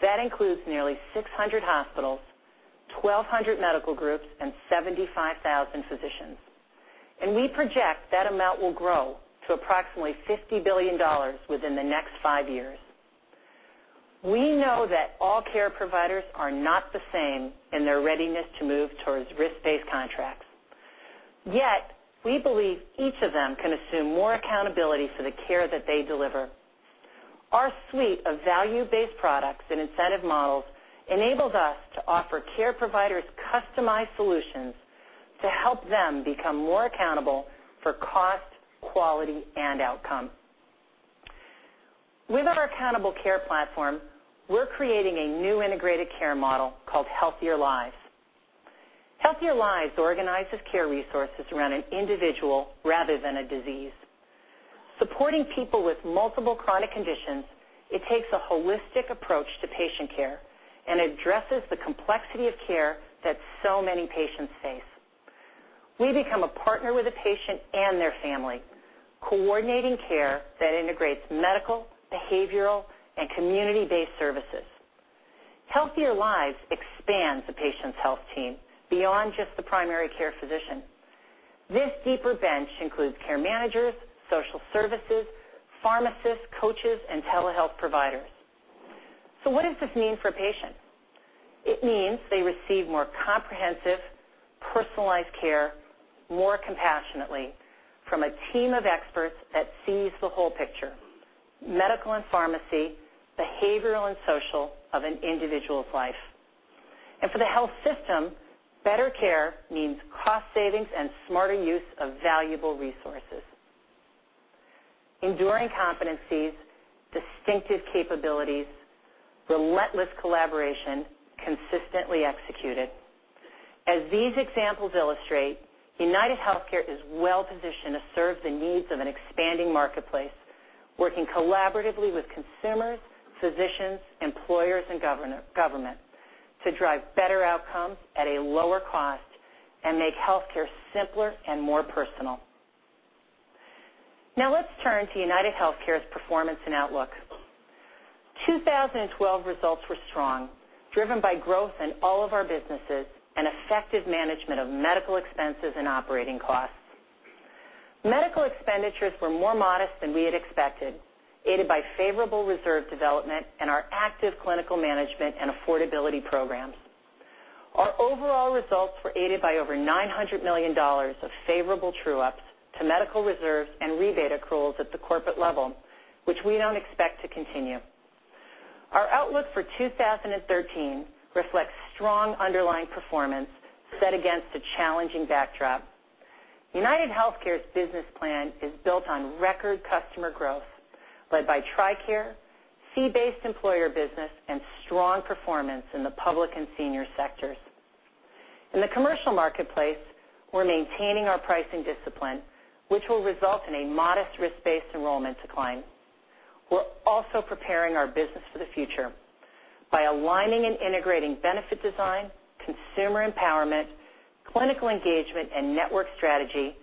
That includes nearly 600 hospitals, 1,200 medical groups, and 75,000 physicians. We project that amount will grow to approximately $50 billion within the next five years. We know that all care providers are not the same in their readiness to move towards risk-based contracts. Yet, we believe each of them can assume more accountability for the care that they deliver. Our suite of value-based products and incentive models enables us to offer care providers customized solutions to help them become more accountable for cost, quality, and outcome. With our accountable care platform, we're creating a new integrated care model called Healthier Lives. Healthier Lives organizes care resources around an individual rather than a disease. Supporting people with multiple chronic conditions, it takes a holistic approach to patient care and addresses the complexity of care that so many patients face. We become a partner with a patient and their family, coordinating care that integrates medical, behavioral, and community-based services. Healthier Lives expands the patient's health team beyond just the primary care physician. This deeper bench includes care managers, social services, pharmacists, coaches, and telehealth providers. What does this mean for patients? It means they receive more comprehensive, personalized care more compassionately from a team of experts that sees the whole picture, medical and pharmacy, behavioral and social, of an individual's life. For the health system, better care means cost savings and smarter use of valuable resources. Enduring competencies, distinctive capabilities, relentless collaboration, consistently executed. As these examples illustrate, UnitedHealthcare is well-positioned to serve the needs of an expanding marketplace, working collaboratively with consumers, physicians, employers, and government to drive better outcomes at a lower cost and make healthcare simpler and more personal. Let's turn to UnitedHealthcare's performance and outlook. 2012 results were strong, driven by growth in all of our businesses and effective management of medical expenses and operating costs. Medical expenditures were more modest than we had expected, aided by favorable reserve development and our active clinical management and affordability programs. Our overall results were aided by over $900 million of favorable true-ups to medical reserves and rebate accruals at the corporate level, which we don't expect to continue. Our outlook for 2013 reflects strong underlying performance set against a challenging backdrop. UnitedHealthcare's business plan is built on record customer growth led by TRICARE, fee-based employer business, and strong performance in the public and senior sectors. In the commercial marketplace, we're maintaining our pricing discipline, which will result in a modest risk-based enrollment decline. We're also preparing our business for the future. By aligning and integrating benefit design, consumer empowerment, clinical engagement, and network strategy,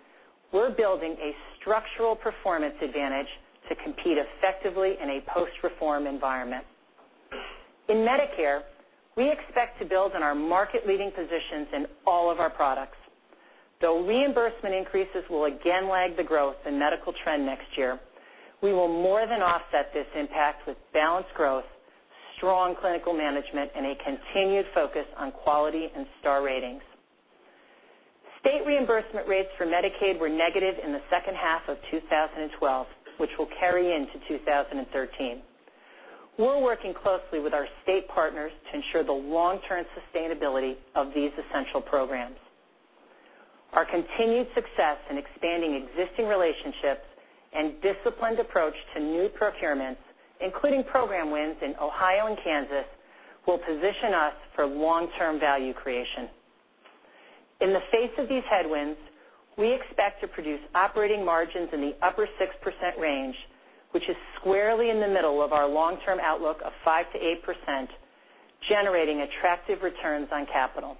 we're building a structural performance advantage to compete effectively in a post-reform environment. In Medicare, we expect to build on our market-leading positions in all of our products. Though reimbursement increases will again lag the growth in medical trend next year, we will more than offset this impact with balanced growth, strong clinical management, and a continued focus on quality and star ratings. State reimbursement rates for Medicaid were negative in the second half of 2012, which will carry into 2013. We're working closely with our state partners to ensure the long-term sustainability of these essential programs. Our continued success in expanding existing relationships and disciplined approach to new procurements, including program wins in Ohio and Kansas, will position us for long-term value creation. In the face of these headwinds, we expect to produce operating margins in the upper 6% range, which is squarely in the middle of our long-term outlook of 5%-8%, generating attractive returns on capital.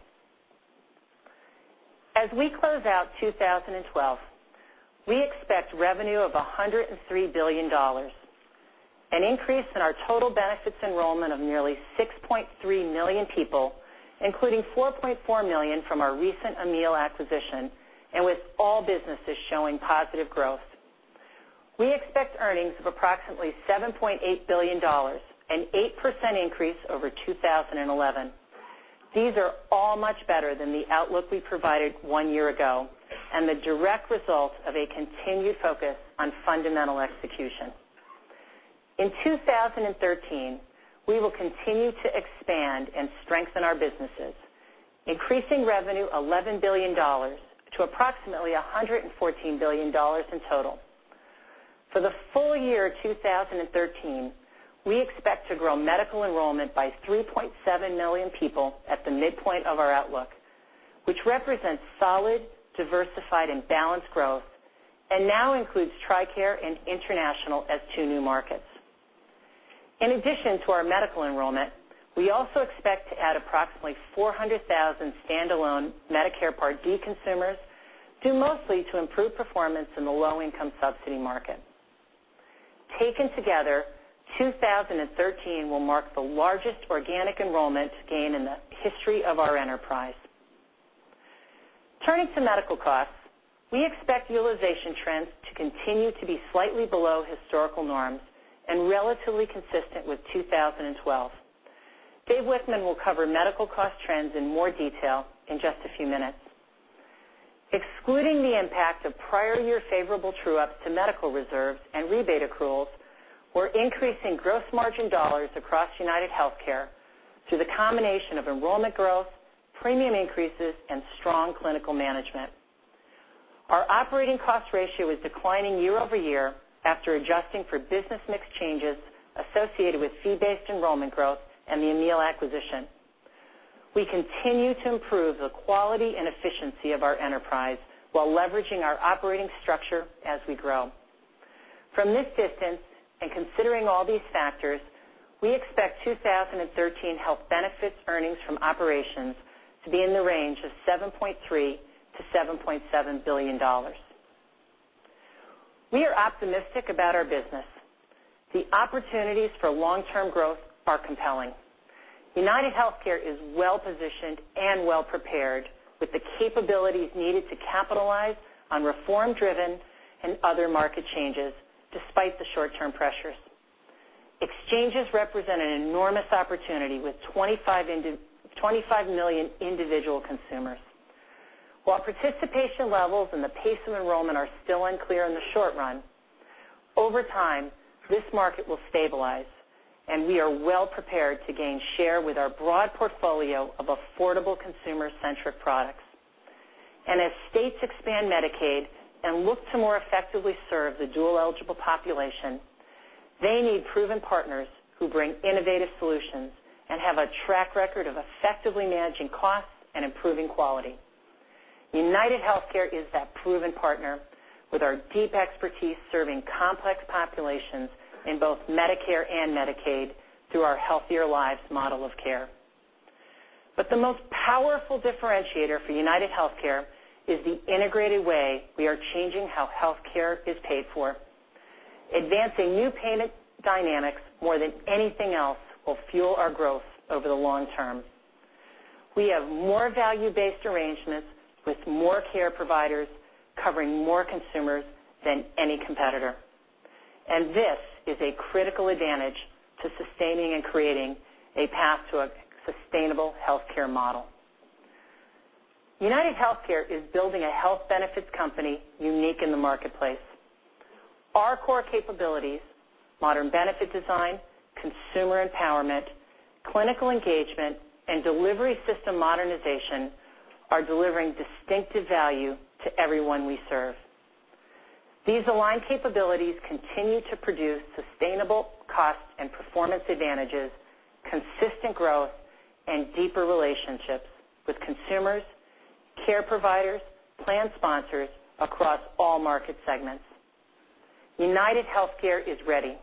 As we close out 2012, we expect revenue of $103 billion, an increase in our total benefits enrollment of nearly 6.3 million people, including 4.4 million from our recent Amil acquisition, and with all businesses showing positive growth. We expect earnings of approximately $7.8 billion, an 8% increase over 2011. These are all much better than the outlook we provided one year ago and the direct result of a continued focus on fundamental execution. In 2013, we will continue to expand and strengthen our businesses, increasing revenue $11 billion to approximately $114 billion in total. For the full year 2013, we expect to grow medical enrollment by 3.7 million people at the midpoint of our outlook, which represents solid, diversified, and balanced growth and now includes TRICARE and International as two new markets. In addition to our medical enrollment, we also expect to add approximately 400,000 standalone Medicare Part D consumers, due mostly to improved performance in the low-income subsidy market. Taken together, 2013 will mark the largest organic enrollment gain in the history of our enterprise. Turning to medical costs, we expect utilization trends to continue to be slightly below historical norms and relatively consistent with 2012. David Wichmann will cover medical cost trends in more detail in just a few minutes. Excluding the impact of prior year favorable true-ups to medical reserves and rebate accruals, we're increasing gross margin dollars across UnitedHealthcare through the combination of enrollment growth, premium increases, and strong clinical management. Our operating cost ratio is declining year-over-year after adjusting for business mix changes associated with fee-based enrollment growth and the Amil acquisition. We continue to improve the quality and efficiency of our enterprise while leveraging our operating structure as we grow. From this distance, and considering all these factors, we expect 2013 health benefits earnings from operations to be in the range of $7.3 billion-$7.7 billion. We are optimistic about our business. The opportunities for long-term growth are compelling. UnitedHealthcare is well-positioned and well-prepared with the capabilities needed to capitalize on reform-driven and other market changes, despite the short-term pressures. Exchanges represent an enormous opportunity, with 25 million individual consumers. While participation levels and the pace of enrollment are still unclear in the short run, over time, this market will stabilize, we are well prepared to gain share with our broad portfolio of affordable consumer-centric products. As states expand Medicaid and look to more effectively serve the dual-eligible population, they need proven partners who bring innovative solutions and have a track record of effectively managing costs and improving quality. UnitedHealthcare is that proven partner with our deep expertise serving complex populations in both Medicare and Medicaid through our Healthier Lives model of care. The most powerful differentiator for UnitedHealthcare is the integrated way we are changing how healthcare is paid for. Advancing new payment dynamics more than anything else will fuel our growth over the long term. We have more value-based arrangements with more care providers covering more consumers than any competitor. This is a critical advantage to sustaining and creating a path to a sustainable healthcare model. UnitedHealthcare is building a health benefits company unique in the marketplace. Our core capabilities, modern benefit design, consumer empowerment, clinical engagement, and delivery system modernization are delivering distinctive value to everyone we serve. These aligned capabilities continue to produce sustainable cost and performance advantages, consistent growth, and deeper relationships with consumers, care providers, plan sponsors across all market segments. UnitedHealthcare is ready.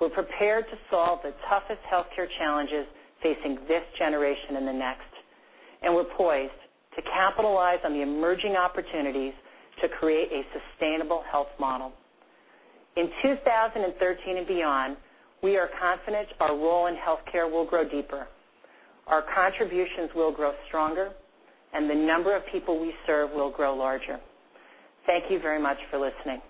We're prepared to solve the toughest healthcare challenges facing this generation and the next, and we're poised to capitalize on the emerging opportunities to create a sustainable health model. In 2013 and beyond, we are confident our role in healthcare will grow deeper, our contributions will grow stronger, and the number of people we serve will grow larger. Thank you very much for listening.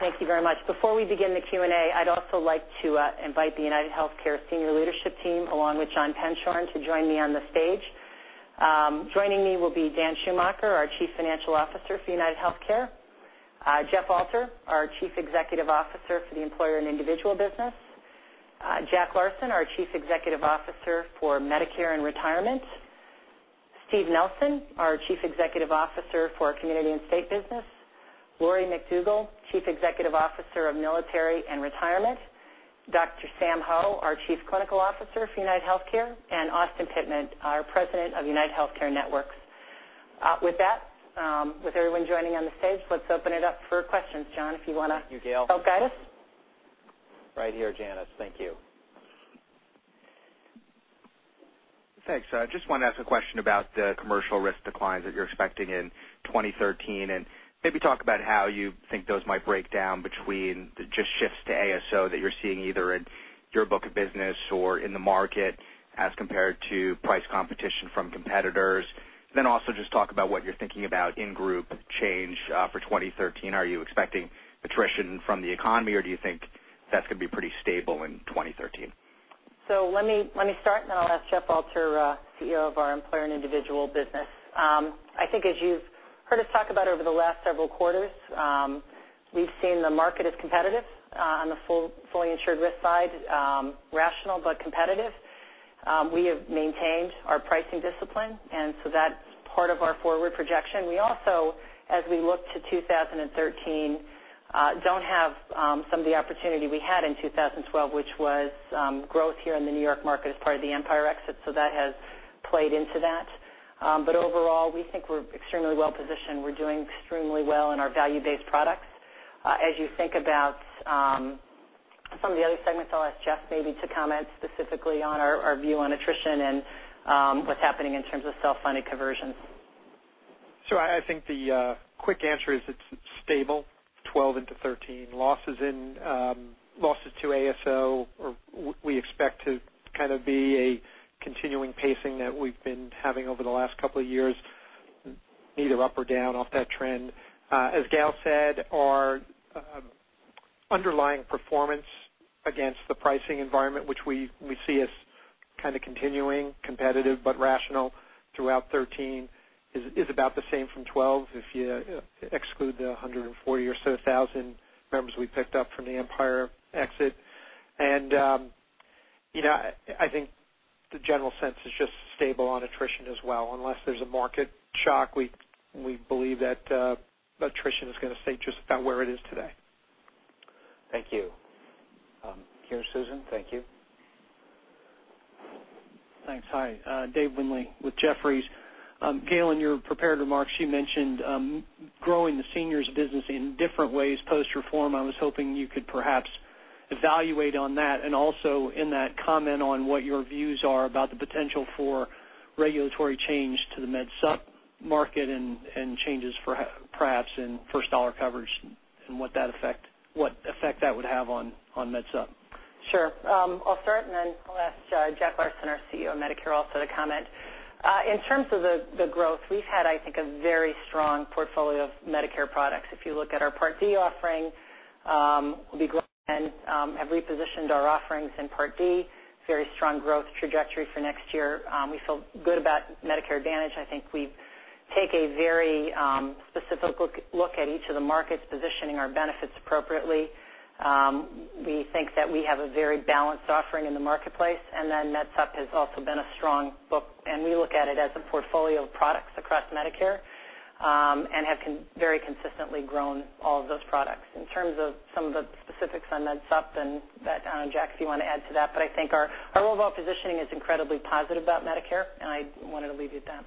Thank you very much. Before we begin the Q&A, I'd also like to invite the UnitedHealthcare senior leadership team, along with John Penshorn, to join me on the stage. Joining me will be Dan Schumacher, our Chief Financial Officer for UnitedHealthcare, Jeff Alter, our Chief Executive Officer for the employer and individual business, Jack Larson, our Chief Executive Officer for Medicare and Retirement, Steve Nelson, our Chief Executive Officer for Community and State Business, Lori McDougal, Chief Executive Officer of Military and Retirement, Dr. Sam Ho, our Chief Clinical Officer for UnitedHealthcare, and Austin Pittman, our President of UnitedHealthcare Networks. With everyone joining on the stage, let's open it up for questions. John. Thank you, Gail. help guide us. Right here, Janice. Thank you. Thanks. I just want to ask a question about the commercial risk declines that you're expecting in 2013, and maybe talk about how you think those might break down between just shifts to ASO that you're seeing either in your book of business or in the market as compared to price competition from competitors. Also just talk about what you're thinking about in-group change for 2013. Are you expecting attrition from the economy, or do you think that's going to be pretty stable in 2013? Let me start, and then I'll ask Jeff Alter, CEO of our employer and individual business. I think as you've heard us talk about over the last several quarters, we've seen the market as competitive on the fully insured risk side, rational but competitive. We have maintained our pricing discipline, that's part of our forward projection. We also, as we look to 2013, don't have some of the opportunity we had in 2012, which was growth here in the New York market as part of the Empire exit, so that has played into that. Overall, we think we're extremely well-positioned. We're doing extremely well in our value-based products. As you think about some of the other segments, I'll ask Jeff maybe to comment specifically on our view on attrition and what's happening in terms of self-funded conversions. I think the quick answer is it's stable 2012 into 2013. Losses to ASO we expect to be a continuing pacing that we've been having over the last couple of years, neither up or down off that trend. As Gail said, our underlying performance against the pricing environment, which we see as continuing competitive but rational throughout 2013, is about the same from 2012 if you exclude the 140,000 members we picked up from the Empire exit. I think the general sense is just stable on attrition as well. Unless there's a market shock, we believe that attrition is going to stay just about where it is today. Thank you. Here's Susan. Thank you. Thanks. Hi, David Windley with Jefferies. Gail, in your prepared remarks, you mentioned growing the seniors business in different ways post-reform. I was hoping you could perhaps evaluate on that, and also in that comment on what your views are about the potential for regulatory change to the MedSup market and changes perhaps in first-dollar coverage and what effect that would have on MedSup. Sure. I'll start and then I'll ask Jack Larson, our CEO of Medicare, also to comment. In terms of the growth, we've had, I think, a very strong portfolio of Medicare products. If you look at our Part D offering, we've grown and have repositioned our offerings in Part D. Very strong growth trajectory for next year. We feel good about Medicare Advantage, and I think we've Take a very specific look at each of the markets, positioning our benefits appropriately. We think that we have a very balanced offering in the marketplace, and then Medicare Supplement has also been a strong book, and we look at it as a portfolio of products across Medicare, and have very consistently grown all of those products. In terms of some of the specifics on Medicare Supplement and that, Jack, if you want to add to that, but I think our overall positioning is incredibly positive about Medicare, and I wanted to leave it at that.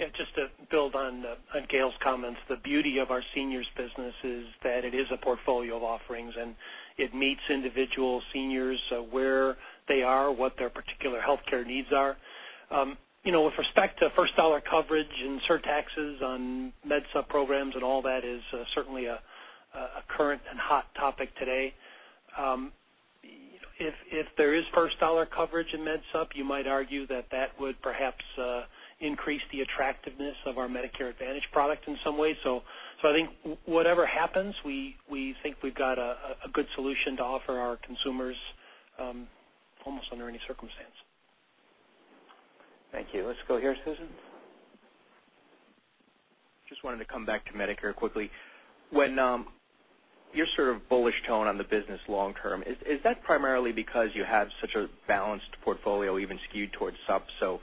Yeah, just to build on Gail's comments, the beauty of our seniors business is that it is a portfolio of offerings, and it meets individual seniors where they are, what their particular healthcare needs are. With respect to first-dollar coverage and surtaxes on Medicare Supplement programs and all that is certainly a current and hot topic today. If there is first-dollar coverage in Medicare Supplement, you might argue that that would perhaps increase the attractiveness of our Medicare Advantage product in some way. I think whatever happens, we think we've got a good solution to offer our consumers almost under any circumstance. Thank you. Let's go here, Susan. Just wanted to come back to Medicare quickly. Your sort of bullish tone on the business long term, is that primarily because you have such a balanced portfolio, even skewed towards sup, so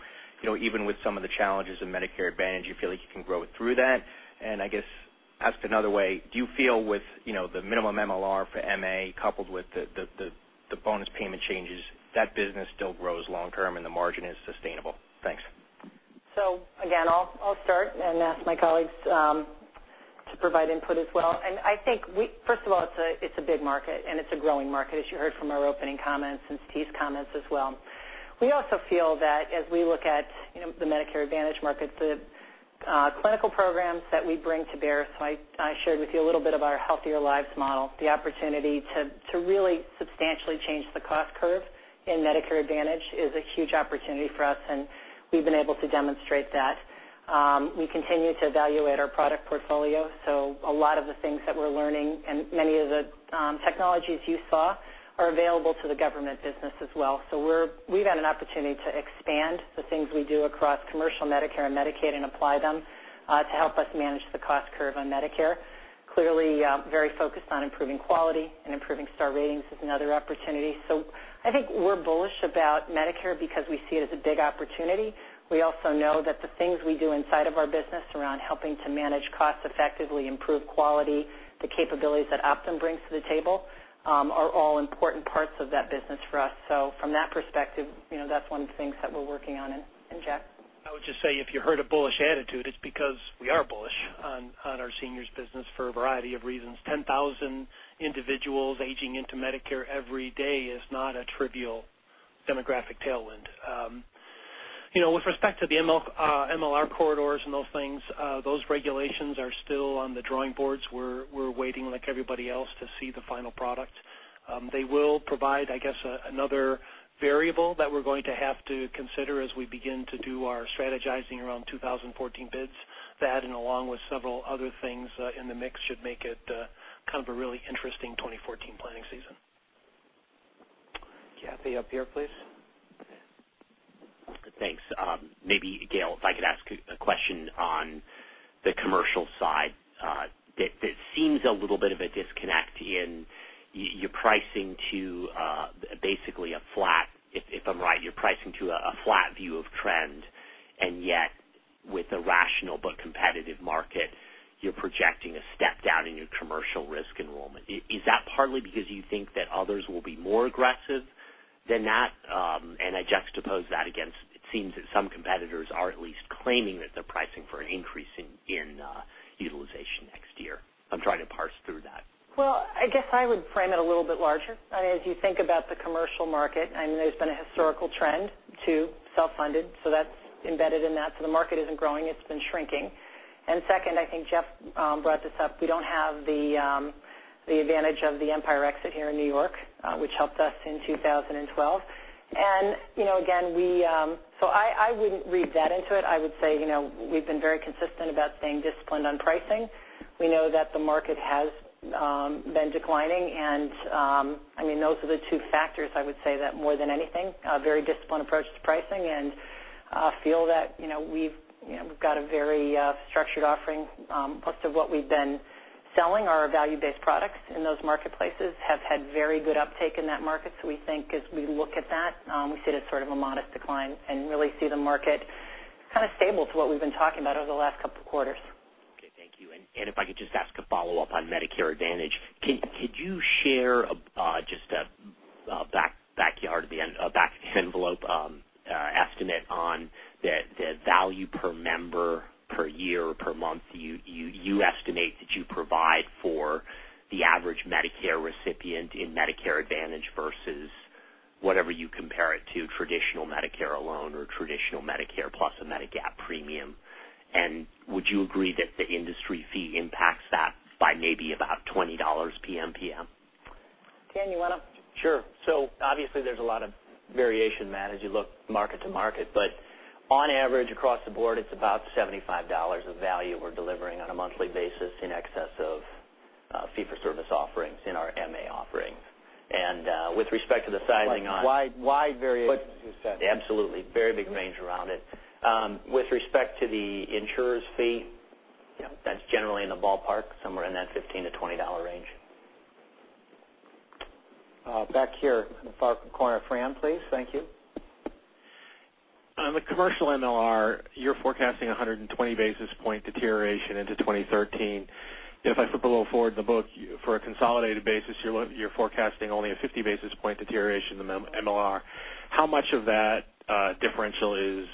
even with some of the challenges in Medicare Advantage, you feel like you can grow through that? I guess, asked another way, do you feel with the minimum MLR for MA coupled with the bonus payment changes, that business still grows long term and the margin is sustainable? Thanks. Again, I'll start and ask my colleagues to provide input as well. I think, first of all, it's a big market and it's a growing market, as you heard from our opening comments and Steve's comments as well. We also feel that as we look at the Medicare Advantage markets, the clinical programs that we bring to bear, so I shared with you a little bit of our Healthier Lives model, the opportunity to really substantially change the cost curve in Medicare Advantage is a huge opportunity for us, and we've been able to demonstrate that. We continue to evaluate our product portfolio, so a lot of the things that we're learning and many of the technologies you saw are available to the government business as well. We've had an opportunity to expand the things we do across commercial Medicare and Medicaid and apply them to help us manage the cost curve on Medicare. Clearly, very focused on improving quality and improving star ratings is another opportunity. I think we're bullish about Medicare because we see it as a big opportunity. We also know that the things we do inside of our business around helping to manage costs effectively, improve quality, the capabilities that Optum brings to the table are all important parts of that business for us. From that perspective, that's one of the things that we're working on, and Jack? I would just say, if you heard a bullish attitude, it's because we are bullish on our seniors business for a variety of reasons. 10,000 individuals aging into Medicare every day is not a trivial demographic tailwind. With respect to the MLR corridors and those things, those regulations are still on the drawing boards. We're waiting like everybody else to see the final product. They will provide, I guess, another variable that we're going to have to consider as we begin to do our strategizing around 2014 bids. That, and along with several other things in the mix, should make it kind of a really interesting 2014 planning season. Kathy, up here, please. Thanks. Maybe Gail, if I could ask a question on the commercial side. There seems a little bit of a disconnect in your pricing to basically a flat, if I'm right, you're pricing to a flat view of trend, and yet with a rational but competitive market, you're projecting a step down in your commercial risk enrollment. Is that partly because you think that others will be more aggressive than that? I juxtapose that against, it seems that some competitors are at least claiming that they're pricing for an increase in utilization next year. I'm trying to parse through that. Well, I guess I would frame it a little bit larger. As you think about the commercial market, I mean, there's been a historical trend to self-funded, so that's embedded in that. The market isn't growing, it's been shrinking. Second, I think Jeff brought this up. We don't have the advantage of the Empire exit here in New York, which helped us in 2012. I wouldn't read that into it. I would say we've been very consistent about staying disciplined on pricing. We know that the market has been declining, those are the two factors I would say that more than anything, a very disciplined approach to pricing and feel that we've got a very structured offering. Most of what we've been selling are our value-based products in those marketplaces have had very good uptake in that market. We think as we look at that, we see it as sort of a modest decline and really see the market kind of stable to what we've been talking about over the last couple of quarters. Okay, thank you. If I could just ask a follow-up on Medicare Advantage. Could you share just a back-envelope estimate on the value per member per year or per month you estimate that you provide for the average Medicare recipient in Medicare Advantage versus whatever you compare it to, traditional Medicare alone or traditional Medicare plus a Medigap premium? Would you agree that the industry fee impacts that by maybe about $20 PMPM? Dan, you want to? Obviously there's a lot of variation, Matt, as you look market to market. On average, across the board, it's about $75 of value we're delivering on a monthly basis in excess of Fee-for-service offerings in our MA offerings. With respect to the sizing Wide variations you said. Absolutely. Very big range around it. With respect to the insurer's fee, that's generally in the ballpark, somewhere in that $15 to $20 range. Back here in the far corner. Fran, please. Thank you. On the commercial MLR, you're forecasting 120 basis point deterioration into 2013. If I flip a little forward in the book, for a consolidated basis, you're forecasting only a 50 basis point deterioration in the MLR. How much of that differential is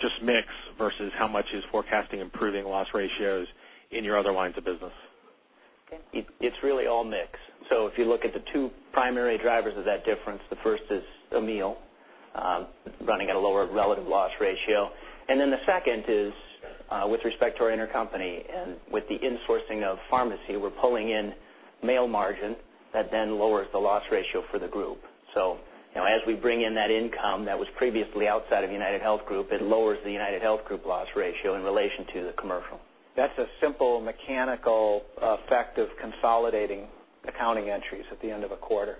just mix versus how much is forecasting improving loss ratios in your other lines of business? It's really all mix. If you look at the two primary drivers of that difference, the first is Amil running at a lower relative loss ratio. The second is with respect to our intercompany and with the insourcing of pharmacy, we're pulling in mail margin that then lowers the loss ratio for the group. As we bring in that income that was previously outside of UnitedHealth Group, it lowers the UnitedHealth Group loss ratio in relation to the commercial. That's a simple mechanical effect of consolidating accounting entries at the end of a quarter.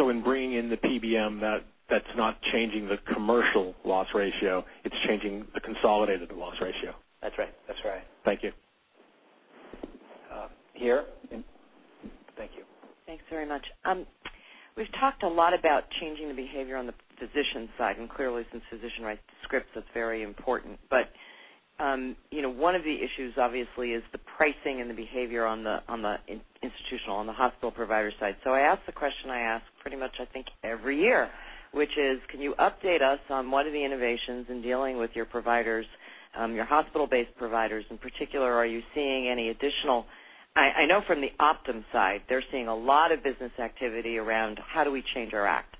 In bringing in the PBM, that's not changing the commercial loss ratio, it's changing the consolidated loss ratio. That's right. Thank you. Here. Thank you. Thanks very much. We've talked a lot about changing the behavior on the physician side, and clearly since physician writes the scripts, that's very important. One of the issues obviously is the pricing and the behavior on the institutional, on the hospital provider side. I ask the question I ask pretty much, I think, every year, which is, can you update us on what are the innovations in dealing with your providers, your hospital-based providers in particular? Are you seeing any additional? I know from the Optum side, they're seeing a lot of business activity around how do we change our act.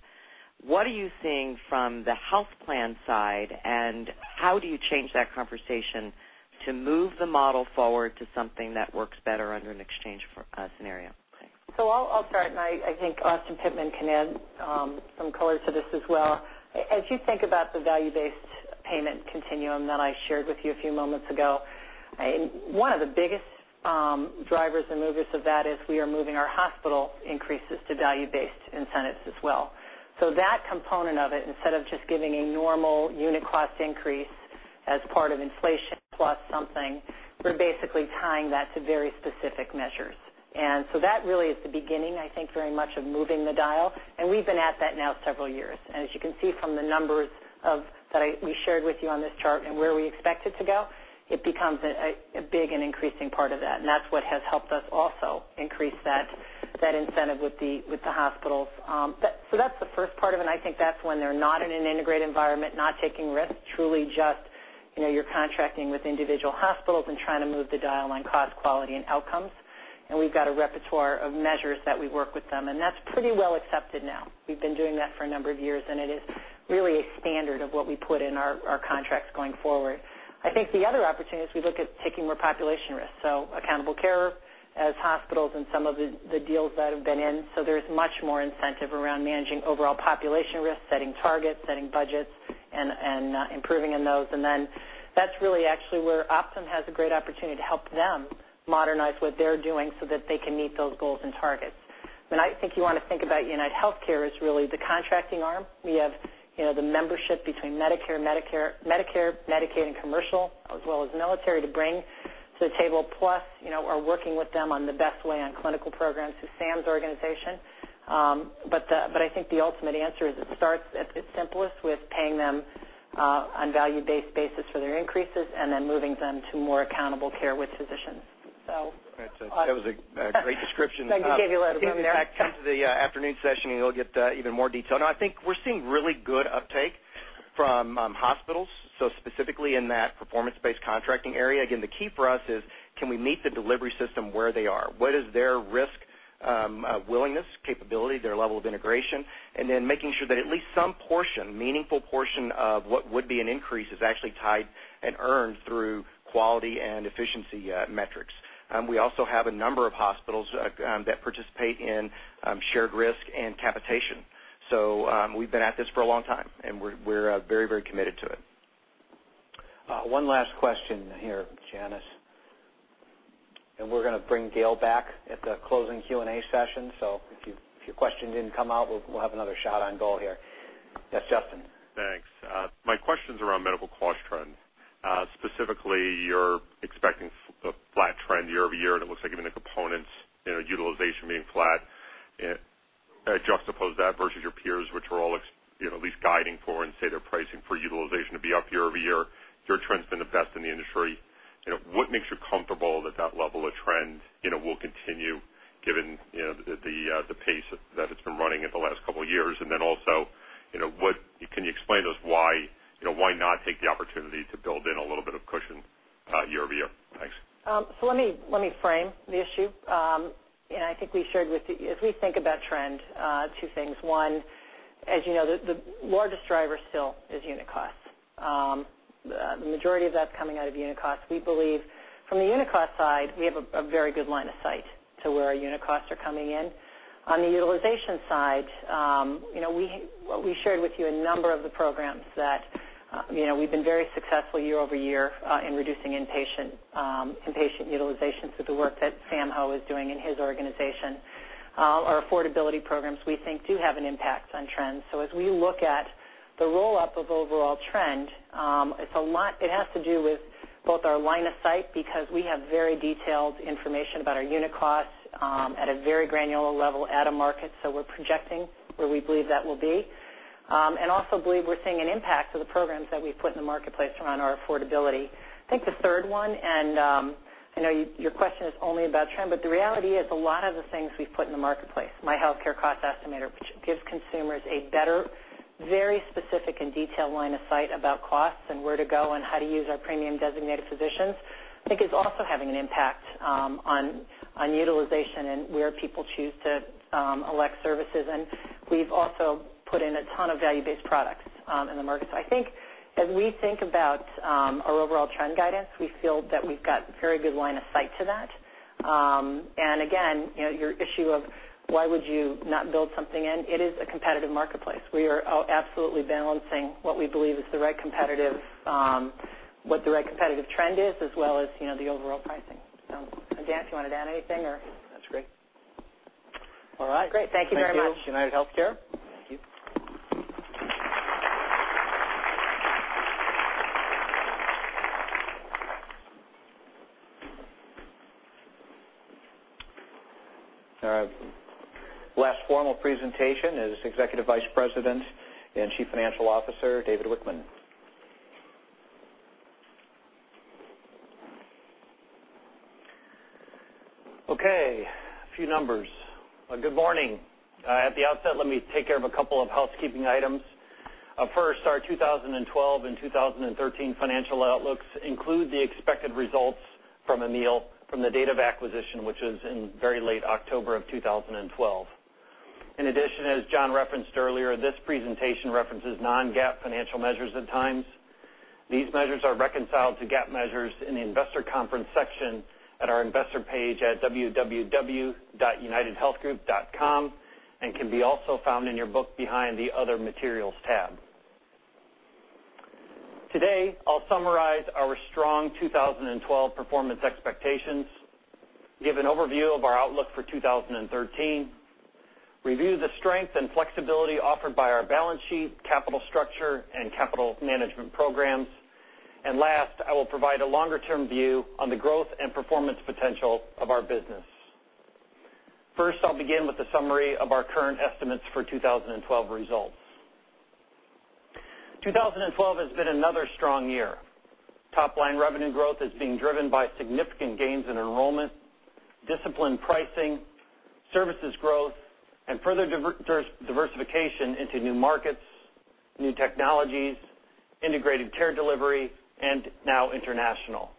What are you seeing from the health plan side, and how do you change that conversation to move the model forward to something that works better under an exchange scenario? Thanks. I'll start, and I think Austin Pittman can add some color to this as well. As you think about the value-based payment continuum that I shared with you a few moments ago, one of the biggest drivers and movers of that is we are moving our hospital increases to value-based incentives as well. That component of it, instead of just giving a normal unit cost increase as part of inflation plus something, we're basically tying that to very specific measures. That really is the beginning, I think very much of moving the dial, and we've been at that now several years. As you can see from the numbers that we shared with you on this chart and where we expect it to go, it becomes a big and increasing part of that. That's what has helped us also increase that incentive with the hospitals. That's the first part of it, and I think that's when they're not in an integrated environment, not taking risks, truly just you're contracting with individual hospitals and trying to move the dial on cost, quality, and outcomes. We've got a repertoire of measures that we work with them, and that's pretty well accepted now. We've been doing that for a number of years, and it is really a standard of what we put in our contracts going forward. I think the other opportunity is we look at taking more population risks, so accountable care as hospitals and some of the deals that have been in. There's much more incentive around managing overall population risk, setting targets, setting budgets, and improving on those. That's really actually where Optum has a great opportunity to help them modernize what they're doing so that they can meet those goals and targets. When I think you want to think about UnitedHealthcare as really the contracting arm. We have the membership between Medicare, Medicaid, and commercial, as well as military to bring to the table. Plus, are working with them on the best way on clinical programs through Sam's organization. I think the ultimate answer is it starts at the simplest with paying them on value-based basis for their increases and then moving them to more accountable care with physicians. That was a great description. Thank you. Gave you a little bit in there. Come to the afternoon session, and you'll get even more detail. No, I think we're seeing really good uptake from hospitals, specifically in that performance-based contracting area. Again, the key for us is can we meet the delivery system where they are? What is their risk willingness, capability, their level of integration? Making sure that at least some portion, meaningful portion of what would be an increase is actually tied and earned through quality and efficiency metrics. We also have a number of hospitals that participate in shared risk and capitation. We've been at this for a long time, and we're very committed to it. One last question here, Janice. We're going to bring Gail back at the closing Q&A session. If your question didn't come out, we'll have another shot on goal here. Yes, Justin. Thanks. My question's around medical cost trends. Specifically, you're expecting a flat trend year-over-year, and it looks like even the components utilization being flat. Juxtapose that versus your peers, which are all at least guiding for and say they're pricing for utilization to be up year-over-year. Your trend's been the best in the industry. What makes you comfortable that level of trend will continue given the pace that it's been running at the last couple of years? Can you explain to us why not take the opportunity to build in a little bit of cushion year-over-year? Thanks. Let me frame the issue. I think we shared with you, as we think about trend, two things. One, as you know, the largest driver still is unit cost. The majority of that's coming out of unit cost. We believe from the unit cost side, we have a very good line of sight to where our unit costs are coming in. On the utilization side, we shared with you a number of the programs that we've been very successful year-over-year in reducing inpatient utilizations through the work that Sam Ho is doing in his organization. Our affordability programs, we think, do have an impact on trends. As we look at the roll-up of overall trend, it has to do with both our line of sight, because we have very detailed information about our unit costs at a very granular level at a market, so we're projecting where we believe that will be. Also believe we're seeing an impact of the programs that we've put in the marketplace around our affordability. I think the third one, I know your question is only about trend, but the reality is a lot of the things we've put in the marketplace, my Healthcare Cost Estimator, which gives consumers a better, very specific and detailed line of sight about costs and where to go and how to use our premium designated physicians, I think is also having an impact on utilization and where people choose to elect services. We've also put in a ton of value-based products in the market. I think as we think about our overall trend guidance, we feel that we've got very good line of sight to that. Again, your issue of why would you not build something in, it is a competitive marketplace. We are absolutely balancing what the right competitive trend is, as well as the overall pricing. Dan, do you want to add anything or? That's great. All right. Great. Thank you very much. Thank you. UnitedHealthcare. Thank you. All right. Last formal presentation is Executive Vice President and Chief Financial Officer, David Wichmann. Okay. A few numbers. Good morning. At the outset, let me take care of a couple of housekeeping items. First, our 2012 and 2013 financial outlooks include the expected results from Amil from the date of acquisition, which is in very late October of 2012. In addition, as John referenced earlier, this presentation references non-GAAP financial measures at times. These measures are reconciled to GAAP measures in the investor conference section at our investor page at www.unitedhealthgroup.com, and can be also found in your book behind the Other Materials tab. Today, I'll summarize our strong 2012 performance expectations, give an overview of our outlook for 2013, review the strength and flexibility offered by our balance sheet, capital structure, and capital management programs. Last, I will provide a longer-term view on the growth and performance potential of our business. First, I'll begin with a summary of our current estimates for 2012 results. 2012 has been another strong year. Top-line revenue growth is being driven by significant gains in enrollment, disciplined pricing, services growth, and further diversification into new markets, new technologies, integrated care delivery, and now international.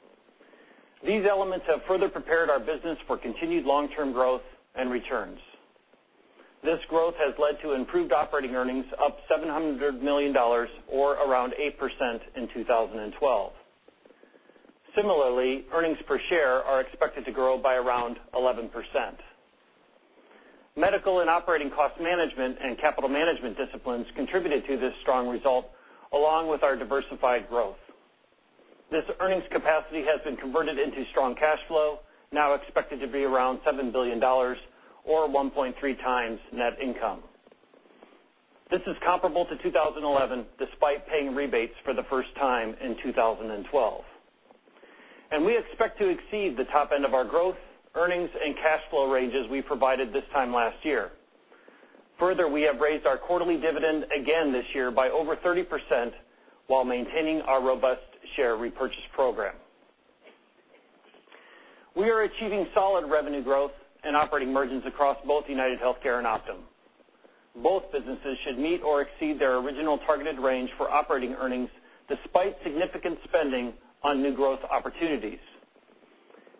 These elements have further prepared our business for continued long-term growth and returns. This growth has led to improved operating earnings up $700 million, or around 8% in 2012. Similarly, earnings per share are expected to grow by around 11%. Medical and operating cost management and capital management disciplines contributed to this strong result, along with our diversified growth. This earnings capacity has been converted into strong cash flow, now expected to be around $7 billion, or 1.3 times net income. This is comparable to 2011, despite paying rebates for the first time in 2012. We expect to exceed the top end of our growth, earnings, and cash flow ranges we provided this time last year. Further, we have raised our quarterly dividend again this year by over 30% while maintaining our robust share repurchase program. We are achieving solid revenue growth and operating margins across both UnitedHealthcare and Optum. Both businesses should meet or exceed their original targeted range for operating earnings despite significant spending on new growth opportunities.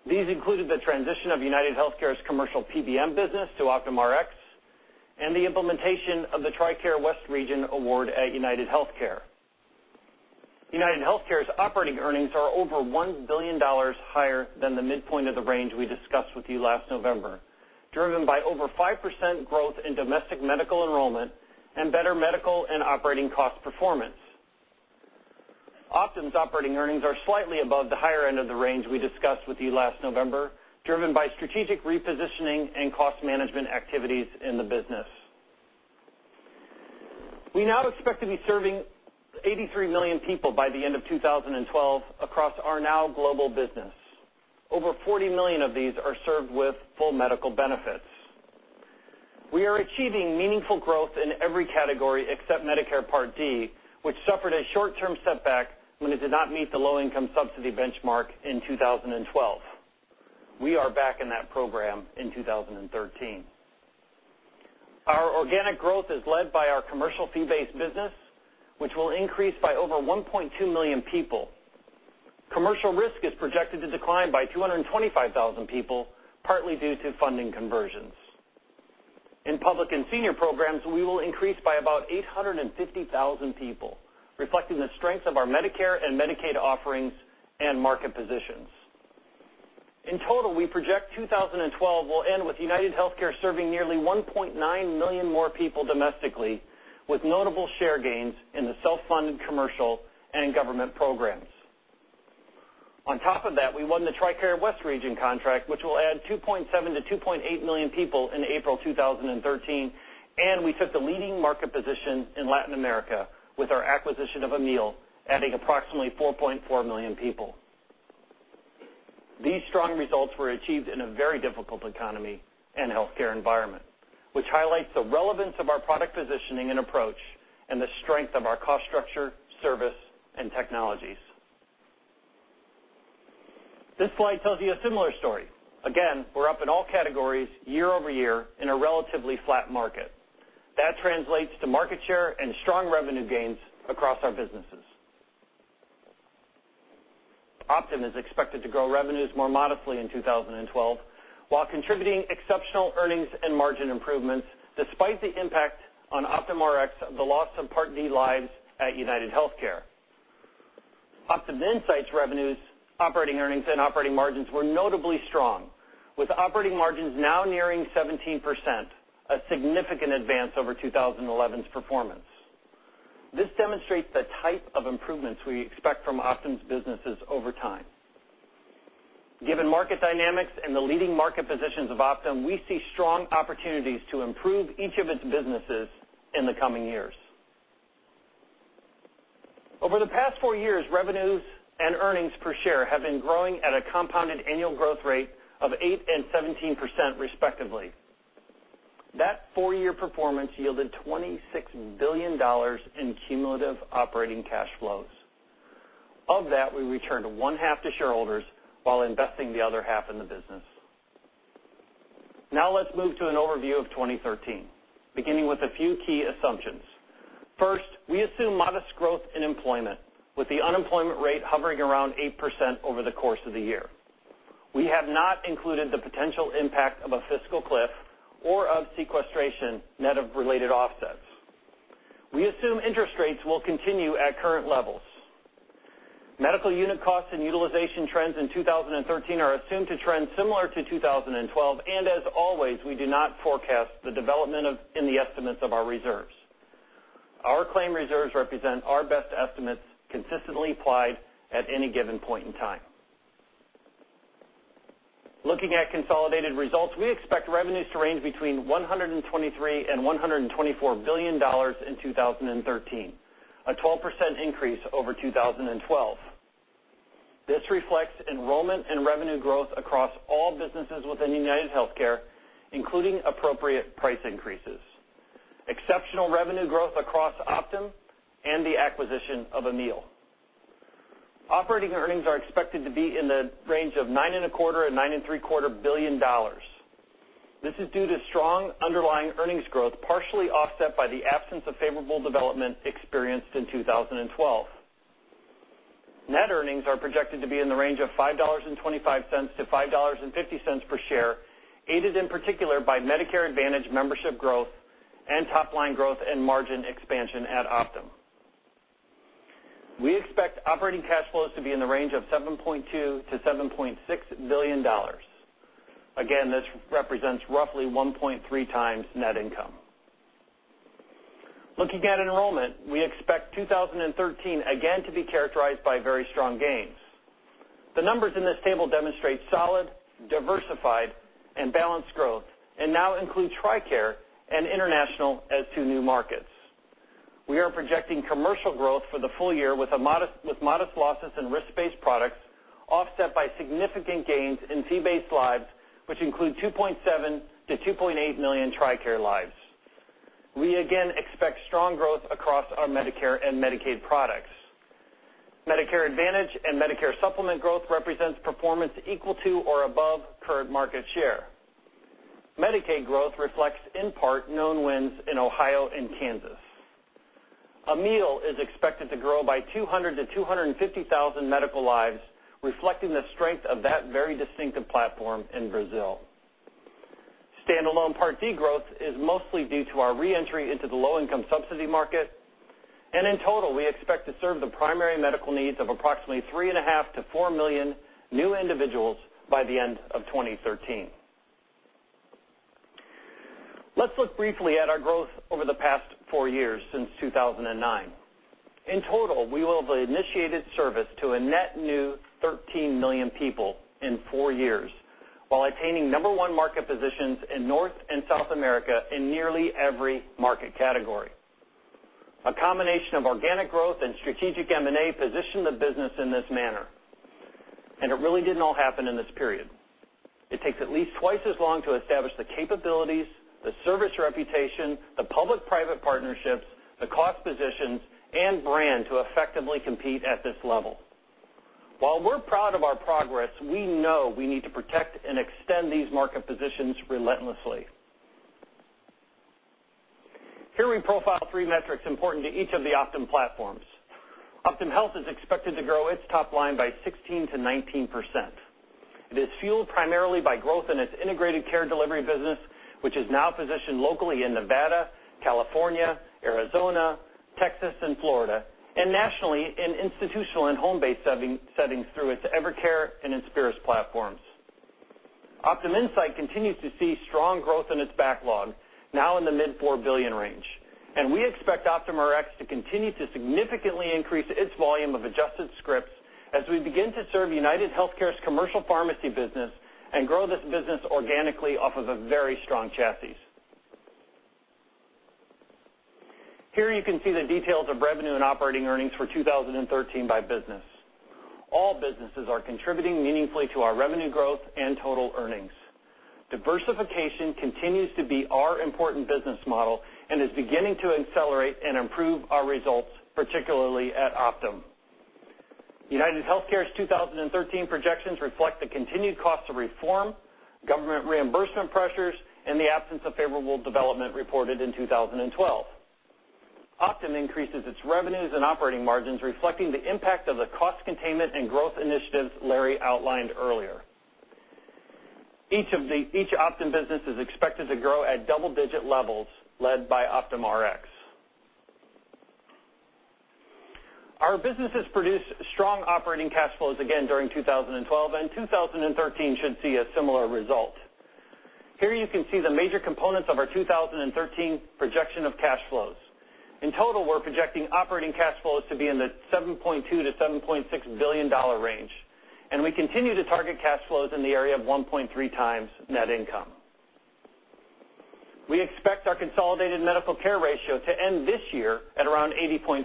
These included the transition of UnitedHealthcare's commercial PBM business to Optum Rx and the implementation of the TRICARE West Region award at UnitedHealthcare. UnitedHealthcare's operating earnings are over $1 billion higher than the midpoint of the range we discussed with you last November, driven by over 5% growth in domestic medical enrollment and better medical and operating cost performance. Optum's operating earnings are slightly above the higher end of the range we discussed with you last November, driven by strategic repositioning and cost management activities in the business. We now expect to be serving 83 million people by the end of 2012 across our now global business. Over 40 million of these are served with full medical benefits. We are achieving meaningful growth in every category except Medicare Part D, which suffered a short-term setback when it did not meet the low-income subsidy benchmark in 2012. We are back in that program in 2013. Our organic growth is led by our commercial fee-based business, which will increase by over 1.2 million people. Commercial risk is projected to decline by 225,000 people, partly due to funding conversions. In public and senior programs, we will increase by about 850,000 people, reflecting the strength of our Medicare and Medicaid offerings and market positions. In total, we project 2012 will end with UnitedHealthcare serving nearly 1.9 million more people domestically, with notable share gains in the self-funded commercial and government programs. On top of that, we won the TRICARE West Region contract, which will add 2.7 million-2.8 million people in April 2013, and we took the leading market position in Latin America with our acquisition of Amil, adding approximately 4.4 million people. These strong results were achieved in a very difficult economy and healthcare environment, which highlights the relevance of our product positioning and approach and the strength of our cost structure, service, and technologies. This slide tells you a similar story. Again, we're up in all categories year-over-year in a relatively flat market. That translates to market share and strong revenue gains across our businesses. Optum is expected to grow revenues more modestly in 2012 while contributing exceptional earnings and margin improvements, despite the impact on Optum Rx of the loss of Part D lives at UnitedHealthcare. Optum Insight revenues, operating earnings, and operating margins were notably strong, with operating margins now nearing 17%, a significant advance over 2011's performance. This demonstrates the type of improvements we expect from Optum's businesses over time. Given market dynamics and the leading market positions of Optum, we see strong opportunities to improve each of its businesses in the coming years. Over the past four years, revenues and earnings per share have been growing at a compounded annual growth rate of 8% and 17%, respectively. That four-year performance yielded $26 billion in cumulative operating cash flows. Of that, we returned one-half to shareholders while investing the other half in the business. Now let's move to an overview of 2013, beginning with a few key assumptions. First, we assume modest growth in employment, with the unemployment rate hovering around 8% over the course of the year. We have not included the potential impact of a fiscal cliff or of sequestration net of related offsets. We assume interest rates will continue at current levels. Medical unit costs and utilization trends in 2013 are assumed to trend similar to 2012, and as always, we do not forecast the development in the estimates of our reserves. Our claim reserves represent our best estimates consistently applied at any given point in time. Looking at consolidated results, we expect revenues to range between $123 billion and $124 billion in 2013, a 12% increase over 2012. This reflects enrollment and revenue growth across all businesses within UnitedHealthcare, including appropriate price increases, exceptional revenue growth across Optum, and the acquisition of Amil. Operating earnings are expected to be in the range of $9.25 billion and $9.75 billion. This is due to strong underlying earnings growth, partially offset by the absence of favorable development experienced in 2012. Net earnings are projected to be in the range of $5.25-$5.50 per share, aided in particular by Medicare Advantage membership growth and top-line growth and margin expansion at Optum. We expect operating cash flows to be in the range of $7.2 billion-$7.6 billion. Again, this represents roughly 1.3 times net income. Looking at enrollment, we expect 2013 again to be characterized by very strong gains. The numbers in this table demonstrate solid, diversified, and balanced growth and now include TRICARE and International as two new markets. We are projecting commercial growth for the full year with modest losses in risk-based products offset by significant gains in fee-based lives, which include 2.7 million-2.8 million TRICARE lives. We again expect strong growth across our Medicare and Medicaid products. Medicare Advantage and Medicare Supplement growth represents performance equal to or above current market share. Medicaid growth reflects, in part, known wins in Ohio and Kansas. Amil is expected to grow by 200,000-250,000 medical lives, reflecting the strength of that very distinctive platform in Brazil. Standalone Part D growth is mostly due to our re-entry into the low-income subsidy market. In total, we expect to serve the primary medical needs of approximately 3.5 million-4 million new individuals by the end of 2013. Let's look briefly at our growth over the past four years since 2009. In total, we will have initiated service to a net new 13 million people in four years while attaining number 1 market positions in North and South America in nearly every market category. A combination of organic growth and strategic M&A positioned the business in this manner. It really didn't all happen in this period. It takes at least twice as long to establish the capabilities, the service reputation, the public-private partnerships, the cost positions, and brand to effectively compete at this level. While we're proud of our progress, we know we need to protect and extend these market positions relentlessly. Here we profile three metrics important to each of the Optum platforms. Optum Health is expected to grow its top line by 16%-19%. It is fueled primarily by growth in its integrated care delivery business, which is now positioned locally in Nevada, California, Arizona, Texas, and Florida, and nationally in institutional and home-based settings through its EverCare and Inspirus platforms. Optum Insight continues to see strong growth in its backlog, now in the mid-$4 billion range. We expect Optum Rx to continue to significantly increase its volume of adjusted scripts as we begin to serve UnitedHealthcare's commercial pharmacy business and grow this business organically off of a very strong chassis. Here you can see the details of revenue and operating earnings for 2013 by business. All businesses are contributing meaningfully to our revenue growth and total earnings. Diversification continues to be our important business model and is beginning to accelerate and improve our results, particularly at Optum. UnitedHealthcare's 2013 projections reflect the continued cost of reform, government reimbursement pressures, and the absence of favorable development reported in 2012. Optum increases its revenues and operating margins, reflecting the impact of the cost containment and growth initiatives Larry outlined earlier. Each Optum business is expected to grow at double-digit levels led by Optum Rx. Our businesses produced strong operating cash flows again during 2012. 2013 should see a similar result. Here you can see the major components of our 2013 projection of cash flows. In total, we're projecting operating cash flows to be in the $7.2 billion-$7.6 billion range. We continue to target cash flows in the area of 1.3 times net income. We expect our consolidated medical care ratio to end this year at around 80.5%.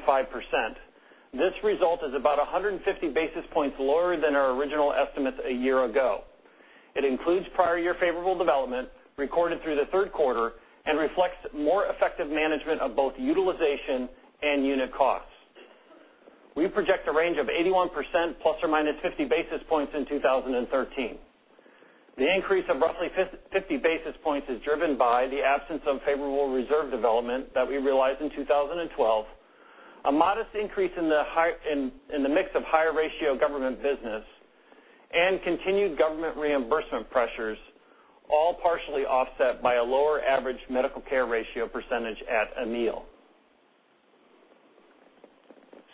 This result is about 150 basis points lower than our original estimates a year ago. It includes prior year favorable development recorded through the third quarter and reflects more effective management of both utilization and unit costs. We project a range of 81% ±50 basis points in 2013. The increase of roughly 50 basis points is driven by the absence of favorable reserve development that we realized in 2012, a modest increase in the mix of higher ratio government business, and continued government reimbursement pressures, all partially offset by a lower average medical care ratio percentage at Amil.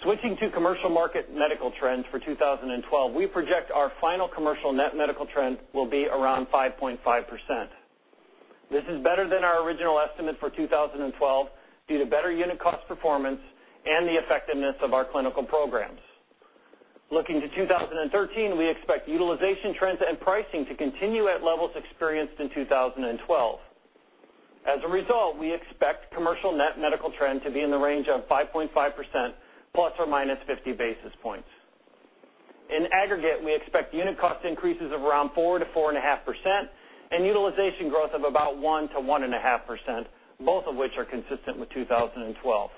Switching to commercial market medical trends for 2012, we project our final commercial net medical trend will be around 5.5%. This is better than our original estimate for 2012 due to better unit cost performance and the effectiveness of our clinical programs. Looking to 2013, we expect utilization trends and pricing to continue at levels experienced in 2012. We expect commercial net medical trend to be in the range of 5.5% ±50 basis points. In aggregate, we expect unit cost increases of around 4%-4.5% and utilization growth of about 1%-1.5%, both of which are consistent with 2012.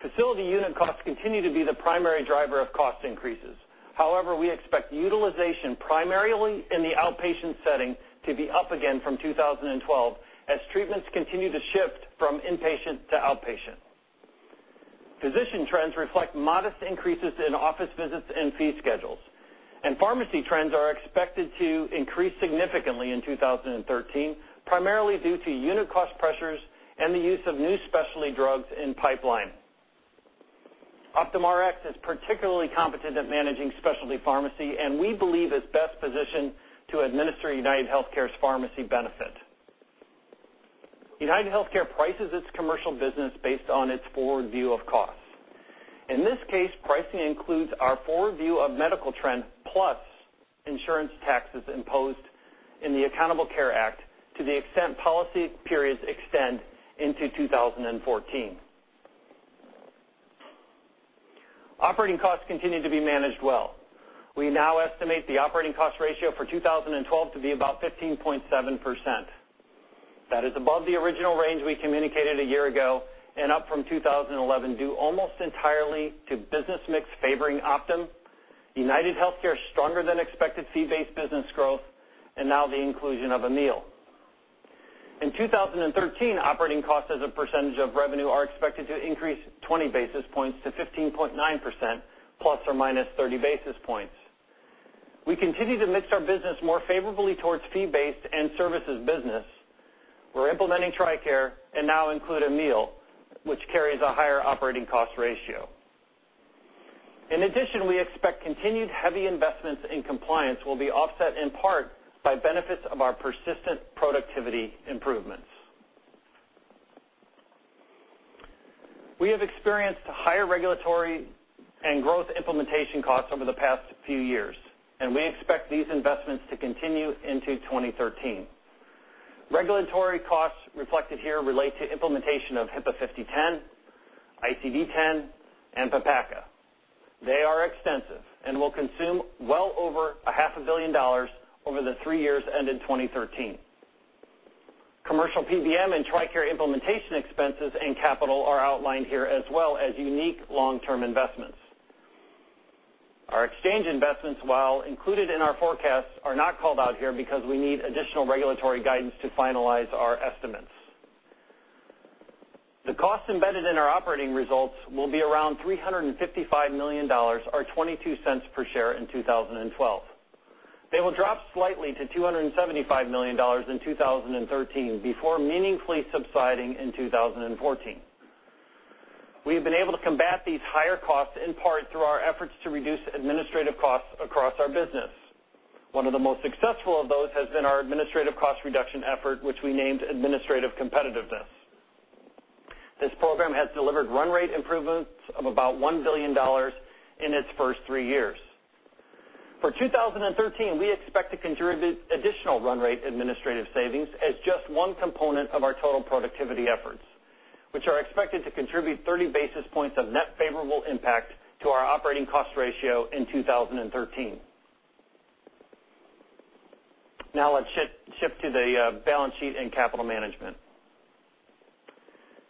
Facility unit costs continue to be the primary driver of cost increases. However, we expect utilization primarily in the outpatient setting to be up again from 2012 as treatments continue to shift from inpatient to outpatient. Physician trends reflect modest increases in office visits and fee schedules, and pharmacy trends are expected to increase significantly in 2013, primarily due to unit cost pressures and the use of new specialty drugs in pipeline. Optum Rx is particularly competent at managing specialty pharmacy, and we believe is best positioned to administer UnitedHealthcare's pharmacy benefit. UnitedHealthcare prices its commercial business based on its forward view of costs. In this case, pricing includes our forward view of medical trends plus insurance taxes imposed in the Affordable Care Act to the extent policy periods extend into 2014. Operating costs continue to be managed well. We now estimate the operating cost ratio for 2012 to be about 15.7%. That is above the original range we communicated a year ago and up from 2011 due almost entirely to business mix favoring Optum, UnitedHealthcare's stronger than expected fee-based business growth, and now the inclusion of Amil. In 2013, operating costs as a percentage of revenue are expected to increase 20 basis points to 15.9% ±30 basis points. We continue to mix our business more favorably towards fee-based and services business. We're implementing TRICARE and now include Amil, which carries a higher operating cost ratio. We expect continued heavy investments in compliance will be offset in part by benefits of our persistent productivity improvements. We have experienced higher regulatory and growth implementation costs over the past few years, and we expect these investments to continue into 2013. Regulatory costs reflected here relate to implementation of HIPAA 5010, ICD-10, and PPACA. They are extensive and will consume well over a half a billion dollars over the three years ending 2013. Commercial PBM and TRICARE implementation expenses and capital are outlined here as well as unique long-term investments. Our exchange investments, while included in our forecasts, are not called out here because we need additional regulatory guidance to finalize our estimates. The cost embedded in our operating results will be around $355 million or $0.22 per share in 2012. They will drop slightly to $275 million in 2013 before meaningfully subsiding in 2014. We have been able to combat these higher costs in part through our efforts to reduce administrative costs across our business. One of the most successful of those has been our administrative cost reduction effort, which we named Administrative Competitiveness. This program has delivered run rate improvements of about $1 billion in its first three years. For 2013, we expect to contribute additional run rate administrative savings as just one component of our total productivity efforts, which are expected to contribute 30 basis points of net favorable impact to our operating cost ratio in 2013. Now let's shift to the balance sheet and capital management.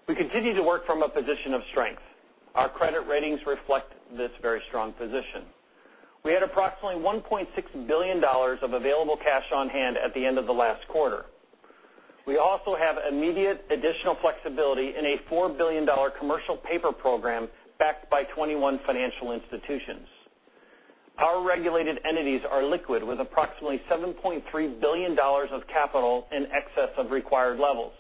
We continue to work from a position of strength. Our credit ratings reflect this very strong position. We had approximately $1.6 billion of available cash on hand at the end of the last quarter. We also have immediate additional flexibility in a $4 billion commercial paper program backed by 21 financial institutions. Our regulated entities are liquid with approximately $7.3 billion of capital in excess of required levels.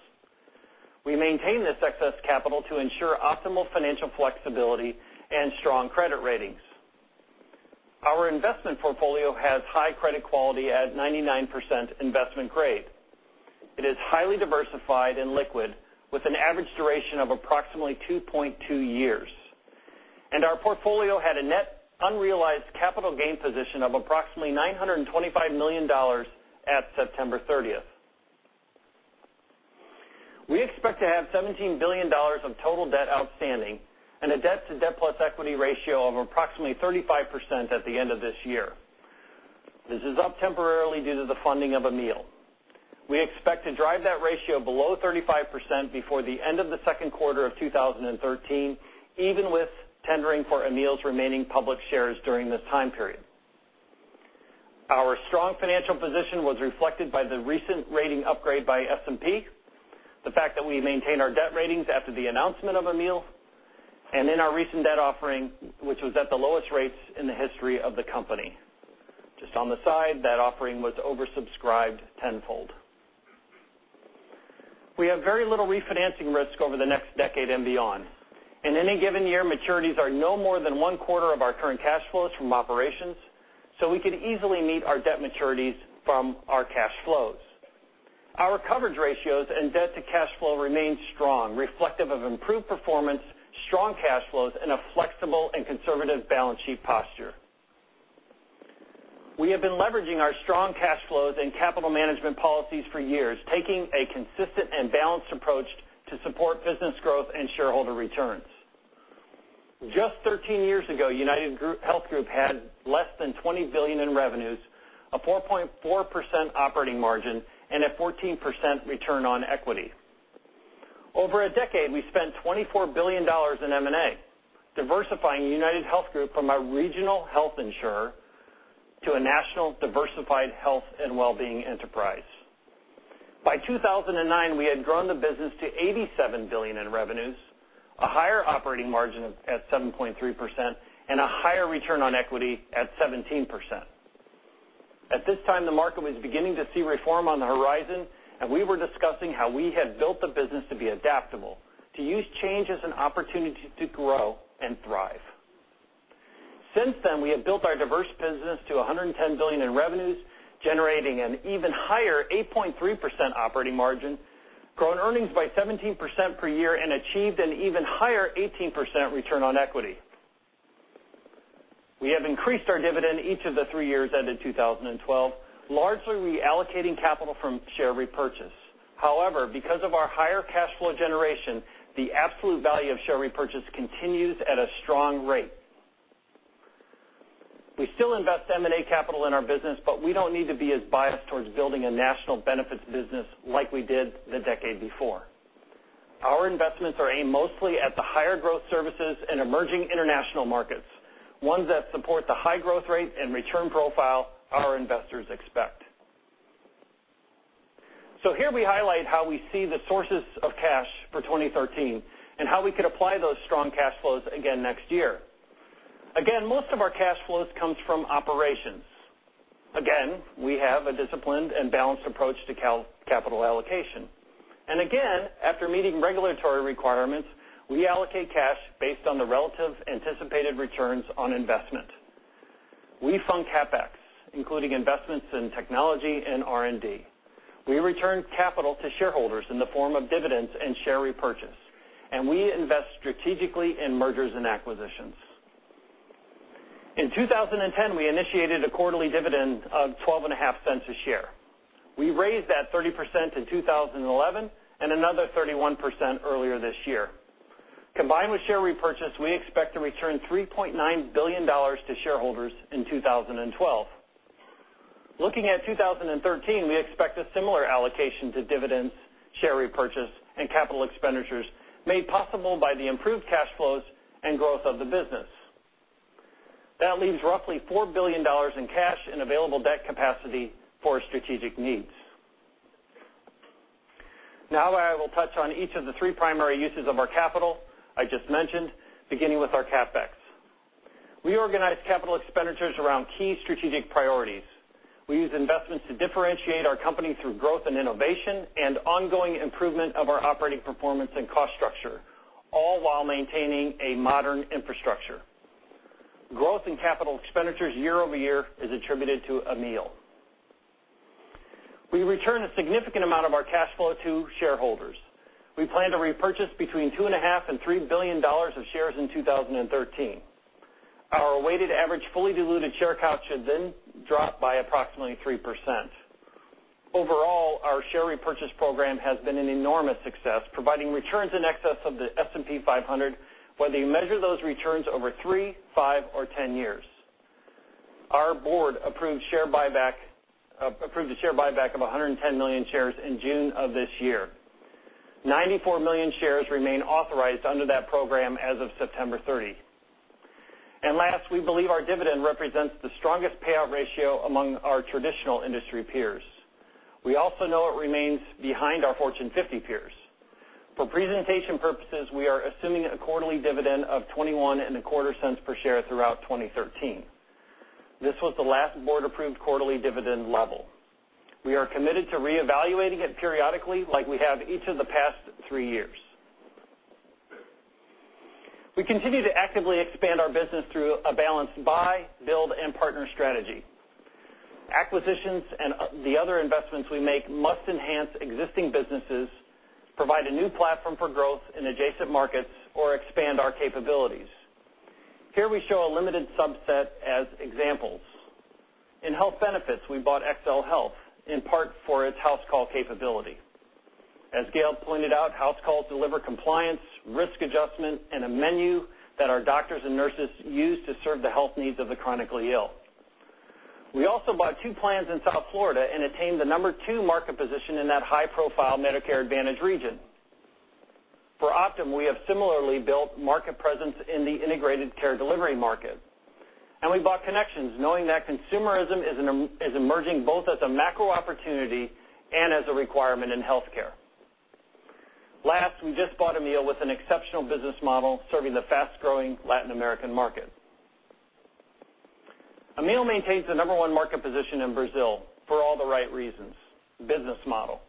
We maintain this excess capital to ensure optimal financial flexibility and strong credit ratings. Our investment portfolio has high credit quality at 99% investment grade. It is highly diversified and liquid with an average duration of approximately 2.2 years. Our portfolio had a net unrealized capital gain position of approximately $925 million at September 30th. We expect to have $17 billion of total debt outstanding and a debt-to-debt-plus-equity ratio of approximately 35% at the end of this year. This is up temporarily due to the funding of Amil. We expect to drive that ratio below 35% before the end of the second quarter of 2013, even with tendering for Amil's remaining public shares during this time period. Our strong financial position was reflected by the recent rating upgrade by S&P, the fact that we maintained our debt ratings after the announcement of Amil, and in our recent debt offering, which was at the lowest rates in the history of the company. Just on the side, that offering was oversubscribed tenfold. We have very little refinancing risk over the next decade and beyond. In any given year, maturities are no more than one-quarter of our current cash flows from operations, so we could easily meet our debt maturities from our cash flows. Our coverage ratios and debt to cash flow remain strong, reflective of improved performance, strong cash flows, and a flexible and conservative balance sheet posture. We have been leveraging our strong cash flows and capital management policies for years, taking a consistent and balanced approach to support business growth and shareholder returns. Just 13 years ago, UnitedHealth Group had less than $20 billion in revenues, a 4.4% operating margin, and a 14% return on equity. Over a decade, we spent $24 billion in M&A, diversifying UnitedHealth Group from a regional health insurer to a national diversified health and wellbeing enterprise. By 2009, we had grown the business to $87 billion in revenues, a higher operating margin of at 7.3%, and a higher return on equity at 17%. At this time, the market was beginning to see reform on the horizon. We were discussing how we had built the business to be adaptable, to use change as an opportunity to grow and thrive. Since then, we have built our diverse business to $110 billion in revenues, generating an even higher 8.3% operating margin, grown earnings by 17% per year, and achieved an even higher 18% return on equity. We have increased our dividend each of the three years ended 2012, largely reallocating capital from share repurchase. Because of our higher cash flow generation, the absolute value of share repurchase continues at a strong rate. We still invest M&A capital in our business, we don't need to be as biased towards building a national benefits business like we did the decade before. Our investments are aimed mostly at the higher growth services and emerging international markets, ones that support the high growth rate and return profile our investors expect. Here we highlight how we see the sources of cash for 2013 and how we could apply those strong cash flows again next year. Again, most of our cash flows comes from operations. Again, we have a disciplined and balanced approach to capital allocation. After meeting regulatory requirements, we allocate cash based on the relative anticipated returns on investment. We fund CapEx, including investments in technology and R&D. We return capital to shareholders in the form of dividends and share repurchase, we invest strategically in mergers and acquisitions. In 2010, we initiated a quarterly dividend of $0.125 a share. We raised that 30% in 2011 and another 31% earlier this year. Combined with share repurchase, we expect to return $3.9 billion to shareholders in 2012. Looking at 2013, we expect a similar allocation to dividends, share repurchase, and capital expenditures made possible by the improved cash flows and growth of the business. That leaves roughly $4 billion in cash and available debt capacity for our strategic needs. Now I will touch on each of the three primary uses of our capital I just mentioned, beginning with our CapEx. We organize capital expenditures around key strategic priorities. We use investments to differentiate our company through growth and innovation and ongoing improvement of our operating performance and cost structure, all while maintaining a modern infrastructure. Growth in capital expenditures year-over-year is attributed to Amil. We return a significant amount of our cash flow to shareholders. We plan to repurchase between $2.5 billion-$3 billion of shares in 2013. Our weighted average fully diluted share count should then drop by approximately 3%. Overall, our share repurchase program has been an enormous success, providing returns in excess of the S&P 500, whether you measure those returns over three, five, or 10 years. Our board approved a share buyback of 110 million shares in June of this year. 94 million shares remain authorized under that program as of September 30. Last, we believe our dividend represents the strongest payout ratio among our traditional industry peers. We also know it remains behind our Fortune 50 peers. For presentation purposes, we are assuming a quarterly dividend of $0.2125 per share throughout 2013. This was the last board-approved quarterly dividend level. We are committed to reevaluating it periodically like we have each of the past three years. We continue to actively expand our business through a balanced buy, build, and partner strategy. Acquisitions, the other investments we make must enhance existing businesses, provide a new platform for growth in adjacent markets, or expand our capabilities. Here we show a limited subset as examples. In health benefits, we bought XLHealth, in part for its HouseCalls capability. As Gail pointed out, HouseCalls deliver compliance, risk adjustment, and a menu that our doctors and nurses use to serve the health needs of the chronically ill. We also bought two plans in South Florida and attained the number 2 market position in that high-profile Medicare Advantage region. For Optum, we have similarly built market presence in the integrated care delivery market. We bought Connextions, knowing that consumerism is emerging both as a macro opportunity and as a requirement in healthcare. Last, we just bought Amil with an exceptional business model serving the fast-growing Latin American market. Amil maintains the number 1 market position in Brazil for all the right reasons: business model,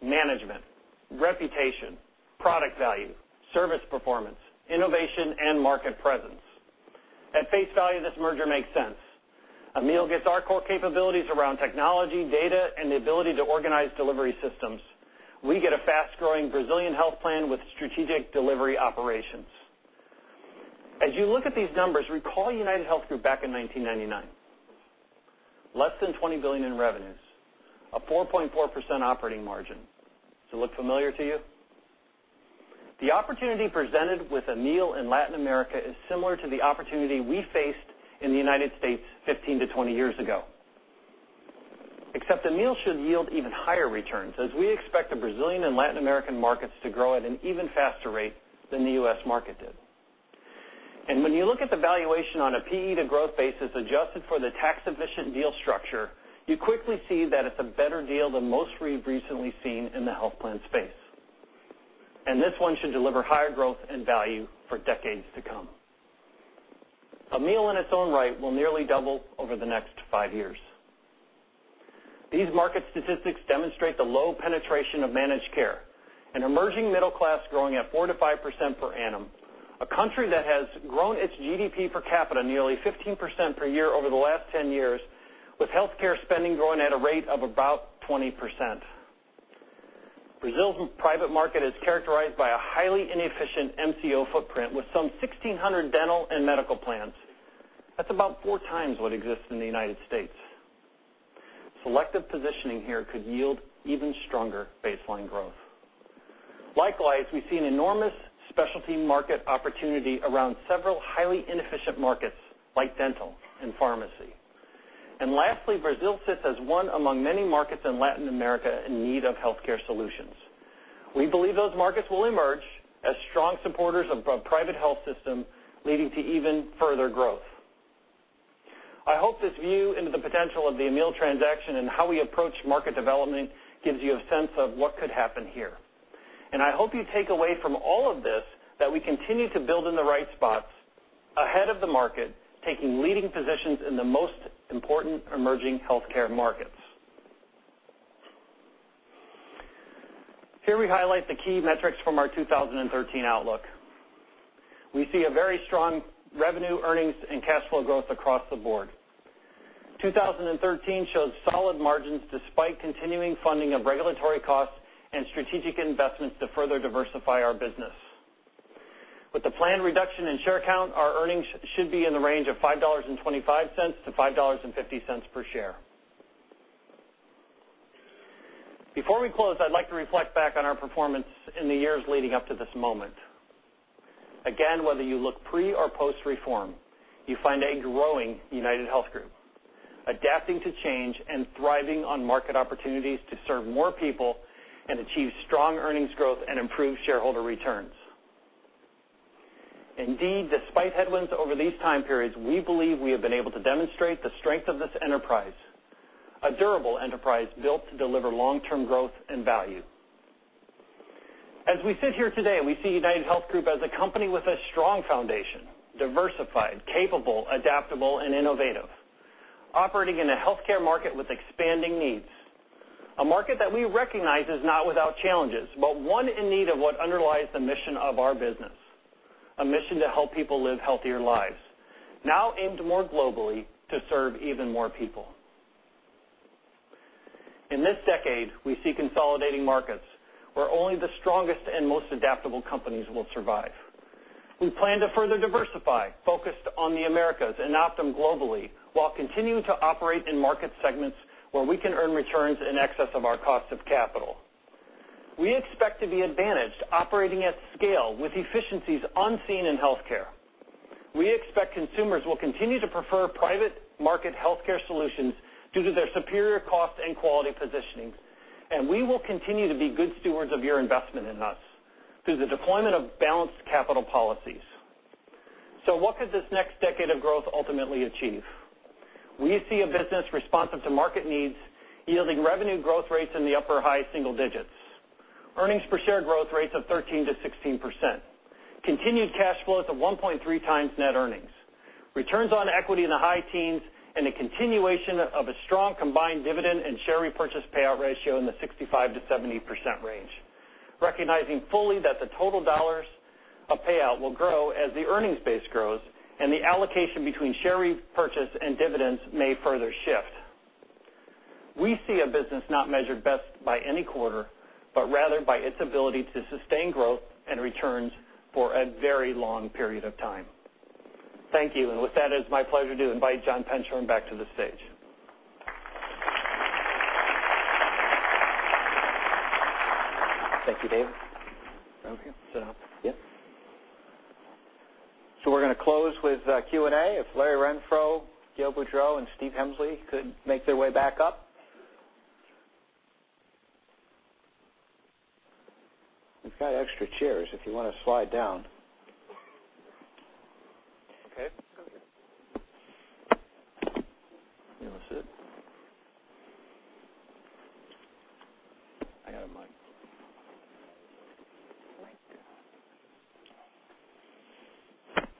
management, reputation, product value, service performance, innovation, and market presence. At face value, this merger makes sense. Amil gets our core capabilities around technology, data, and the ability to organize delivery systems. We get a fast-growing Brazilian health plan with strategic delivery operations. As you look at these numbers, recall UnitedHealth Group back in 1999. Less than $20 billion in revenues, a 4.4% operating margin. Does it look familiar to you? The opportunity presented with Amil in Latin America is similar to the opportunity we faced in the U.S. 15 to 20 years ago. Except Amil should yield even higher returns, as we expect the Brazilian and Latin American markets to grow at an even faster rate than the U.S. market did. When you look at the valuation on a P/E-to-growth basis adjusted for the tax-efficient deal structure, you quickly see that it's a better deal than most we've recently seen in the health plan space. This one should deliver higher growth and value for decades to come. Amil in its own right will nearly double over the next five years. These market statistics demonstrate the low penetration of managed care. An emerging middle class growing at 4% to 5% per annum. A country that has grown its GDP per capita nearly 15% per year over the last 10 years, with healthcare spending growing at a rate of about 20%. Brazil's private market is characterized by a highly inefficient MCO footprint with some 1,600 dental and medical plans. That's about four times what exists in the U.S. Selective positioning here could yield even stronger baseline growth. Likewise, we see an enormous specialty market opportunity around several highly inefficient markets like dental and pharmacy. Lastly, Brazil sits as one among many markets in Latin America in need of healthcare solutions. We believe those markets will emerge as strong supporters of a private health system, leading to even further growth. I hope this view into the potential of the Amil transaction and how we approach market development gives you a sense of what could happen here. I hope you take away from all of this that we continue to build in the right spots ahead of the market, taking leading positions in the most important emerging healthcare markets. Here we highlight the key metrics from our 2013 outlook. We see a very strong revenue, earnings, and cash flow growth across the board. 2013 shows solid margins despite continuing funding of regulatory costs and strategic investments to further diversify our business. With the planned reduction in share count, our earnings should be in the range of $5.25-$5.50 per share. Before we close, I'd like to reflect back on our performance in the years leading up to this moment. Again, whether you look pre or post-reform, you find a growing UnitedHealth Group adapting to change and thriving on market opportunities to serve more people and achieve strong earnings growth and improve shareholder returns. Indeed, despite headwinds over these time periods, we believe we have been able to demonstrate the strength of this enterprise, a durable enterprise built to deliver long-term growth and value. As we sit here today, we see UnitedHealth Group as a company with a strong foundation, diversified, capable, adaptable, and innovative, operating in a healthcare market with expanding needs. A market that we recognize is not without challenges, but one in need of what underlies the mission of our business, a mission to help people live Healthier Lives, now aimed more globally to serve even more people. In this decade, we see consolidating markets where only the strongest and most adaptable companies will survive. We plan to further diversify, focused on the Americas and Optum globally, while continuing to operate in market segments where we can earn returns in excess of our cost of capital. We expect to be advantaged operating at scale with efficiencies unseen in healthcare. We expect consumers will continue to prefer private market healthcare solutions due to their superior cost and quality positioning, and we will continue to be good stewards of your investment in us through the deployment of balanced capital policies. What could this next decade of growth ultimately achieve? We see a business responsive to market needs yielding revenue growth rates in the upper high single digits. Earnings per share growth rates of 13%-16%. Continued cash flows of 1.3 times net earnings. Returns on equity in the high teens, and a continuation of a strong combined dividend and share repurchase payout ratio in the 65%-70% range. Recognizing fully that the total dollars of payout will grow as the earnings base grows and the allocation between share repurchase and dividends may further shift. We see a business not measured best by any quarter, but rather by its ability to sustain growth and returns for a very long period of time. Thank you. With that, it's my pleasure to invite Jon Penshorn back to the stage. Thank you, David. Okay. Sit down. Yeah. We're going to close with Q&A. If Larry Renfro, Gail Boudreaux, and Steve Hemsley could make their way back up. We've got extra chairs if you want to slide down. Okay. You want to sit? I got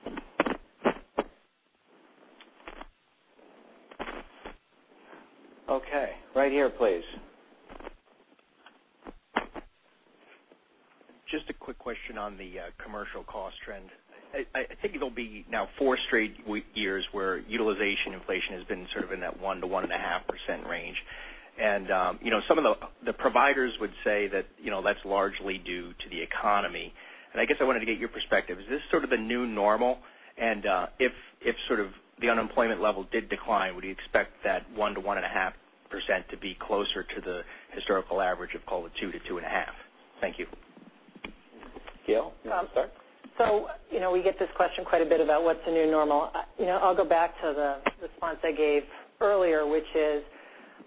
a mic. Mic. Okay. Right here, please. Just a quick question on the commercial cost trend. I think it'll be now 4 straight years where utilization inflation has been sort of in that 1%-1.5% range. Some of the providers would say that that's largely due to the economy. I guess I wanted to get your perspective. Is this sort of the new normal? If the unemployment level did decline, would you expect that 1%-1.5% to be closer to the historical average of call it 2%-2.5%? Thank you. Gail, you want to start? We get this question quite a bit about what's the new normal. I'll go back to the response I gave earlier, which is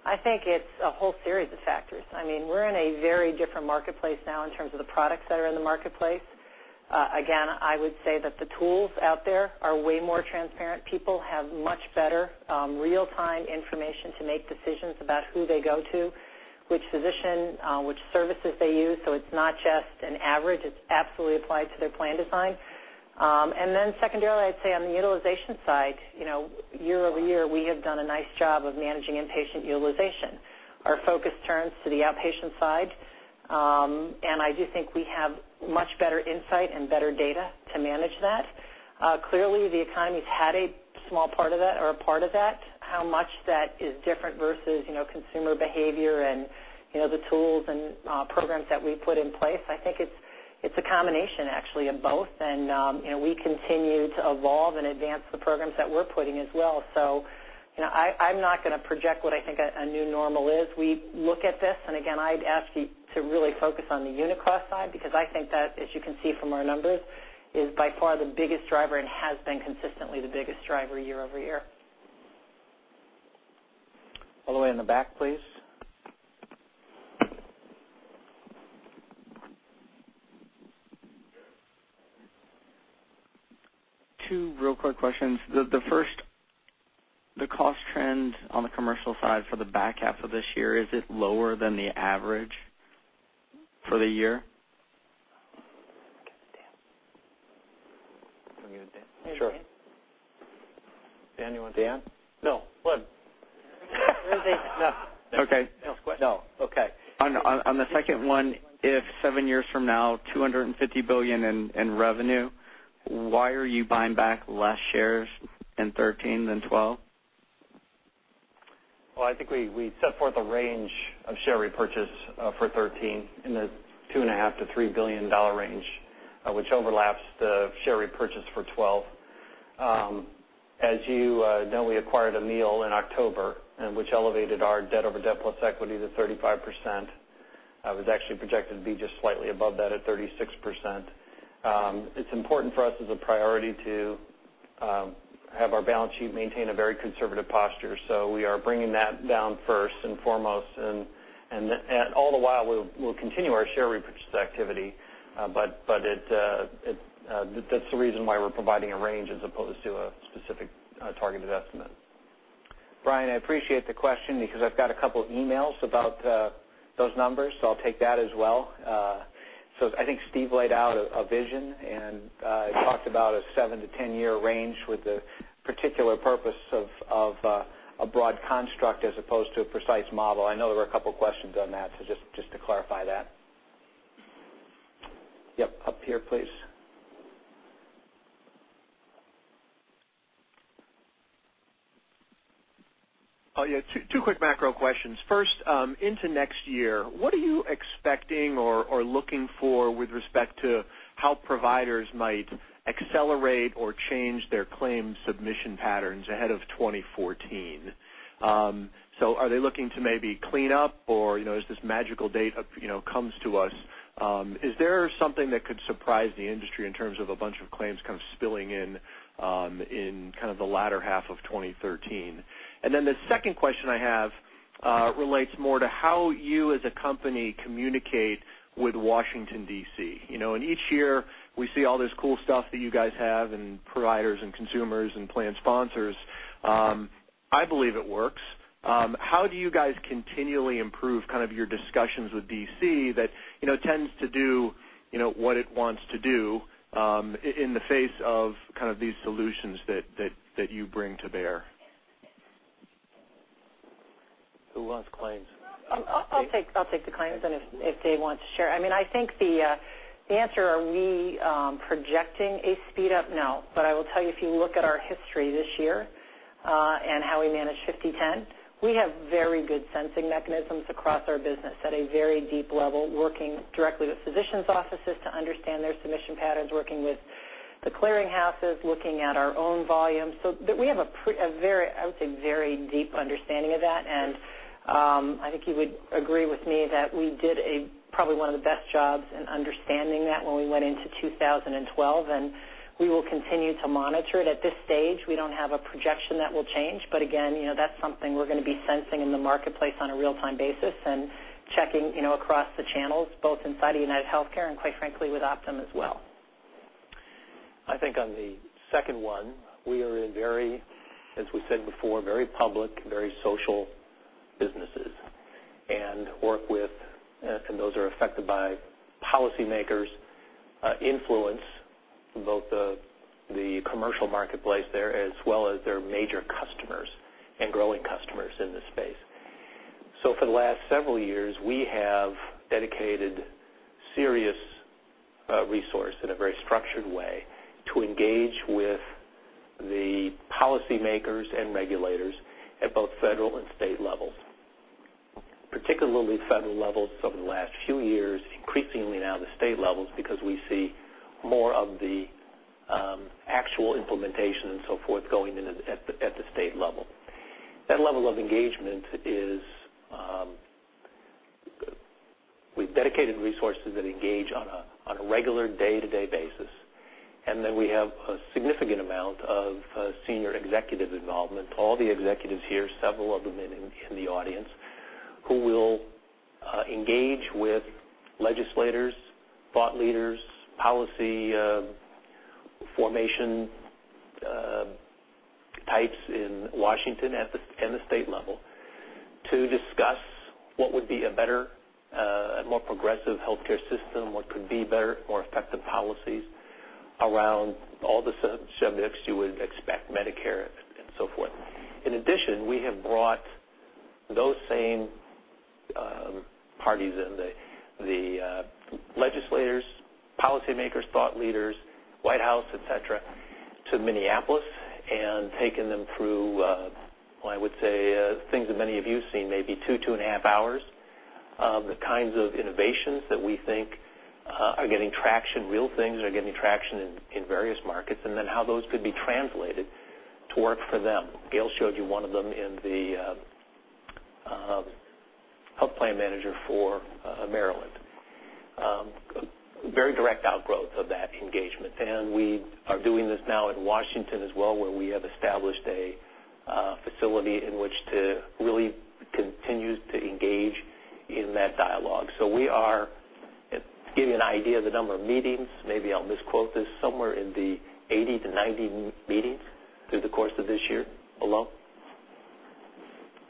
I think it's a whole series of factors. We're in a very different marketplace now in terms of the products that are in the marketplace. Again, I would say that the tools out there are way more transparent. People have much better real-time information to make decisions about who they go to, which physician, which services they use. It's not just an average. It's absolutely applied to their plan design. Secondarily, I'd say on the utilization side, year-over-year, we have done a nice job of managing inpatient utilization. Our focus turns to the outpatient side. I do think we have much better insight and better data to manage that. Clearly the economy's had a small part of that or a part of that. How much that is different versus consumer behavior and the tools and programs that we put in place, I think it's a combination actually of both and we continue to evolve and advance the programs that we're putting as well. I'm not going to project what I think a new normal is. We look at this and again, I'd ask you to really focus on the unicost side because I think that, as you can see from our numbers, is by far the biggest driver and has been consistently the biggest driver year-over-year. All the way in the back, please. Two real quick questions. The first, the cost trend on the commercial side for the back half of this year, is it lower than the average for the year? Give it to Dan. You want me to, Dan? Sure. Dan, you want to? Dan? No, Glenn. Okay. No. Okay. On the second one, if seven years from now, $250 billion in revenue, why are you buying back less shares in 2013 than 2012? I think we set forth a range of share repurchase for 2013 in the $2.5 billion to $3 billion range, which overlaps the share repurchase for 2012. As you know, we acquired Amil in October, which elevated our debt over debt plus equity to 35%. It was actually projected to be just slightly above that at 36%. It's important for us as a priority to have our balance sheet maintain a very conservative posture. We are bringing that down first and foremost, and all the while, we'll continue our share repurchase activity. That's the reason why we're providing a range as opposed to a specific targeted estimate. Brian, I appreciate the question because I've got a couple emails about those numbers, I'll take that as well. I think Steve laid out a vision and talked about a seven to 10-year range with the particular purpose of a broad construct as opposed to a precise model. I know there were a couple of questions on that, just to clarify that. Yep. Up here, please. Oh, yeah, two quick macro questions. First, into next year, what are you expecting or looking for with respect to how providers might accelerate or change their claims submission patterns ahead of 2014? Are they looking to maybe clean up or as this magical date comes to us, is there something that could surprise the industry in terms of a bunch of claims kind of spilling in kind of the latter half of 2013? The second question I have relates more to how you as a company communicate with Washington, D.C. In each year, we see all this cool stuff that you guys have and providers and consumers and plan sponsors. I believe it works. How do you guys continually improve kind of your discussions with D.C. that tends to do what it wants to do in the face of these solutions that you bring to bear? Who wants claims? I'll take the claims, and if Dave wants to share. I think the answer, are we projecting a speed up? No. I will tell you, if you look at our history this year and how we managed 5010, we have very good sensing mechanisms across our business at a very deep level, working directly with physicians' offices to understand their submission patterns, working with the clearinghouses, looking at our own volumes. We have, I would say, a very deep understanding of that, and I think you would agree with me that we did probably one of the best jobs in understanding that when we went into 2012, we will continue to monitor it. At this stage, we don't have a projection that will change, again, that's something we're going to be sensing in the marketplace on a real-time basis and checking across the channels both inside of UnitedHealthcare and quite frankly, with Optum as well. I think on the second one, we are in very, as we said before, very public, very social businesses. Those are affected by policymakers' influence, both the commercial marketplace there as well as their major customers and growing customers in this space. For the last several years, we have dedicated serious resource in a very structured way to engage with the policymakers and regulators at both federal and state levels. Particularly federal levels over the last few years, increasingly now the state levels, because we see more of the actual implementation and so forth going in at the state level. That level of engagement is we've dedicated resources that engage on a regular day-to-day basis, then we have a significant amount of senior executive involvement. All the executives here, several of them in the audience, who will engage with legislators, thought leaders, policy formation types in Washington and the state level to discuss what would be a better, a more progressive healthcare system, what could be better, more effective policies around all the subjects you would expect, Medicare and so forth. In addition, we have brought those same parties in, the legislators, policymakers, thought leaders, White House, et cetera, to Minneapolis and taken them through, I would say, things that many of you seen, maybe two and a half hours of the kinds of innovations that we think are getting traction, real things that are getting traction in various markets, and then how those could be translated to work for them. Gail showed you one of them in the Health Plan Manager for Maryland. Very direct outgrowth of that engagement. We are doing this now in Washington as well, where we have established a facility in which to really continue to engage in that dialogue. To give you an idea of the number of meetings, maybe I'll misquote this, somewhere in the 80-90 meetings through the course of this year alone.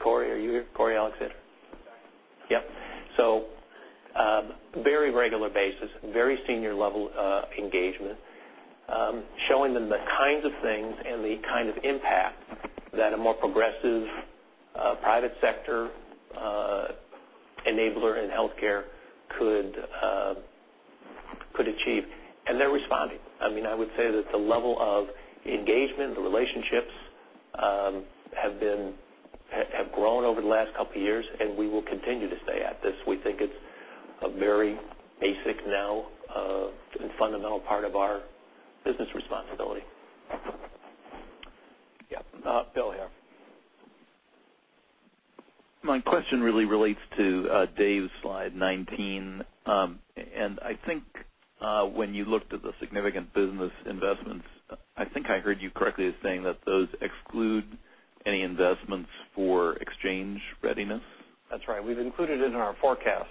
Cory, are you here? Cory Alexander? Yes. Yep. Very regular basis, very senior level engagement, showing them the kinds of things and the kind of impact that a more progressive private sector enabler in healthcare could achieve. They're responding. I would say that the level of engagement, the relationships have grown over the last couple of years. We will continue to stay at this. We think it's a very basic now, and fundamental part of our business responsibility. Yeah. Bill here. My question really relates to Dave's slide 19. I think when you looked at the significant business investments, I think I heard you correctly as saying that those exclude any investments for exchange readiness? That's right. We've included it in our forecast,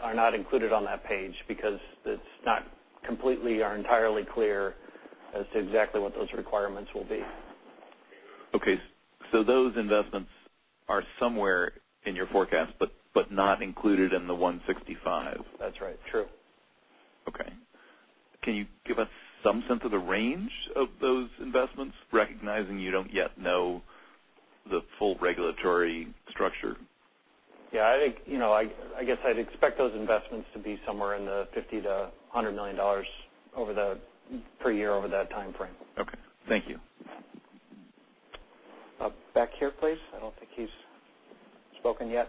are not included on that page because it's not completely or entirely clear as to exactly what those requirements will be. Okay, those investments are somewhere in your forecast, not included in the 165? That's right. True. Okay. Can you give us some sense of the range of those investments, recognizing you don't yet know the full regulatory structure? Yeah, I guess I'd expect those investments to be somewhere in the $50 million-$100 million per year over that timeframe. Okay. Thank you. Back here, please. I don't think he's spoken yet.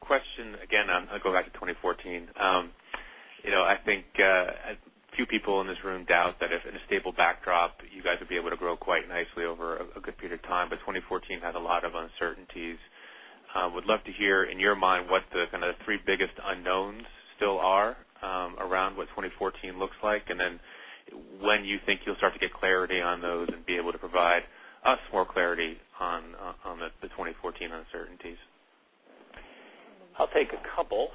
Question again, I'm going to go back to 2014. I think a few people in this room doubt that if in a stable backdrop, you guys would be able to grow quite nicely over a good period of time. 2014 has a lot of uncertainties. Would love to hear, in your mind, what the kind of three biggest unknowns still are around what 2014 looks like, and then when you think you'll start to get clarity on those and be able to provide us more clarity on the 2014 uncertainties. I'll take a couple.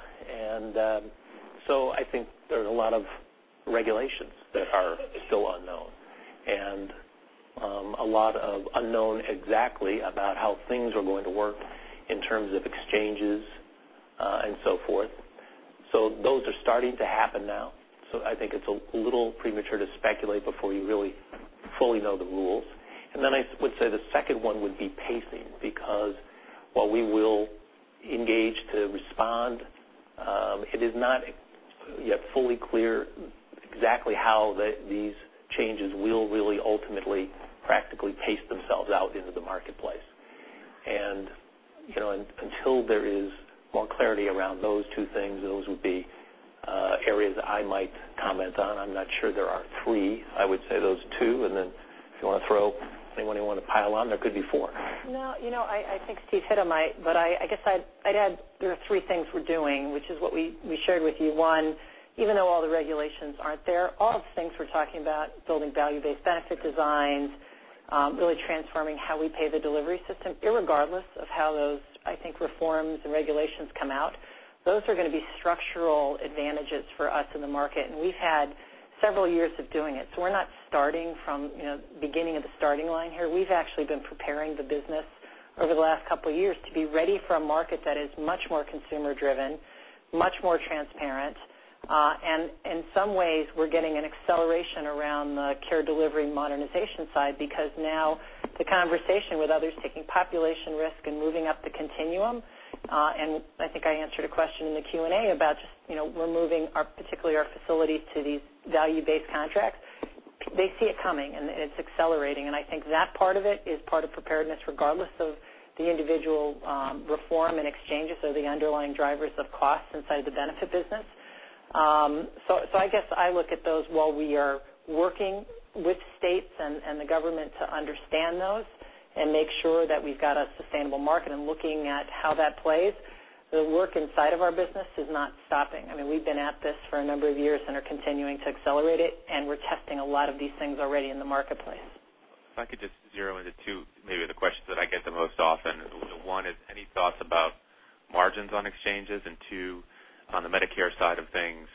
I think there's a lot of regulations that are still unknown, and a lot of unknown exactly about how things are going to work in terms of exchanges, and so forth. Those are starting to happen now. I think it's a little premature to speculate before you really fully know the rules. I would say the second one would be pacing, because while we will engage to respond, it is not yet fully clear exactly how these changes will really ultimately practically pace themselves out into the marketplace. Until there is more clarity around those two things, those would be areas that I might comment on. I'm not sure there are three. I would say those two, and then if you want to throw, anyone want to pile on, there could be four. I think Steve hit them. I guess I'd add there are three things we're doing, which is what we shared with you. One, even though all the regulations aren't there, all of the things we're talking about, building value-based benefit designs, really transforming how we pay the delivery system, regardless of how those, I think, reforms and regulations come out. Those are going to be structural advantages for us in the market. We've had several years of doing it. We're not starting from beginning of the starting line here. We've actually been preparing the business over the last couple of years to be ready for a market that is much more consumer-driven, much more transparent. In some ways, we're getting an acceleration around the care delivery modernization side because now the conversation with others taking population risk and moving up the continuum, and I think I answered a question in the Q&A about just removing particularly our facilities to these value-based contracts. They see it coming, and it's accelerating, and I think that part of it is part of preparedness, regardless of the individual reform and exchanges or the underlying drivers of costs inside the benefit business. I guess I look at those while we are working with states and the government to understand those and make sure that we've got a sustainable market and looking at how that plays. The work inside of our business is not stopping. I mean, we've been at this for a number of years and are continuing to accelerate it, and we're testing a lot of these things already in the marketplace. If I could just zero into two, maybe the questions that I get the most often. One is any thoughts about margins on exchanges? Two, on the Medicare side of things,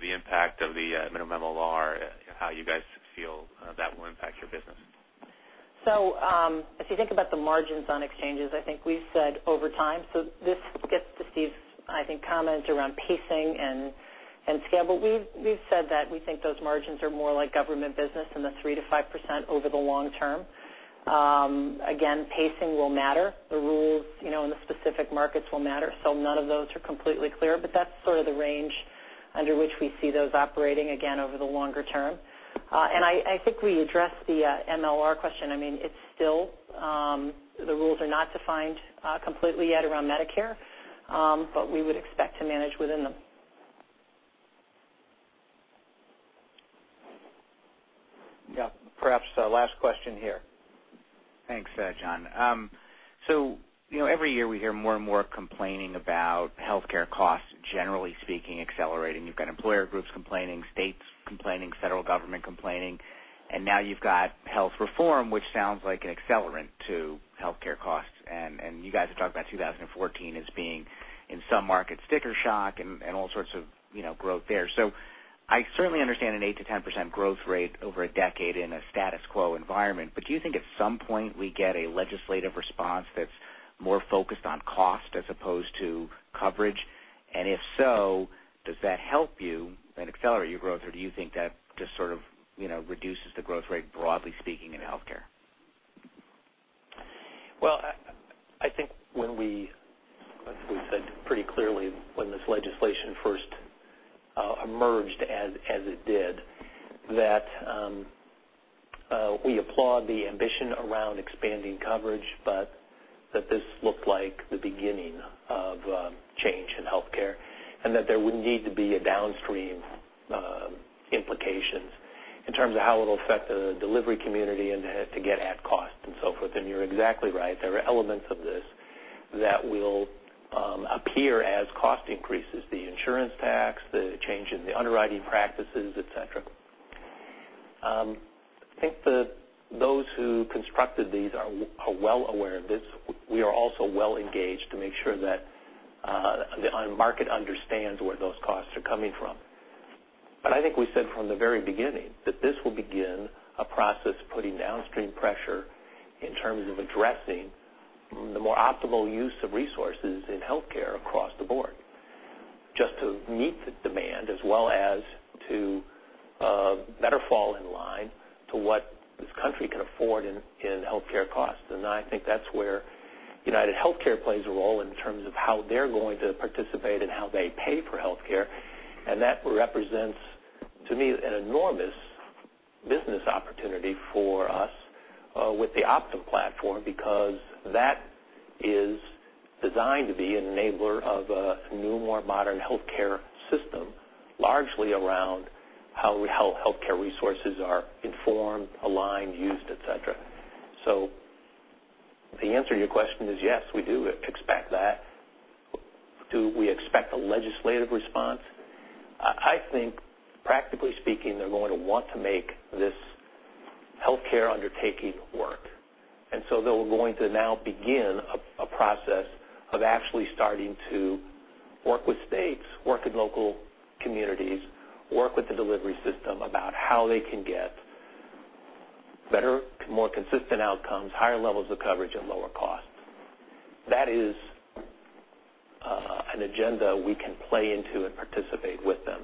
the impact of the minimum MLR, how you guys feel that will impact your business. If you think about the margins on exchanges, I think we've said over time. This gets to Steve's, I think, comment around pacing and scale. We've said that we think those margins are more like government business in the 3%-5% over the long term. Again, pacing will matter. The rules in the specific markets will matter. None of those are completely clear, but that's sort of the range under which we see those operating again over the longer term. I think we addressed the MLR question. I mean, the rules are not defined completely yet around Medicare, but we would expect to manage within them. Yeah. Perhaps the last question here. Thanks, John. Every year we hear more and more complaining about healthcare costs, generally speaking, accelerating. You've got employer groups complaining, states complaining, federal government complaining. Now you've got health reform, which sounds like an accelerant to healthcare costs. You guys have talked about 2014 as being in some markets sticker shock and all sorts of growth there. I certainly understand an 8%-10% growth rate over a decade in a status quo environment, do you think at some point we get a legislative response that's more focused on cost as opposed to coverage? If so, does that help you and accelerate your growth, or do you think that just sort of reduces the growth rate, broadly speaking, in healthcare? Well, I think as we've said pretty clearly when this legislation first Emerged as it did, that we applaud the ambition around expanding coverage, that this looked like the beginning of a change in healthcare, that there would need to be downstream implications in terms of how it'll affect the delivery community and to get at cost and so forth. You're exactly right. There are elements of this that will appear as cost increases, the insurance tax, the change in the underwriting practices, et cetera. I think those who constructed these are well aware of this. We are also well engaged to make sure that the market understands where those costs are coming from. I think we said from the very beginning that this will begin a process of putting downstream pressure in terms of addressing the more optimal use of resources in healthcare across the board, just to meet the demand, as well as to better fall in line to what this country can afford in healthcare costs. I think that's where UnitedHealthcare plays a role in terms of how they're going to participate and how they pay for healthcare. That represents, to me, an enormous business opportunity for us with the Optum platform because that is designed to be an enabler of a new, more modern healthcare system, largely around how healthcare resources are informed, aligned, used, et cetera. The answer to your question is yes, we do expect that. Do we expect a legislative response? They're going to want to make this healthcare undertaking work. They're going to now begin a process of actually starting to work with states, work with local communities, work with the delivery system about how they can get better, more consistent outcomes, higher levels of coverage, and lower costs. That is an agenda we can play into and participate with them.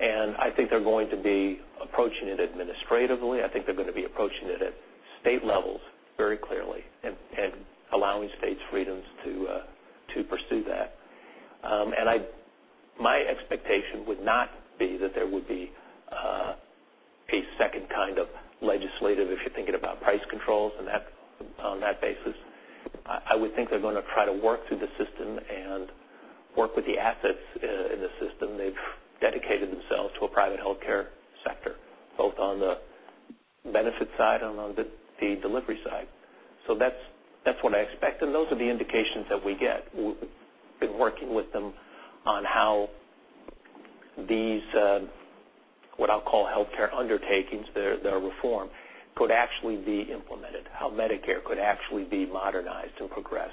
I think they're going to be approaching it administratively. I think they're going to be approaching it at state levels very clearly and allowing states freedoms to pursue that. My expectation would not be that there would be a second kind of legislative, if you're thinking about price controls on that basis. I would think they're going to try to work through the system and work with the assets in the system. They've dedicated themselves to a private healthcare sector, both on the benefit side and on the delivery side. That's what I expect, and those are the indications that we get. We've been working with them on how these, what I'll call healthcare undertakings, their reform, could actually be implemented, how Medicare could actually be modernized and progressed.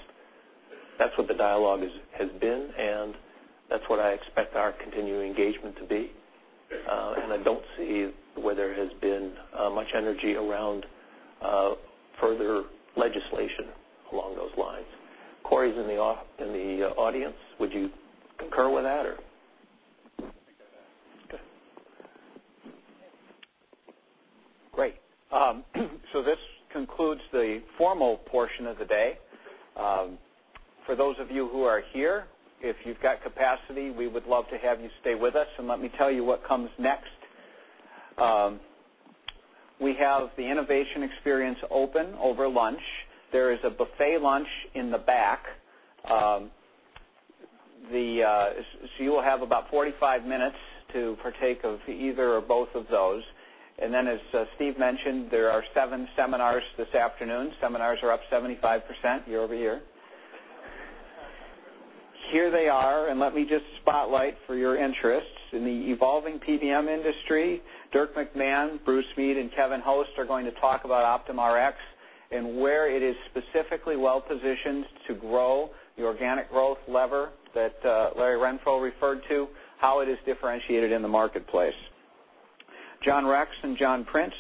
That's what the dialogue has been, and that's what I expect our continuing engagement to be. I don't see where there has been much energy around further legislation along those lines. Cory's in the audience. Would you concur with that or? I concur that. Good. Great. This concludes the formal portion of the day. For those of you who are here, if you've got capacity, we would love to have you stay with us. Let me tell you what comes next. We have the innovation experience open over lunch. There is a buffet lunch in the back. You will have about 45 minutes to partake of either or both of those. As Steve mentioned, there are seven seminars this afternoon. Seminars are up 75% year-over-year. Here they are, and let me just spotlight for your interest. In the evolving PBM industry, Dirk McMahon, Bruce Mead, and Kevin Host are going to talk about Optum Rx and where it is specifically well-positioned to grow the organic growth lever that Larry Renfro referred to, how it is differentiated in the marketplace. John Rex and John Prince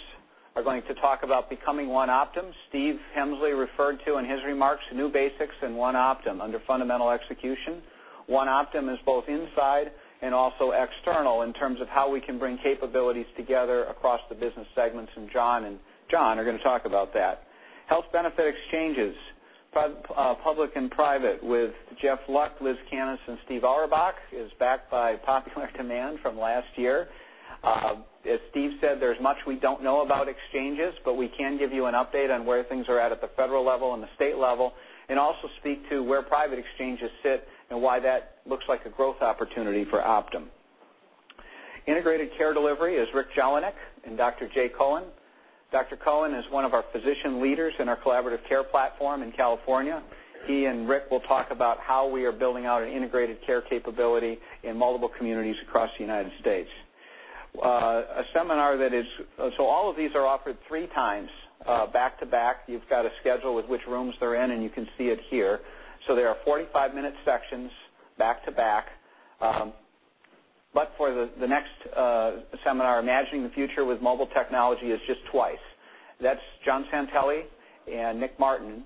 are going to talk about becoming One Optum. Stephen Hemsley referred to in his remarks new basics in One Optum under fundamental execution. One Optum is both inside and also external in terms of how we can bring capabilities together across the business segments. John and John are going to talk about that. Health benefit exchanges, public and private with Jeff Luck, Liz Kannas, and Steve Auerbach is back by popular demand from last year. Steve said, there's much we don't know about exchanges, but we can give you an update on where things are at at the federal level and the state level, also speak to where private exchanges sit and why that looks like a growth opportunity for Optum. Integrated care delivery is Rick Jelinek and Dr. Jay Cullen. Dr. Cullen is one of our physician leaders in our collaborative care platform in California. He and Rick will talk about how we are building out an integrated care capability in multiple communities across the United States. All of these are offered three times back to back. You've got a schedule with which rooms they're in. You can see it here. There are 45-minute sections back to back. For the next seminar, Imagining the Future with Mobile Technology is just twice. That's John Santelli and Nick Martin.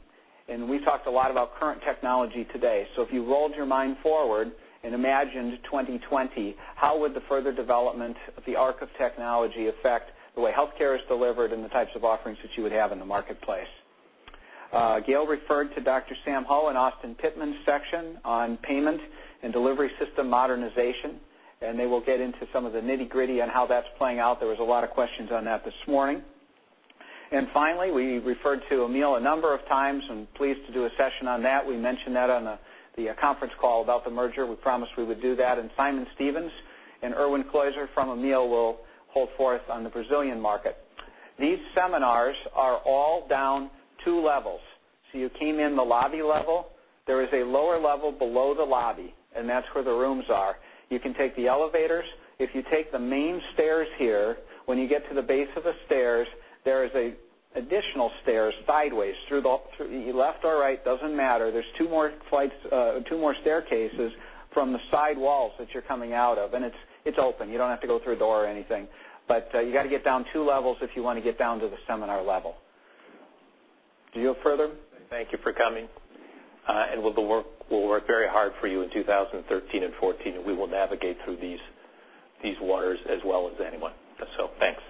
We talked a lot about current technology today. If you rolled your mind forward and imagined 2020, how would the further development of the arc of technology affect the way healthcare is delivered and the types of offerings that you would have in the marketplace? Gail referred to Dr. Sam Ho and Austin Pittman's section on payment and delivery system modernization. They will get into some of the nitty-gritty on how that's playing out. There was a lot of questions on that this morning. Finally, we referred to Amil a number of times and pleased to do a session on that. We mentioned that on the conference call about the merger. We promised we would do that. Simon Stevens and Erwin Cloeser from Amil will hold forth on the Brazilian market. These seminars are all down two levels. You came in the lobby level. There is a lower level below the lobby, and that's where the rooms are. You can take the elevators. If you take the main stairs here, when you get to the base of the stairs, there is additional stairs sideways through the left or right. Doesn't matter. There's two more staircases from the sidewalls that you're coming out of. It's open. You don't have to go through a door or anything. You got to get down two levels if you want to get down to the seminar level. Do you have further? Thank you for coming. We'll work very hard for you in 2013 and 2014. We will navigate through these waters as well as anyone. Thanks.